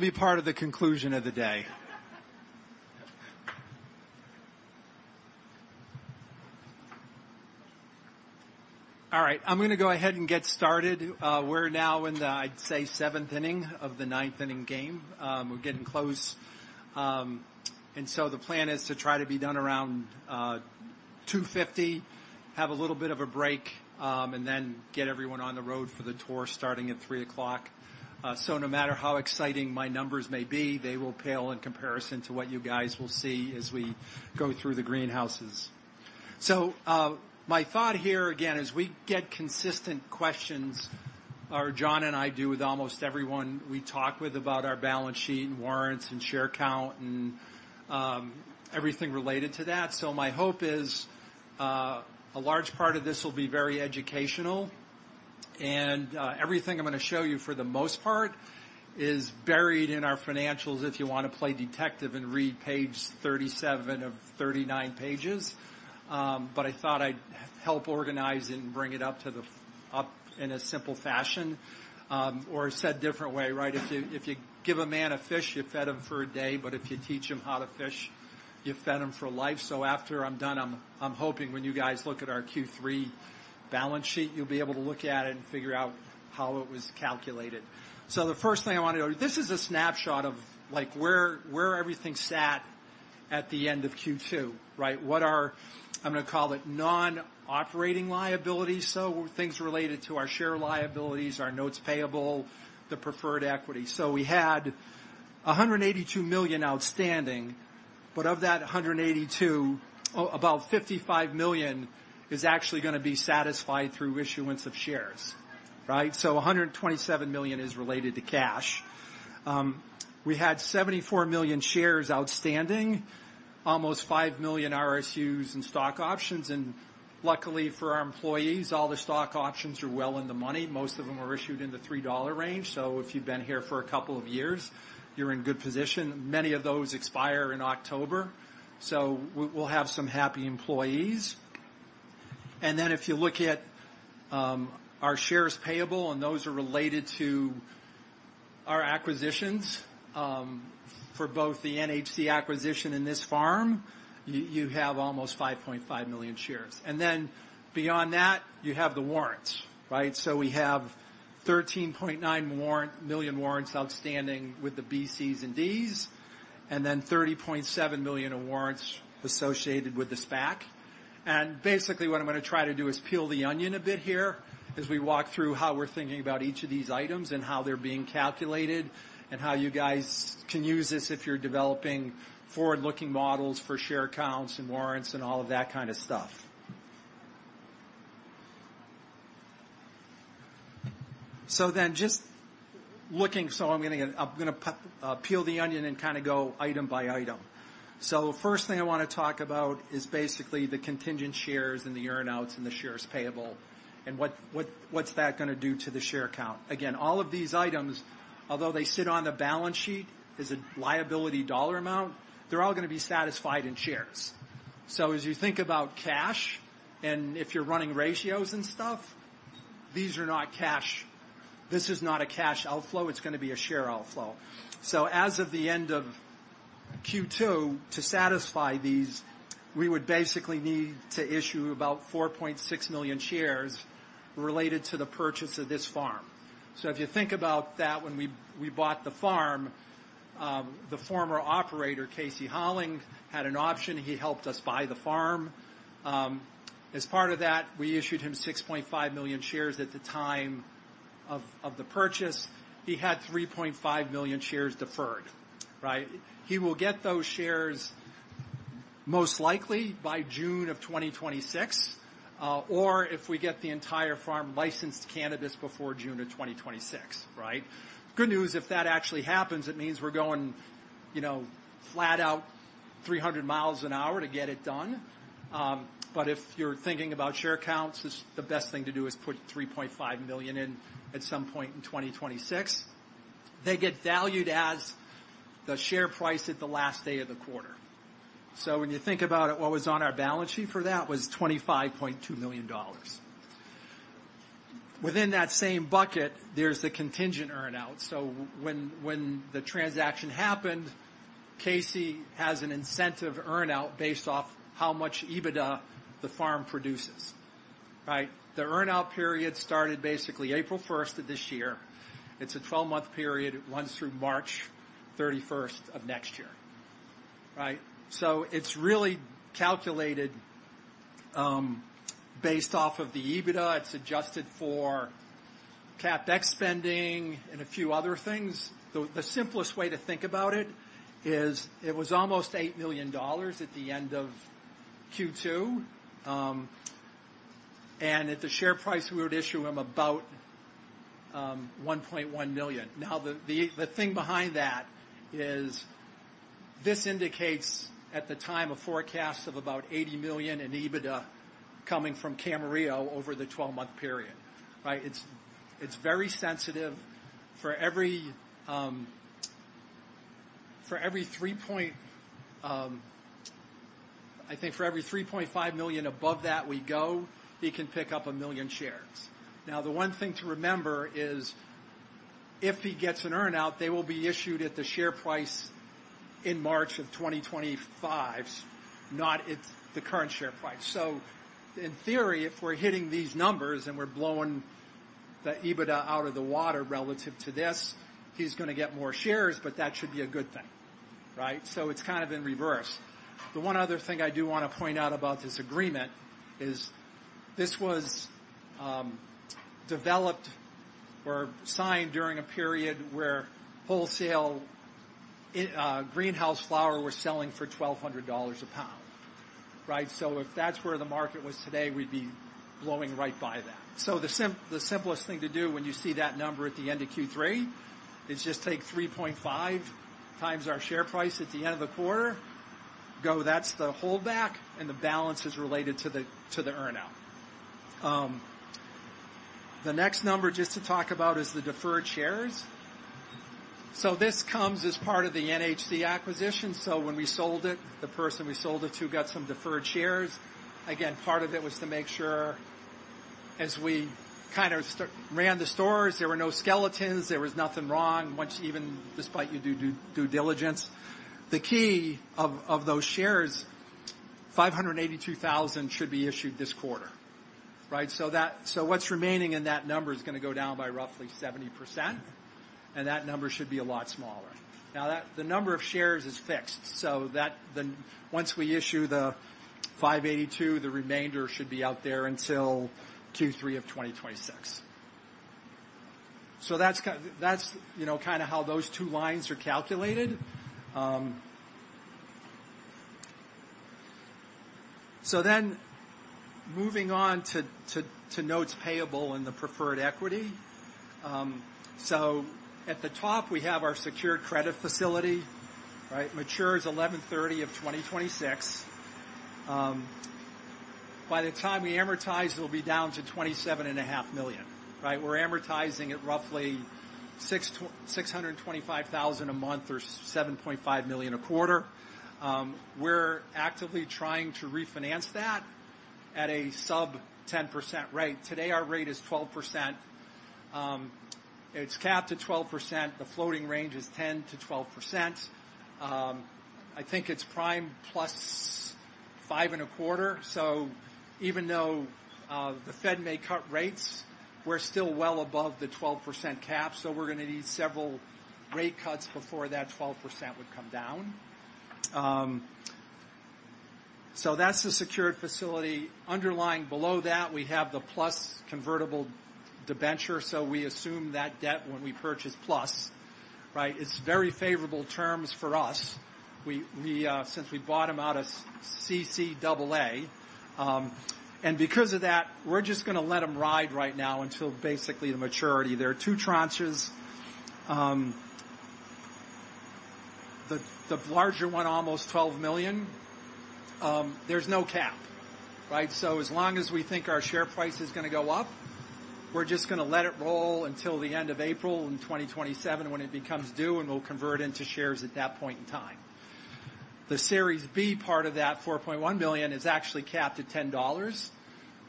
Speaker 3: be part of the conclusion of the day. All right, I'm gonna go ahead and get started. We're now in the, I'd say, seventh inning of the ninth inning game. We're getting close, and so the plan is to try to be done around 2:50 P.M., have a little bit of a break, and then get everyone on the road for the tour starting at 3:00 P.M. So no matter how exciting my numbers may be, they will pale in comparison to what you guys will see as we go through the greenhouses. So, my thought here again, is we get consistent questions, or John and I do, with almost everyone we talk with about our balance sheet and warrants and share count and, everything related to that. So my hope is, a large part of this will be very educational, and, everything I'm gonna show you, for the most part, is buried in our financials if you wanna play detective and read page 37 of 39 pages. But I thought I'd help organize it and bring it up in a simple fashion. Or said a different way, right? If you, if you give a man a fish, you've fed him for a day, but if you teach him how to fish, you've fed him for life. So after I'm done, I'm, I'm hoping when you guys look at our Q3 balance sheet, you'll be able to look at it and figure out how it was calculated. So the first thing I want to go to. This is a snapshot of, like, where everything sat at the end of Q2, right? What are, I'm gonna call it, non-operating liabilities, so things related to our share liabilities, our notes payable, the preferred equity. So we had $182 million outstanding, but of that $182 million, about 55 million is actually gonna be satisfied through issuance of shares, right? So $127 million is related to cash. We had 74 million shares outstanding, almost 5 million RSUs and stock options, and luckily for our employees, all the stock options are well in the money. Most of them were issued in the $3 range. So if you've been here for a couple of years, you're in good position. Many of those expire in October, so we'll have some happy employees. And then if you look at our shares payable, and those are related to our acquisitions, for both the NHC acquisition and this farm, you have almost five point five million shares. And then beyond that, you have the warrants, right? So we have thirteen point nine million warrants outstanding with the B, Cs, and Ds, and then thirty point seven million of warrants associated with the SPAC. And basically, what I'm gonna try to do is peel the onion a bit here as we walk through how we're thinking about each of these items and how they're being calculated, and how you guys can use this if you're developing forward-looking models for share counts and warrants and all of that kind of stuff. So I'm gonna peel the onion and kinda go item by item. So first thing I wanna talk about is basically the contingent shares and the earn-outs, and the shares payable, and what's that gonna do to the share count? Again, all of these items, although they sit on the balance sheet, as a liability dollar amount, they're all gonna be satisfied in shares. So as you think about cash and if you're running ratios and stuff, these are not cash. This is not a cash outflow, it's gonna be a share outflow. So as of the end of Q2, to satisfy these, we would basically need to issue about 4.6 million shares related to the purchase of this farm. So if you think about that, when we bought the farm, the former operator, Casey Houweling, had an option. He helped us buy the farm. As part of that, we issued him 6.5 million shares at the time of the purchase. He had 3.5 million shares deferred, right? He will get those shares most likely by June 2026, or if we get the entire farm licensed cannabis before June 2026, right? Good news, if that actually happens, it means we're going, you know, flat out 300 miles an hour to get it done. But if you're thinking about share counts, the best thing to do is put 3.5 million in at some point in 2026. They get valued as the share price at the last day of the quarter. So when you think about it, what was on our balance sheet for that was $25.2 million. Within that same bucket, there's the contingent earn-out. So when the transaction happened, Casey has an incentive earn-out based off how much EBITDA the farm produces, right? The earn-out period started basically April first of this year. It's a twelve-month period. It runs through March thirty-first of next year, right? So it's really calculated based off of the EBITDA. It's adjusted for CapEx spending and a few other things. The simplest way to think about it is it was almost $8 million at the end of Q2. And at the share price, we would issue him about $1.1 million. Now, the thing behind that is this indicates, at the time, a forecast of about $80 million in EBITDA coming from Camarillo over the twelve-month period, right? It's very sensitive. For every 3. I think for every 3.5 million above that we go, he can pick up 1 million shares. Now, the one thing to remember is if he gets an earn-out, they will be issued at the share price in March of 2025, not at the current share price. So in theory, if we're hitting these numbers and we're blowing the EBITDA out of the water relative to this, he's gonna get more shares, but that should be a good thing, right? So it's kind of in reverse. The one other thing I do want to point out about this agreement is this was developed or signed during a period where wholesale greenhouse flower was selling for $1,200 a pound, right? So if that's where the market was today, we'd be blowing right by that. The simplest thing to do when you see that number at the end of Q3 is just take 3.5 times our share price at the end of the quarter. Go, "That's the holdback, and the balance is related to the earn-out." The next number just to talk about is the deferred shares. So this comes as part of the NHC acquisition. So when we sold it, the person we sold it to got some deferred shares. Again, part of it was to make sure as we kind of ran the stores, there was no skeletons, there was nothing wrong, once even despite you do due diligence. The key of those shares, 582,000 should be issued this quarter, right? So what's remaining in that number is gonna go down by roughly 70%, and that number should be a lot smaller. Now, that the number of shares is fixed, so that the once we issue the five eighty-two, the remainder should be out there until Q3 of 2026. So that's, you know, kinda how those two lines are calculated. So then moving on to notes payable and the preferred equity. So at the top, we have our secured credit facility, right? Matures November 30 of 2026. By the time we amortize, it'll be down to $27.5 million, right? We're amortizing at roughly $625,000 a month, or $7.5 million a quarter. We're actively trying to refinance that at a sub-10% rate. Today, our rate is 12%. It's capped at 12%. The floating range is 10%-12%. I think it's prime plus 5.25%. So even though the Fed may cut rates, we're still well above the 12% cap, so we're gonna need several rate cuts before that 12% would come down. So that's the secured facility. Underlying below that, we have the Plus convertible debenture, so we assume that debt when we purchase Plus, right? It's very favorable terms for us. We since we bought them out of CCAA. And because of that, we're just gonna let them ride right now until basically the maturity. There are two tranches. The larger one, almost $12 million. There's no cap, right? As long as we think our share price is gonna go up, we're just gonna let it roll until the end of April 2027 when it becomes due, and we'll convert into shares at that point in time. The Series B part of that $4.1 billion is actually capped at $10.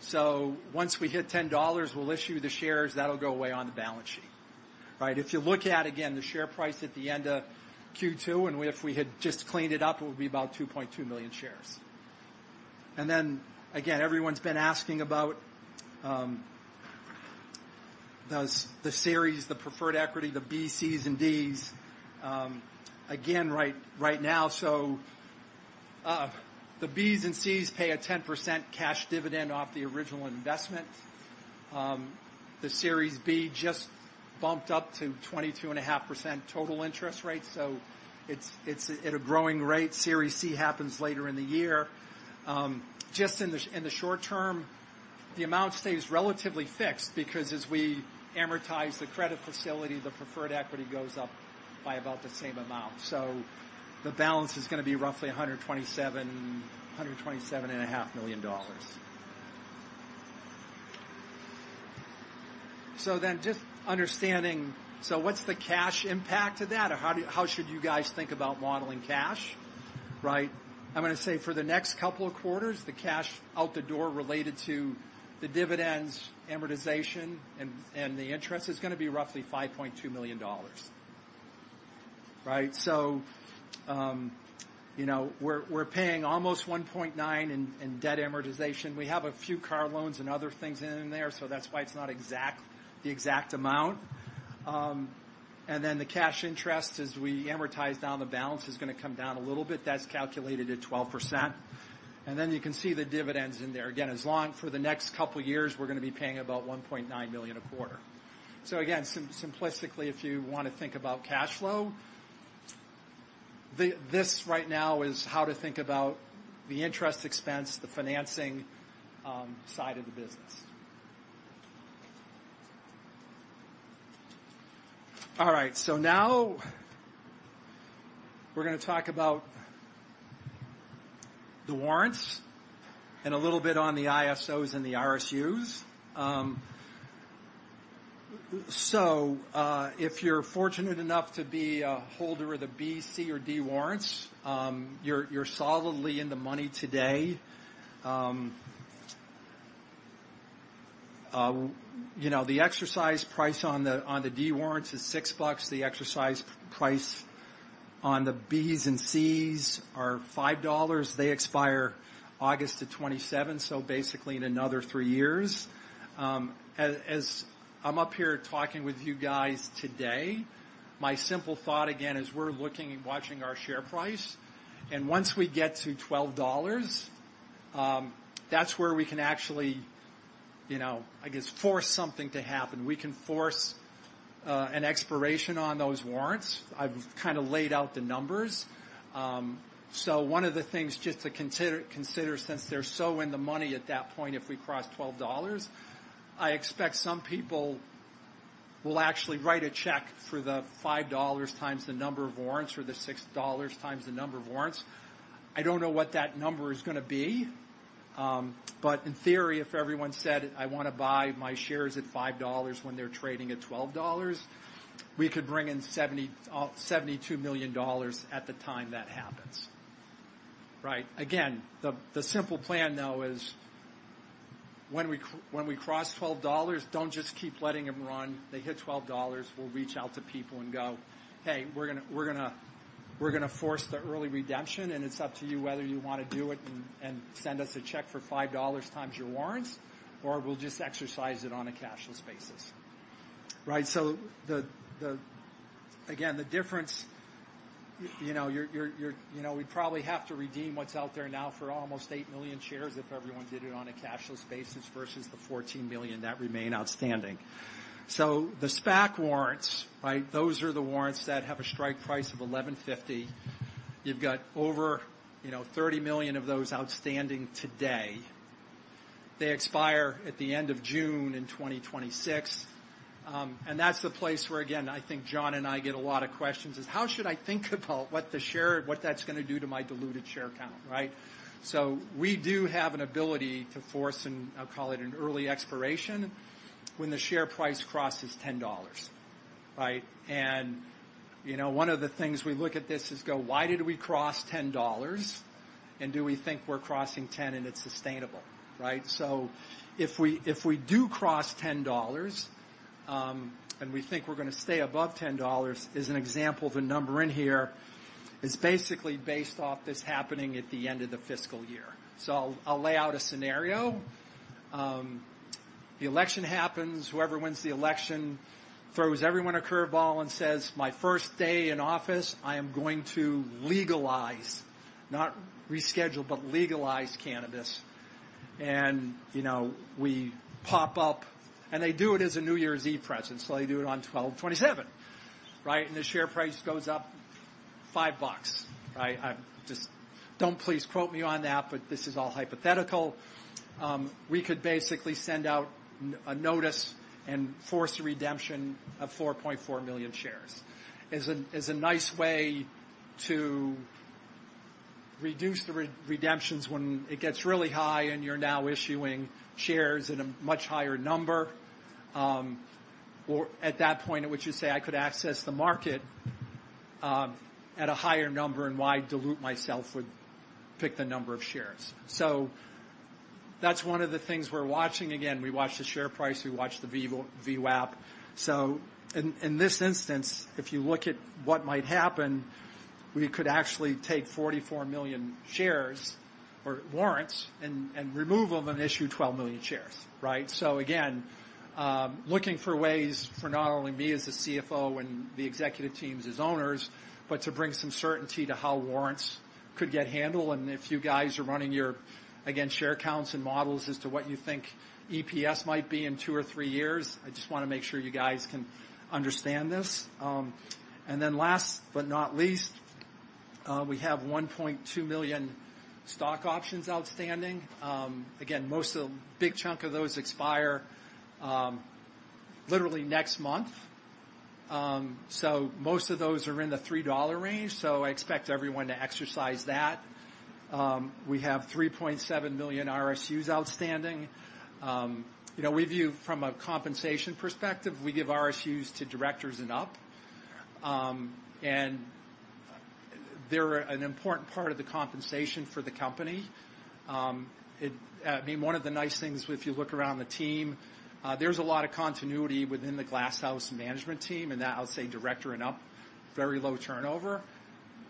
Speaker 3: So once we hit $10, we'll issue the shares. That'll go away on the balance sheet. Right. If you look at, again, the share price at the end of Q2, and if we had just cleaned it up, it would be about 2.2 million shares. And then again, everyone's been asking about the series, the preferred equity, the Bs, Cs, and Ds. Again, right now, so the Bs and Cs pay a 10% cash dividend off the original investment. The Series B just bumped up to 22.5% total interest rate, so it's at a growing rate. Series C happens later in the year. Just in the short term, the amount stays relatively fixed because as we amortize the credit facility, the preferred equity goes up by about the same amount. So the balance is gonna be roughly $127-$127.5 million. So then, just understanding, so what's the cash impact to that? Or how do you, how should you guys think about modeling cash, right? I'm gonna say for the next couple of quarters, the cash out the door related to the dividends, amortization, and the interest is gonna be roughly $5.2 million. Right? So, you know, we're paying almost $1.9 million in debt amortization. We have a few car loans and other things in there, so that's why it's not exact, the exact amount. And then the cash interest, as we amortize down the balance, is gonna come down a little bit. That's calculated at 12%. And then you can see the dividends in there. Again, as long for the next couple of years, we're gonna be paying about $1.9 million a quarter. So again, simplistically, if you want to think about cash flow, this right now is how to think about the interest expense, the financing side of the business. All right, so now we're gonna talk about the warrants and a little bit on the ISOs and the RSUs. So, if you're fortunate enough to be a holder of the B, C, or D warrants, you're solidly in the money today. You know, the exercise price on the D warrants is $6. The exercise price on the Bs and Cs are $5. They expire August the twenty-seventh, so basically in another three years. As I'm up here talking with you guys today, my simple thought again is we're looking and watching our share price, and once we get to $12, that's where we can actually, you know, I guess, force something to happen. We can force an expiration on those warrants. I've kind of laid out the numbers. So one of the things just to consider since they're so in the money at that point, if we cross $12, I expect some people will actually write a check for the $5 times the number of warrants, or the $6 times the number of warrants. I don't know what that number is gonna be, but in theory, if everyone said, "I wanna buy my shares at $5 when they're trading at $12," we could bring in $72 million at the time that happens, right? Again, the simple plan, though, is when we cross $12, don't just keep letting them run. They hit $12, we'll reach out to people and go, "Hey, we're gonna, we're gonna, we're gonna force the early redemption, and it's up to you whether you want to do it and, and send us a check for $5 times your warrants, or we'll just exercise it on a cashless basis." Right. So the... Again, the difference, you know, you're, you know, we'd probably have to redeem what's out there now for almost 8 million shares if everyone did it on a cashless basis, versus the 14 million that remain outstanding. So the SPAC warrants, right, those are the warrants that have a strike price of $11.50. You've got over, you know, 30 million of those outstanding today.... They expire at the end of June in 2026. And that's the place where, again, I think John and I get a lot of questions, is, how should I think about what the share - what that's gonna do to my diluted share count, right? So we do have an ability to force, and I'll call it an early expiration, when the share price crosses $10, right? And, you know, one of the things we look at this is go, why did we cross $10? And do we think we're crossing 10 and it's sustainable, right? So if we do cross $10, and we think we're gonna stay above $10, as an example, the number in here is basically based off this happening at the end of the fiscal year. So I'll lay out a scenario. The election happens, whoever wins the election throws everyone a curveball and says, "My first day in office, I am going to legalize, not reschedule, but legalize cannabis." And, you know, we pop up, and they do it as a New Year's Eve present, so they do it on twelve twenty-seven, right? And the share price goes up $5, right? I just... Don't please quote me on that, but this is all hypothetical. We could basically send out a notice and force a redemption of 4.4 million shares. As a nice way to reduce the redemptions when it gets really high, and you're now issuing shares at a much higher number. Or at that point at which you say, "I could access the market, at a higher number, and why dilute myself with pick the number of shares?" So that's one of the things we're watching. Again, we watch the share price, we watch the VWAP. So in this instance, if you look at what might happen, we could actually take forty-four million shares or warrants and remove them and issue twelve million shares, right? So again, looking for ways for not only me as the CFO and the executive teams as owners, but to bring some certainty to how warrants could get handled. And if you guys are running your, again, share counts and models as to what you think EPS might be in two or three years, I just wanna make sure you guys can understand this. And then last but not least, we have 1.2 million stock options outstanding. Again, most of the big chunk of those expire literally next month. So most of those are in the $3 range, so I expect everyone to exercise that. We have 3.7 million RSUs outstanding. You know, we view from a compensation perspective, we give RSUs to directors and up. And they're an important part of the compensation for the company. It, I mean, one of the nice things, if you look around the team, there's a lot of continuity within the Glass House management team, and that I would say, director and up, very low turnover.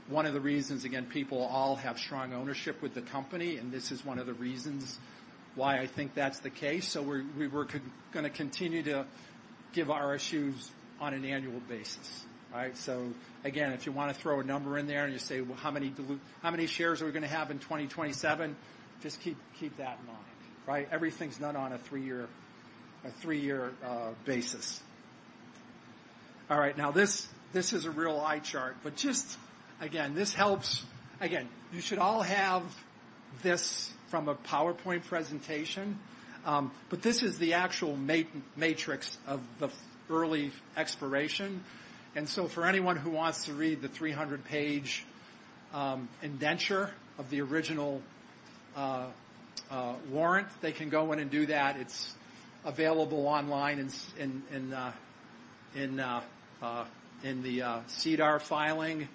Speaker 3: One of the reasons, again, people all have strong ownership with the company, and this is one of the reasons why I think that's the case. We're gonna continue to give RSUs on an annual basis, right? So again, if you wanna throw a number in there and you say, "Well, how many shares are we gonna have in 2027?" Just keep that in mind, right? Everything's done on a three-year basis. All right, now this is a real eye chart, but just... Again, this helps. You should all have this from a PowerPoint presentation. But this is the actual matrix of the early expiration. And so for anyone who wants to read the 300-page indenture of the original warrant, they can go in and do that. It's available online in the SEDAR filing,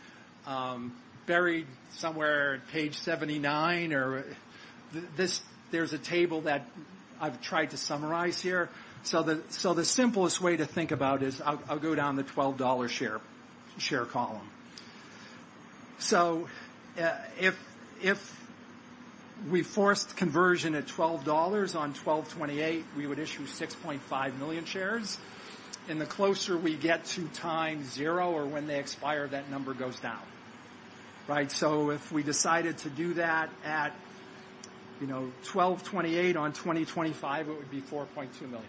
Speaker 3: buried somewhere at page 79 or, this, there's a table that I've tried to summarize here. So the simplest way to think about is I'll go down the $12 share column. So, if we forced conversion at $12 on 12/28, we would issue 6.5 million shares, and the closer we get to time zero or when they expire, that number goes down, right? So if we decided to do that at, you know, 12/28 on 2025, it would be 4.2 million.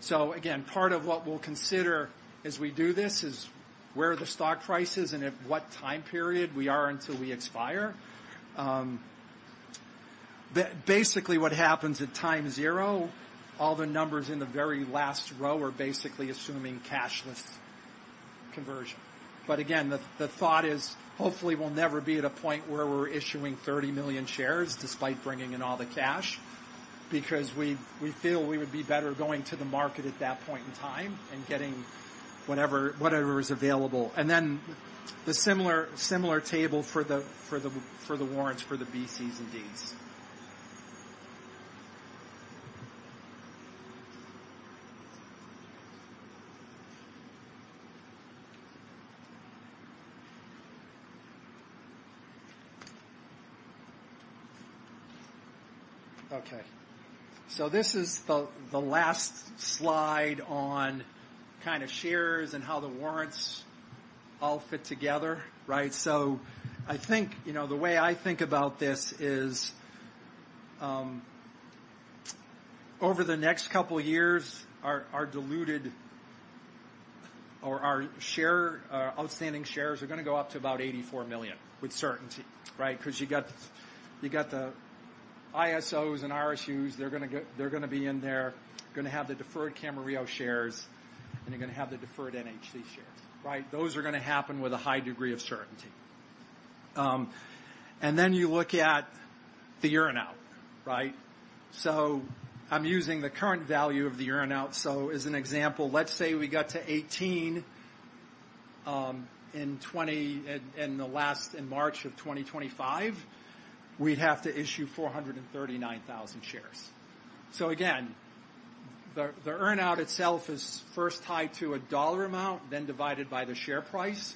Speaker 3: So again, part of what we'll consider as we do this is where the stock price is and at what time period we are until we expire. Basically, what happens at time zero, all the numbers in the very last row are basically assuming cashless conversion. But again, the thought is, hopefully, we'll never be at a point where we're issuing 30 million shares despite bringing in all the cash, because we feel we would be better going to the market at that point in time and getting whatever is available. And then the similar table for the warrants, for the Bs, Cs, and Ds. Okay, so this is the last slide on kind of shares and how the warrants all fit together, right? So I think, you know, the way I think about this is, over the next couple of years, our diluted or our share outstanding shares are going to go up to about 84 million with certainty, right? Because you got the ISOs and RSUs, they're gonna be in there. Gonna have the deferred Camarillo shares, and you're gonna have the deferred NHC shares. Right? Those are gonna happen with a high degree of certainty. And then you look at the earn-out, right? So I'm using the current value of the earn-out. So as an example, let's say we got to 18 in March of 2025, we'd have to issue 439,000 shares. So again, the earn-out itself is first tied to a dollar amount, then divided by the share price.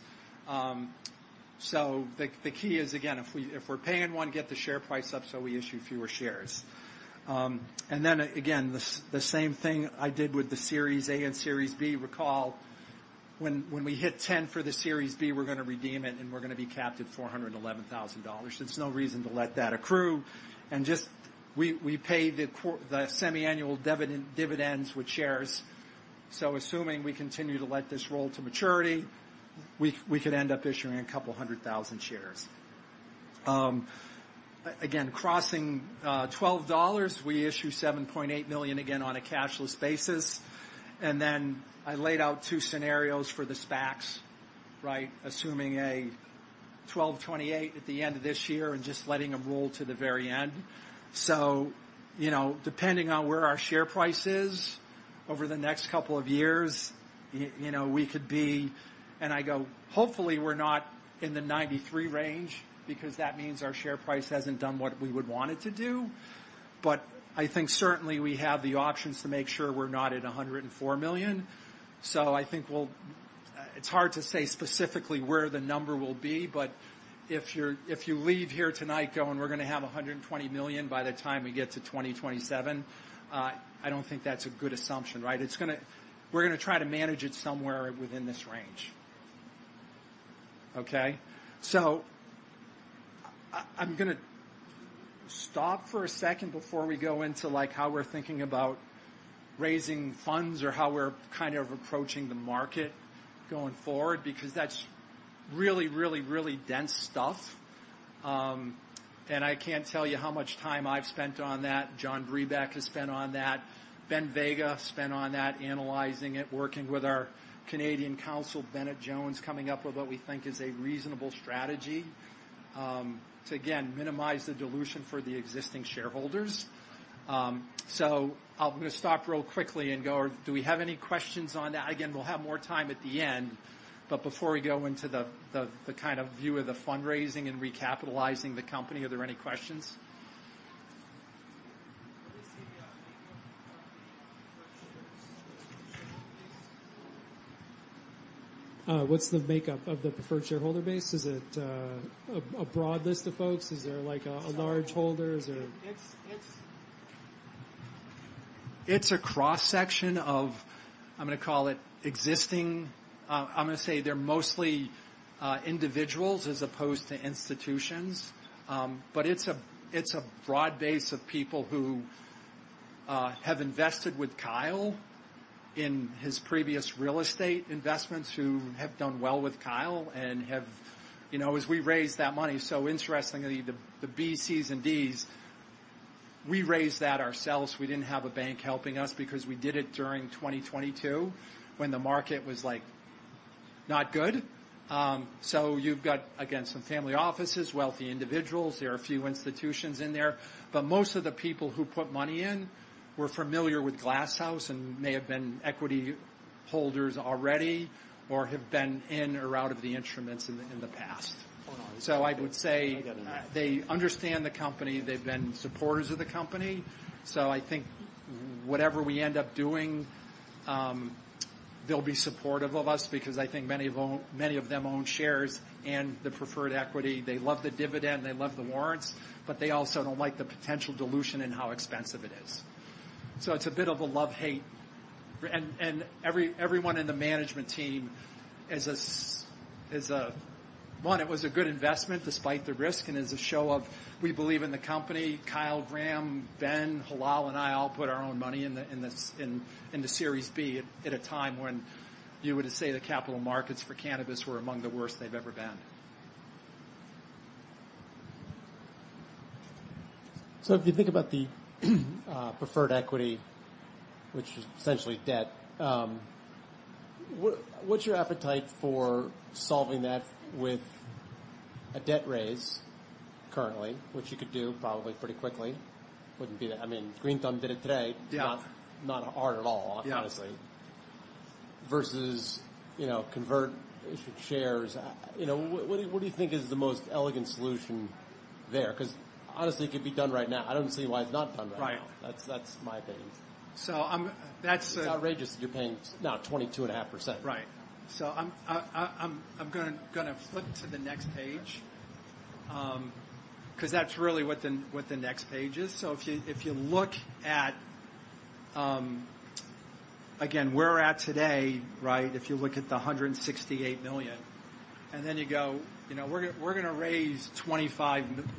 Speaker 3: So the key is, again, if we're paying one, get the share price up, so we issue fewer shares. And then again, the same thing I did with the Series A and Series B. Recall when we hit $10 for the Series B, we're gonna redeem it, and we're gonna be capped at $411,000. There's no reason to let that accrue. And just, we, we pay the semiannual dividends with shares. So assuming we continue to let this roll to maturity, we, we could end up issuing a couple hundred thousand shares. Again, crossing $12, we issue 7.8 million again on a cashless basis. And then I laid out two scenarios for the SPACs, right? Assuming a $12.28 at the end of this year and just letting them roll to the very end. So, you know, depending on where our share price is over the next couple of years. We could be. And I go, hopefully, we're not in the 93 range because that means our share price hasn't done what we would want it to do. But I think certainly we have the options to make sure we're not at 104 million. So I think we'll. It's hard to say specifically where the number will be, but if you're, if you leave here tonight going, "We're gonna have 120 million by the time we get to 2027," I don't think that's a good assumption, right? It's gonna. We're gonna try to manage it somewhere within this range. Okay? So I, I'm gonna stop for a second before we go into, like, how we're thinking about raising funds or how we're kind of approaching the market going forward, because that's really, really, really dense stuff. And I can't tell you how much time I've spent on that, John Brebeck has spent on that, Ben Vega spent on that, analyzing it, working with our Canadian counsel, Bennett Jones, coming up with what we think is a reasonable strategy to, again, minimize the dilution for the existing shareholders. So I'm gonna stop real quickly and go, do we have any questions on that? Again, we'll have more time at the end, but before we go into the kind of view of the fundraising and recapitalizing the company, are there any questions? What's the makeup of the preferred shareholder base? Is it a broad list of folks? Is there, like, a large holder or is there- It's a cross-section of, I'm gonna call it, existing. I'm gonna say they're mostly individuals as opposed to institutions. But it's a broad base of people who have invested with Kyle in his previous real estate investments, who have done well with Kyle and have, you know, as we raised that money. So interestingly, the B, Cs, and Ds, we raised that ourselves. We didn't have a bank helping us because we did it during 2022, when the market was, like, not good. So you've got, again, some family offices, wealthy individuals, there are a few institutions in there, but most of the people who put money in were familiar with Glass House and may have been equity holders already or have been in or out of the instruments in the past. So I would say they understand the company, they've been supporters of the company. So I think whatever we end up doing, they'll be supportive of us because I think many of them own shares and the preferred equity. They love the dividend, they love the warrants, but they also don't like the potential dilution and how expensive it is. So it's a bit of a love-hate. And everyone in the management team is a... One, it was a good investment despite the risk, and is a show of we believe in the company. Kyle, Graham, Ben, Hilal, and I all put our own money in the, into Series B at a time when you were to say the capital markets for cannabis were among the worst they've ever been.
Speaker 23: So if you think about the preferred equity, which is essentially debt, what's your appetite for solving that with a debt raise currently, which you could do probably pretty quickly? Wouldn't be that. I mean, Green Thumb did it today.
Speaker 3: Yeah.
Speaker 23: Not hard at all.
Speaker 3: Yeah Honestly, versus, you know, convert shares. You know, what, what do you think is the most elegant solution there? 'Cause honestly, it could be done right now. I don't see why it's not done right now.
Speaker 23: Right. That's my. [inaudible]
Speaker 3: So, that's-
Speaker 23: It's outrageous that you're paying now 22.5%.
Speaker 3: Right. So I'm gonna flip to the next page, 'cause that's really what the next page is. So if you look at, again, where we're at today, right? If you look at the $168 million, and then you go, "You know, we're gonna raise $25 million.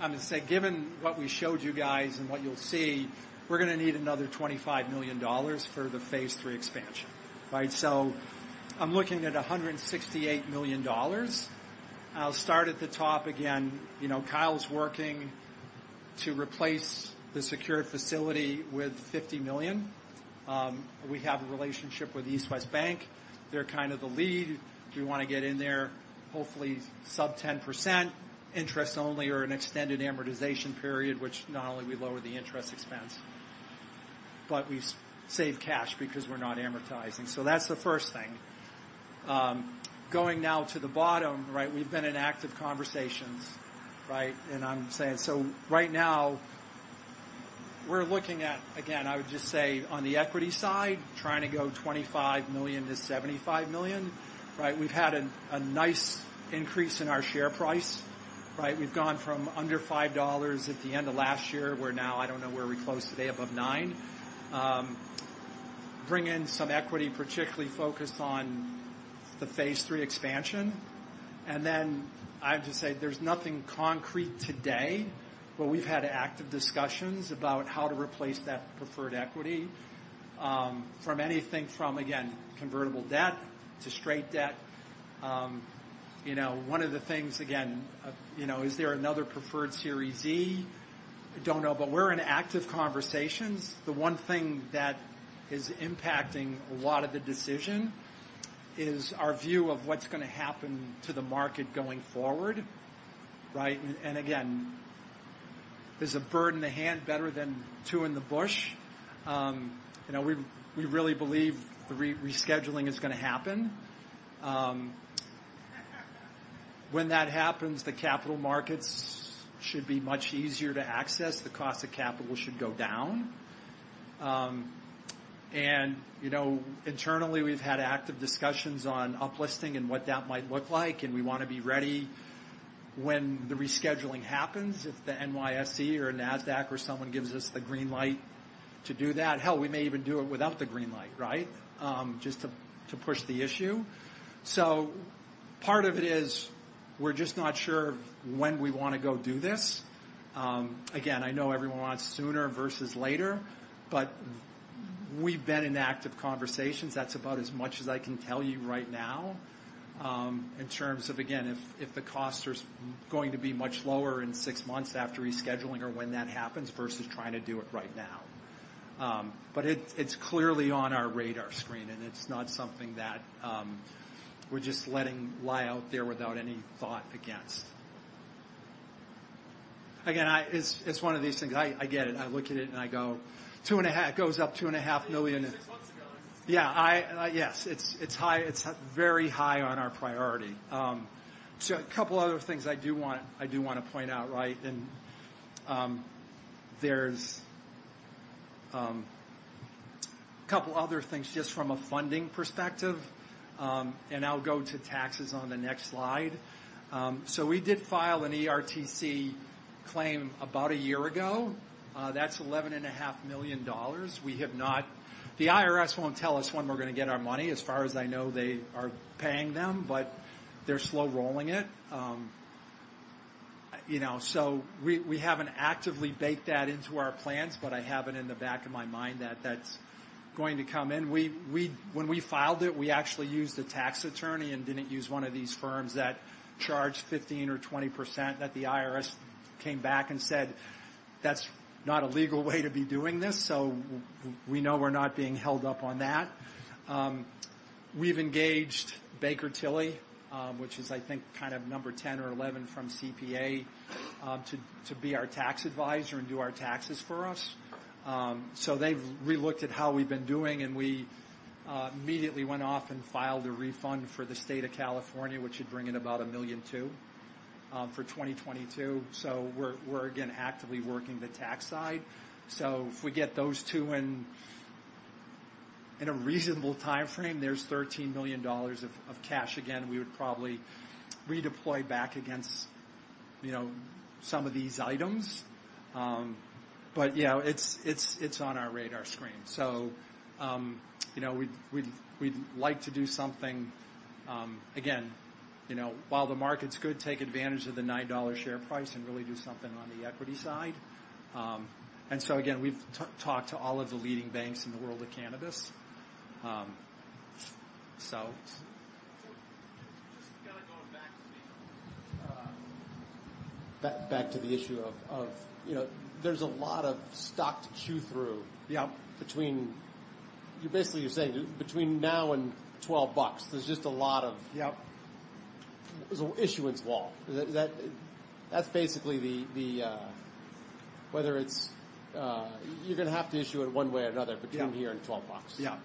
Speaker 3: I'm gonna say, given what we showed you guys and what you'll see, we're gonna need another $25 million for the phase three expansion, right? So I'm looking at $168 million. I'll start at the top again. You know, Kyle's working to replace the secured facility with $50 million. We have a relationship with East West Bank. They're kind of the lead. We wanna get in there, hopefully sub 10% interest only or an extended amortization period, which not only we lower the interest expense, but we save cash because we're not amortizing. So that's the first thing. Going now to the bottom, right, we've been in active conversations, right? And I'm saying, so right now, we're looking at... Again, I would just say on the equity side, trying to go $25 million-$75 million, right? We've had a, a nice increase in our share price, right? We've gone from under $5 at the end of last year. We're now, I don't know where we closed today, above $9. Bring in some equity, particularly focused on the phase three expansion. And then I have to say, there's nothing concrete today, but we've had active discussions about how to replace that preferred equity from anything, again, convertible debt to straight debt. You know, one of the things again, you know, is there another preferred Series Z? Don't know, but we're in active conversations. The one thing that is impacting a lot of the decision is our view of what's gonna happen to the market going forward, right? And again, is a bird in the hand better than two in the bush? You know, we really believe rescheduling is gonna happen. When that happens, the capital markets should be much easier to access. The cost of capital should go down. You know, internally, we've had active discussions on uplisting and what that might look like, and we wanna be ready when the rescheduling happens, if the NYSE or NASDAQ or someone gives us the green light to do that. Hell, we may even do it without the green light, right? Just to push the issue. So part of it is, we're just not sure when we wanna go do this. Again, I know everyone wants sooner versus later, but we've been in active conversations. That's about as much as I can tell you right now, in terms of, again, if the costs are going to be much lower in six months after rescheduling or when that happens versus trying to do it right now. But it's clearly on our radar screen, and it's not something that we're just letting lie out there without any thought against. Again, it's one of these things. I get it. I look at it and I go, two and a half. It goes up $2.5 million. It's high. It's very high on our priority. So a couple other things I do want, I do wanna point out, right? There's a couple other things just from a funding perspective, and I'll go to taxes on the next slide. So we did file an ERTC claim about a year ago. That's $11.5 million. We have not. The IRS won't tell us when we're gonna get our money. As far as I know, they are paying them, but they're slow-rolling it. You know, so we haven't actively baked that into our plans, but I have it in the back of my mind that that's going to come in. When we filed it, we actually used a tax attorney and didn't use one of these firms that charged 15% or 20%, that the IRS came back and said, "That's not a legal way to be doing this." So we know we're not being held up on that. We've engaged Baker Tilly, which is, I think, kind of number ten or eleven from CPA, to be our tax advisor and do our taxes for us. So they've relooked at how we've been doing, and we immediately went off and filed a refund for the state of California, which should bring in about $1.2 million for 2022. So we're again, actively working the tax side. So if we get those two in a reasonable timeframe, there's $13 million of cash. Again, we would probably redeploy back against, you know, some of these items. But yeah, it's on our radar screen. So, you know, we'd like to do something, again, you know, while the market's good, take advantage of the nine-dollar share price and really do something on the equity side. And so again, we've talked to all of the leading banks in the world of cannabis.
Speaker 15: Just kinda going back to the issue of, you know, there's a lot of stock to chew through-
Speaker 3: Yeah.
Speaker 15: You're basically, you're saying between now and $12, there's just a lot of-
Speaker 3: Yep. There's an issuance wall. That's basically the... Whether it's, you're gonna have to issue it one way or another- Yeah.
Speaker 15: Between here and $12.
Speaker 3: Yeah.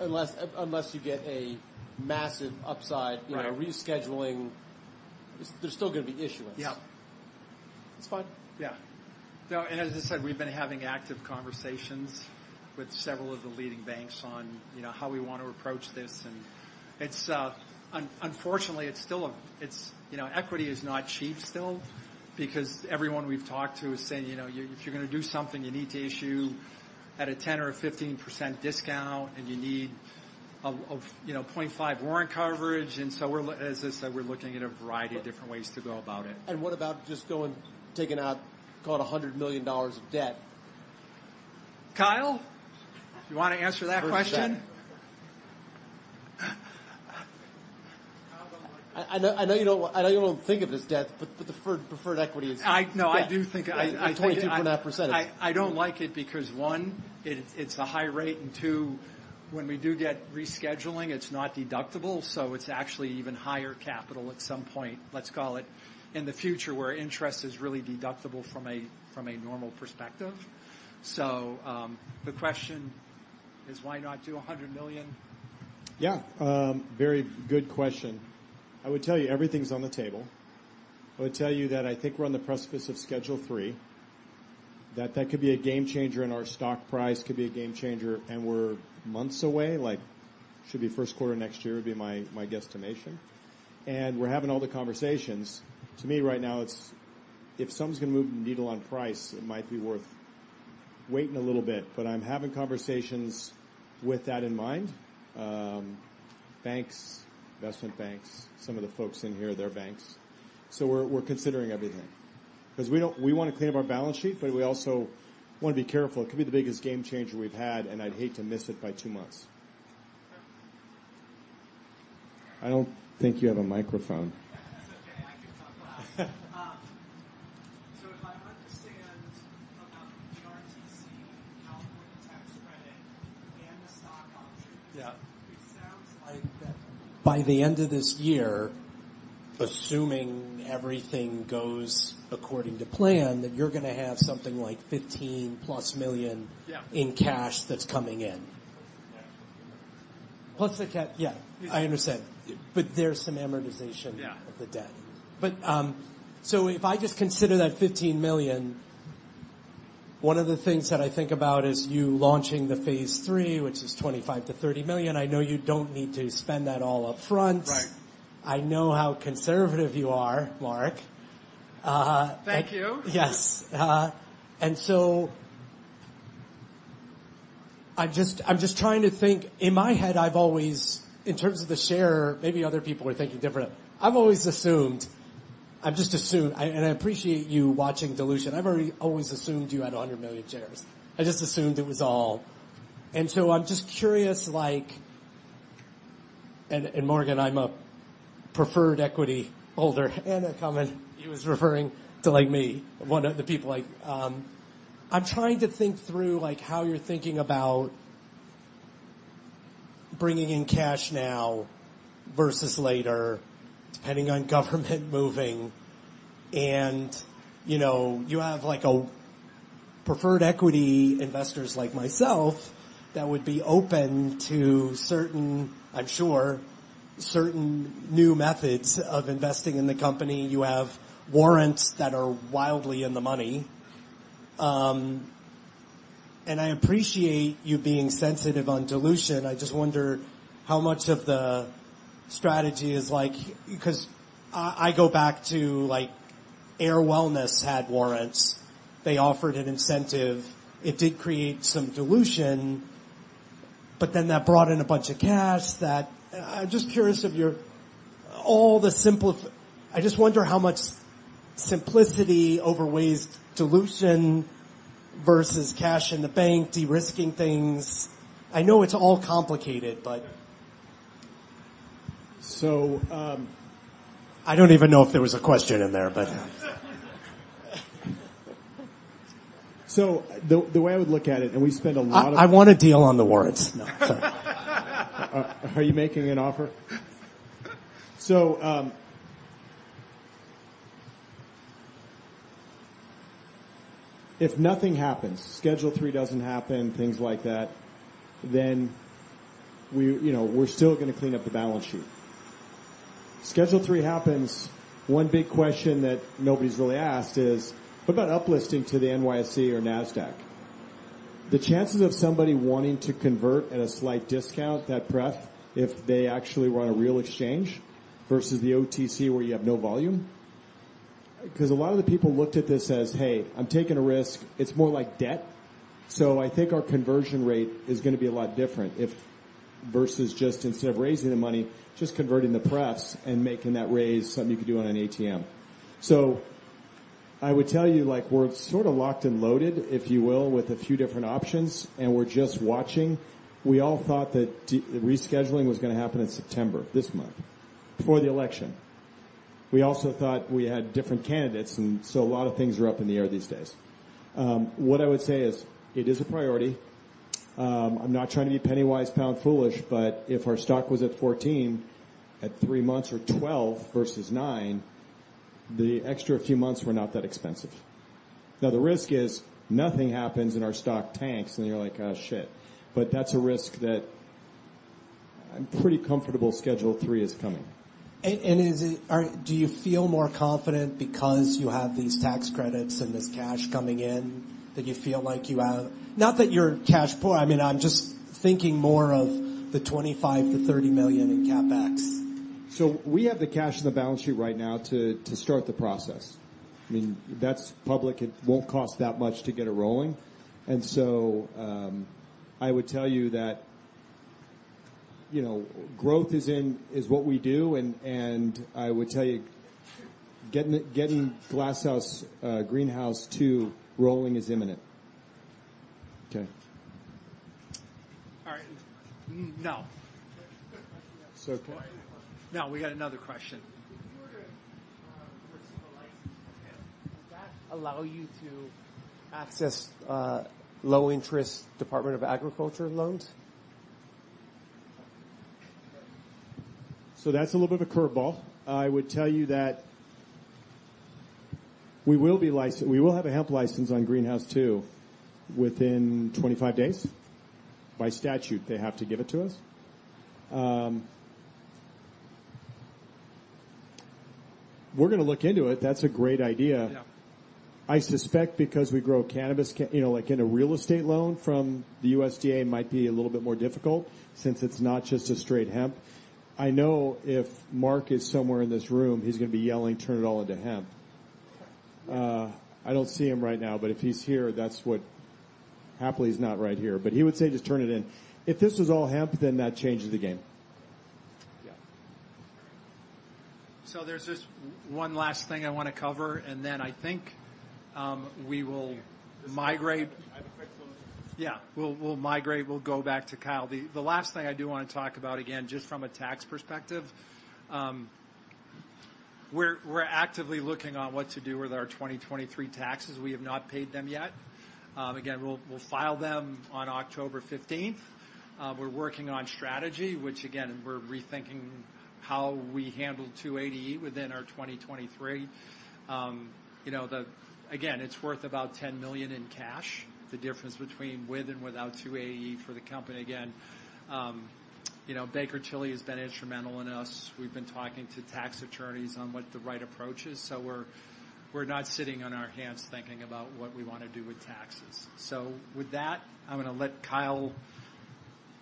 Speaker 15: Unless you get a massive upside-
Speaker 3: Right.
Speaker 15: Rescheduling, there's still gonna be issuance.
Speaker 3: Yeah.
Speaker 15: It's fine.
Speaker 3: Yeah. No, and as I said, we've been having active conversations with several of the leading banks on, you know, how we want to approach this, and it's unfortunately still a, you know, equity is not cheap still, because everyone we've talked to is saying, you know, if you're gonna do something, you need to issue at a 10% or 15% discount, and you need a, you know, 0.5 warrant coverage. And so we're. As I said, we're looking at a variety of different ways to go about it.
Speaker 10: What about just going, taking out, call it $100 million of debt?
Speaker 3: Kyle, you want to answer that question?
Speaker 15: I know you don't think of it as debt, but the preferred equity is-
Speaker 3: No, I do think I
Speaker 15: 22.5%.
Speaker 3: I don't like it because, one, it's a high rate, and two, when we do get rescheduling, it's not deductible, so it's actually even higher capital at some point, let's call it in the future, where interest is really deductible from a normal perspective. So, the question is, why not do a hundred million?
Speaker 1: Yeah, very good question. I would tell you, everything's on the table. I would tell you that I think we're on the precipice of Schedule III, that that could be a game changer, and our stock price could be a game changer, and we're months away, like, should be first quarter next year, would be my guesstimation. And we're having all the conversations. To me, right now, it's if something's gonna move the needle on price, it might be worth waiting a little bit, but I'm having conversations with that in mind. Banks, investment banks, some of the folks in here, their banks. So we're considering everything. 'Cause we don't we wanna clean up our balance sheet, but we also wanna be careful. It could be the biggest game changer we've had, and I'd hate to miss it by two months. I don't think you have a microphone.
Speaker 16: [inaudible] That's okay, I can talk loud. So if I understand about the ERTC, California tax credit, and the stock options-
Speaker 1: Yeah.
Speaker 16: It sounds like that by the end of this year assuming everything goes according to plan, that you're gonna have something like 15+ million.
Speaker 1: Yeah
Speaker 16: in cash that's coming in.
Speaker 3: Yeah. Plus. Yeah, I understand, but there's some amortization.
Speaker 1: Yeah
Speaker 16: of the debt. But so if I just consider that $15 million, one of the things that I think about is you launching the phase three, which is $25 to30 million. I know you don't need to spend that all upfront.
Speaker 3: Right.
Speaker 16: I know how conservative you are, Mark.
Speaker 3: Thank you.
Speaker 16: Yes. And so I'm just trying to think. In my head, I've always, in terms of the share, maybe other people are thinking differently. I've always assumed. I've just assumed, and I appreciate you watching dilution. I've already always assumed you had 100 million shares. I just assumed it was all. And so I'm just curious, like. And Morgan, I'm a preferred equity holder, and a common. He was referring to, like, me, one of the people, like. I'm trying to think through, like, how you're thinking about bringing in cash now versus later, depending on government moving. And you know, you have, like, preferred equity investors like myself that would be open to certain, I'm sure, new methods of investing in the company. You have warrants that are wildly in the money. I appreciate you being sensitive on dilution. I just wonder how much of the strategy is like, 'cause I go back to, like, Allswell had warrants. They offered an incentive. It did create some dilution, but then that brought in a bunch of cash that... I'm just curious if all the simplicity outweighs dilution versus cash in the bank, de-risking things. I know it's all complicated, but.
Speaker 1: I don't even know if there was a question in there, but. So the way I would look at it, and we spend a lot of.
Speaker 16: I want a deal on the warrants.
Speaker 1: Are you making an offer? So, if nothing happens, Schedule III doesn't happen, things like that, then we, you know, we're still gonna clean up the balance sheet. Schedule III happens, one big question that nobody's really asked is, what about uplisting to the NYSE or NASDAQ? The chances of somebody wanting to convert at a slight discount, that pref, if they actually want a real exchange versus the OTC, where you have no volume. 'Cause a lot of the people looked at this as, "Hey, I'm taking a risk." It's more like debt. So I think our conversion rate is gonna be a lot different if versus just instead of raising the money, just converting the pref and making that raise something you could do on an ATM. So I would tell you, like, we're sort of locked and loaded, if you will, with a few different options, and we're just watching. We all thought that rescheduling was gonna happen in September, this month, before the election. We also thought we had different candidates, and so a lot of things are up in the air these days. What I would say is, it is a priority. I'm not trying to be penny-wise, pound-foolish, but if our stock was at $14 at three months or $12 versus $9, the extra few months were not that expensive. Now, the risk is nothing happens and our stock tanks, and you're like, "Oh, shit!" But that's a risk that I'm pretty comfortable Schedule III is coming.
Speaker 16: Are, do you feel more confident because you have these tax credits and this cash coming in, that you feel like you have-- Not that you're cash poor. I mean, I'm just thinking more of the $25 to 30 million in CapEx?
Speaker 1: So we have the cash on the balance sheet right now to start the process. I mean, that's public. It won't cost that much to get it rolling. And so, I would tell you that, you know, growth is what we do, and I would tell you, getting it, getting Glass House Greenhouse Two rolling is imminent. Okay.
Speaker 3: All right. We got another question.
Speaker 24: If you were to receive a license for hemp, would that allow you to access low-interest Department of Agriculture loans?
Speaker 1: So that's a little bit of a curveball. I would tell you that we will be licensed. We will have a hemp license on Greenhouse Two within twenty-five days. By statute, they have to give it to us. We're gonna look into it. That's a great idea.
Speaker 24: Yeah.
Speaker 1: I suspect because we grow cannabis, you know, like, getting a real estate loan from the USDA might be a little bit more difficult since it's not just a straight hemp. I know if Mark is somewhere in this room, he's gonna be yelling, "Turn it all into hemp." I don't see him right now, but if he's here, that's what... Happily, he's not right here, but he would say, "Just turn it in." If this was all hemp, then that changes the game.
Speaker 3: So there's just one last thing I want to cover, and then I think we will migrate.
Speaker 24: I have a quick follow-up.
Speaker 3: Yeah, we'll migrate. We'll go back to Kyle. The last thing I do want to talk about, again, just from a tax perspective, we're actively looking on what to do with our 2023 taxes. We have not paid them yet. Again, we'll file them on October fifteenth. We're working on strategy, which again, we're rethinking how we handle 280E within our 2023. You know, again, it's worth about $10 million in cash, the difference between with and without 280E for the company. Again, you know, Baker Tilly has been instrumental in us. We've been talking to tax attorneys on what the right approach is, so we're not sitting on our hands thinking about what we want to do with taxes. So with that, I'm gonna let Kyle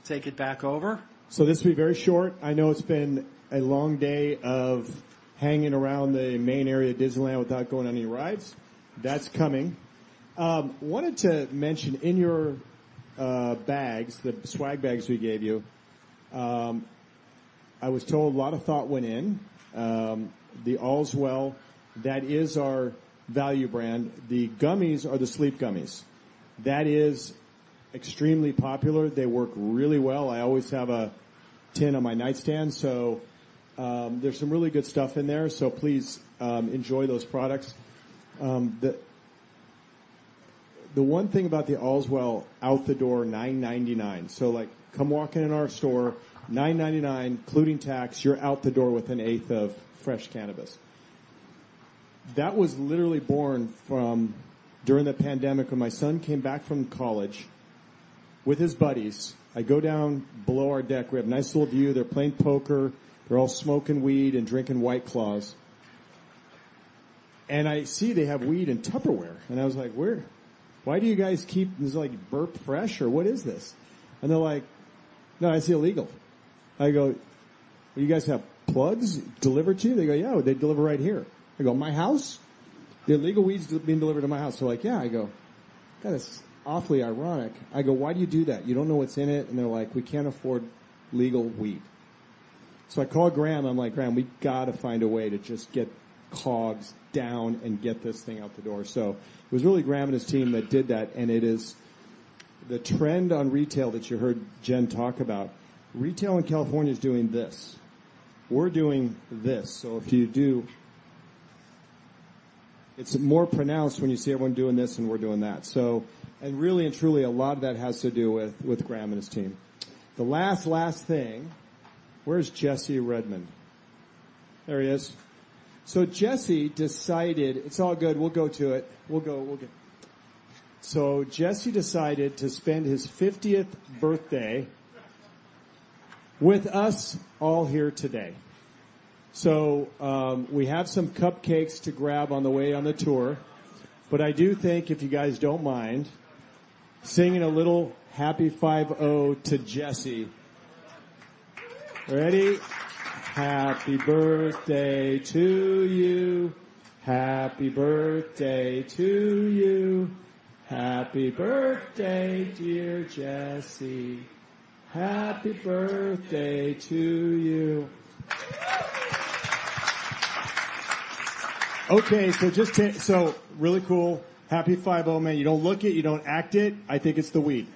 Speaker 3: take it back over.
Speaker 1: So this will be very short. I know it's been a long day of hanging around the main area of Disneyland without going on any rides. That's coming. Wanted to mention in your bags, the swag bags we gave you, I was told a lot of thought went in. The Allswell, that is our value brand. The gummies are the sleep gummies. That is extremely popular. They work really well. I always have a tin on my nightstand, so there's some really good stuff in there. So please enjoy those products. The one thing about the Allswell out the door, $9.99. So, like, come walk in our store, $9.99, including tax, you're out the door with an eighth of fresh cannabis. That was literally born from during the pandemic, when my son came back from college with his buddies. I go down below our deck. We have a nice little view. They're playing poker. They're all smoking weed and drinking White Claws. And I see they have weed and Tupperware, and I was like: "Where-- Why do you guys keep... This is, like, burp-fresh or what is this?" And they're like: "No, it's illegal." I go: "You guys have plugs delivered to you?" They go, "Yeah, they deliver right here." I go, "My house? The illegal weed's being delivered to my house?" They're like: "Yeah." I go, "That is awfully ironic." I go, "Why do you do that? You don't know what's in it." And they're like, "We can't afford legal weed." So I call Graham. I'm like: "Graham, we got to find a way to just get cogs down and get this thing out the door." So it was really Graham and his team that did that, and it is the trend on retail that you heard Jen talk about. Retail in California is doing this. We're doing this. So if you do, it's more pronounced when you see everyone doing this, and we're doing that. So... And really and truly, a lot of that has to do with Graham and his team. The last thing, where's Jesse Redmond? There he is. So Jesse decided... It's all good. We'll go to it. We'll go, we'll get... So Jesse decided to spend his fiftieth birthday with us all here today. So, we have some cupcakes to grab on the way on the tour, but I do think if you guys don't mind singing a little happy five-oh to Jesse. Ready? Happy birthday to you. Happy birthday to you. Happy birthday, dear Jesse. Happy birthday to you. Okay, so really cool. Happy five-oh, man. You don't look it, you don't act it. I think it's the weed.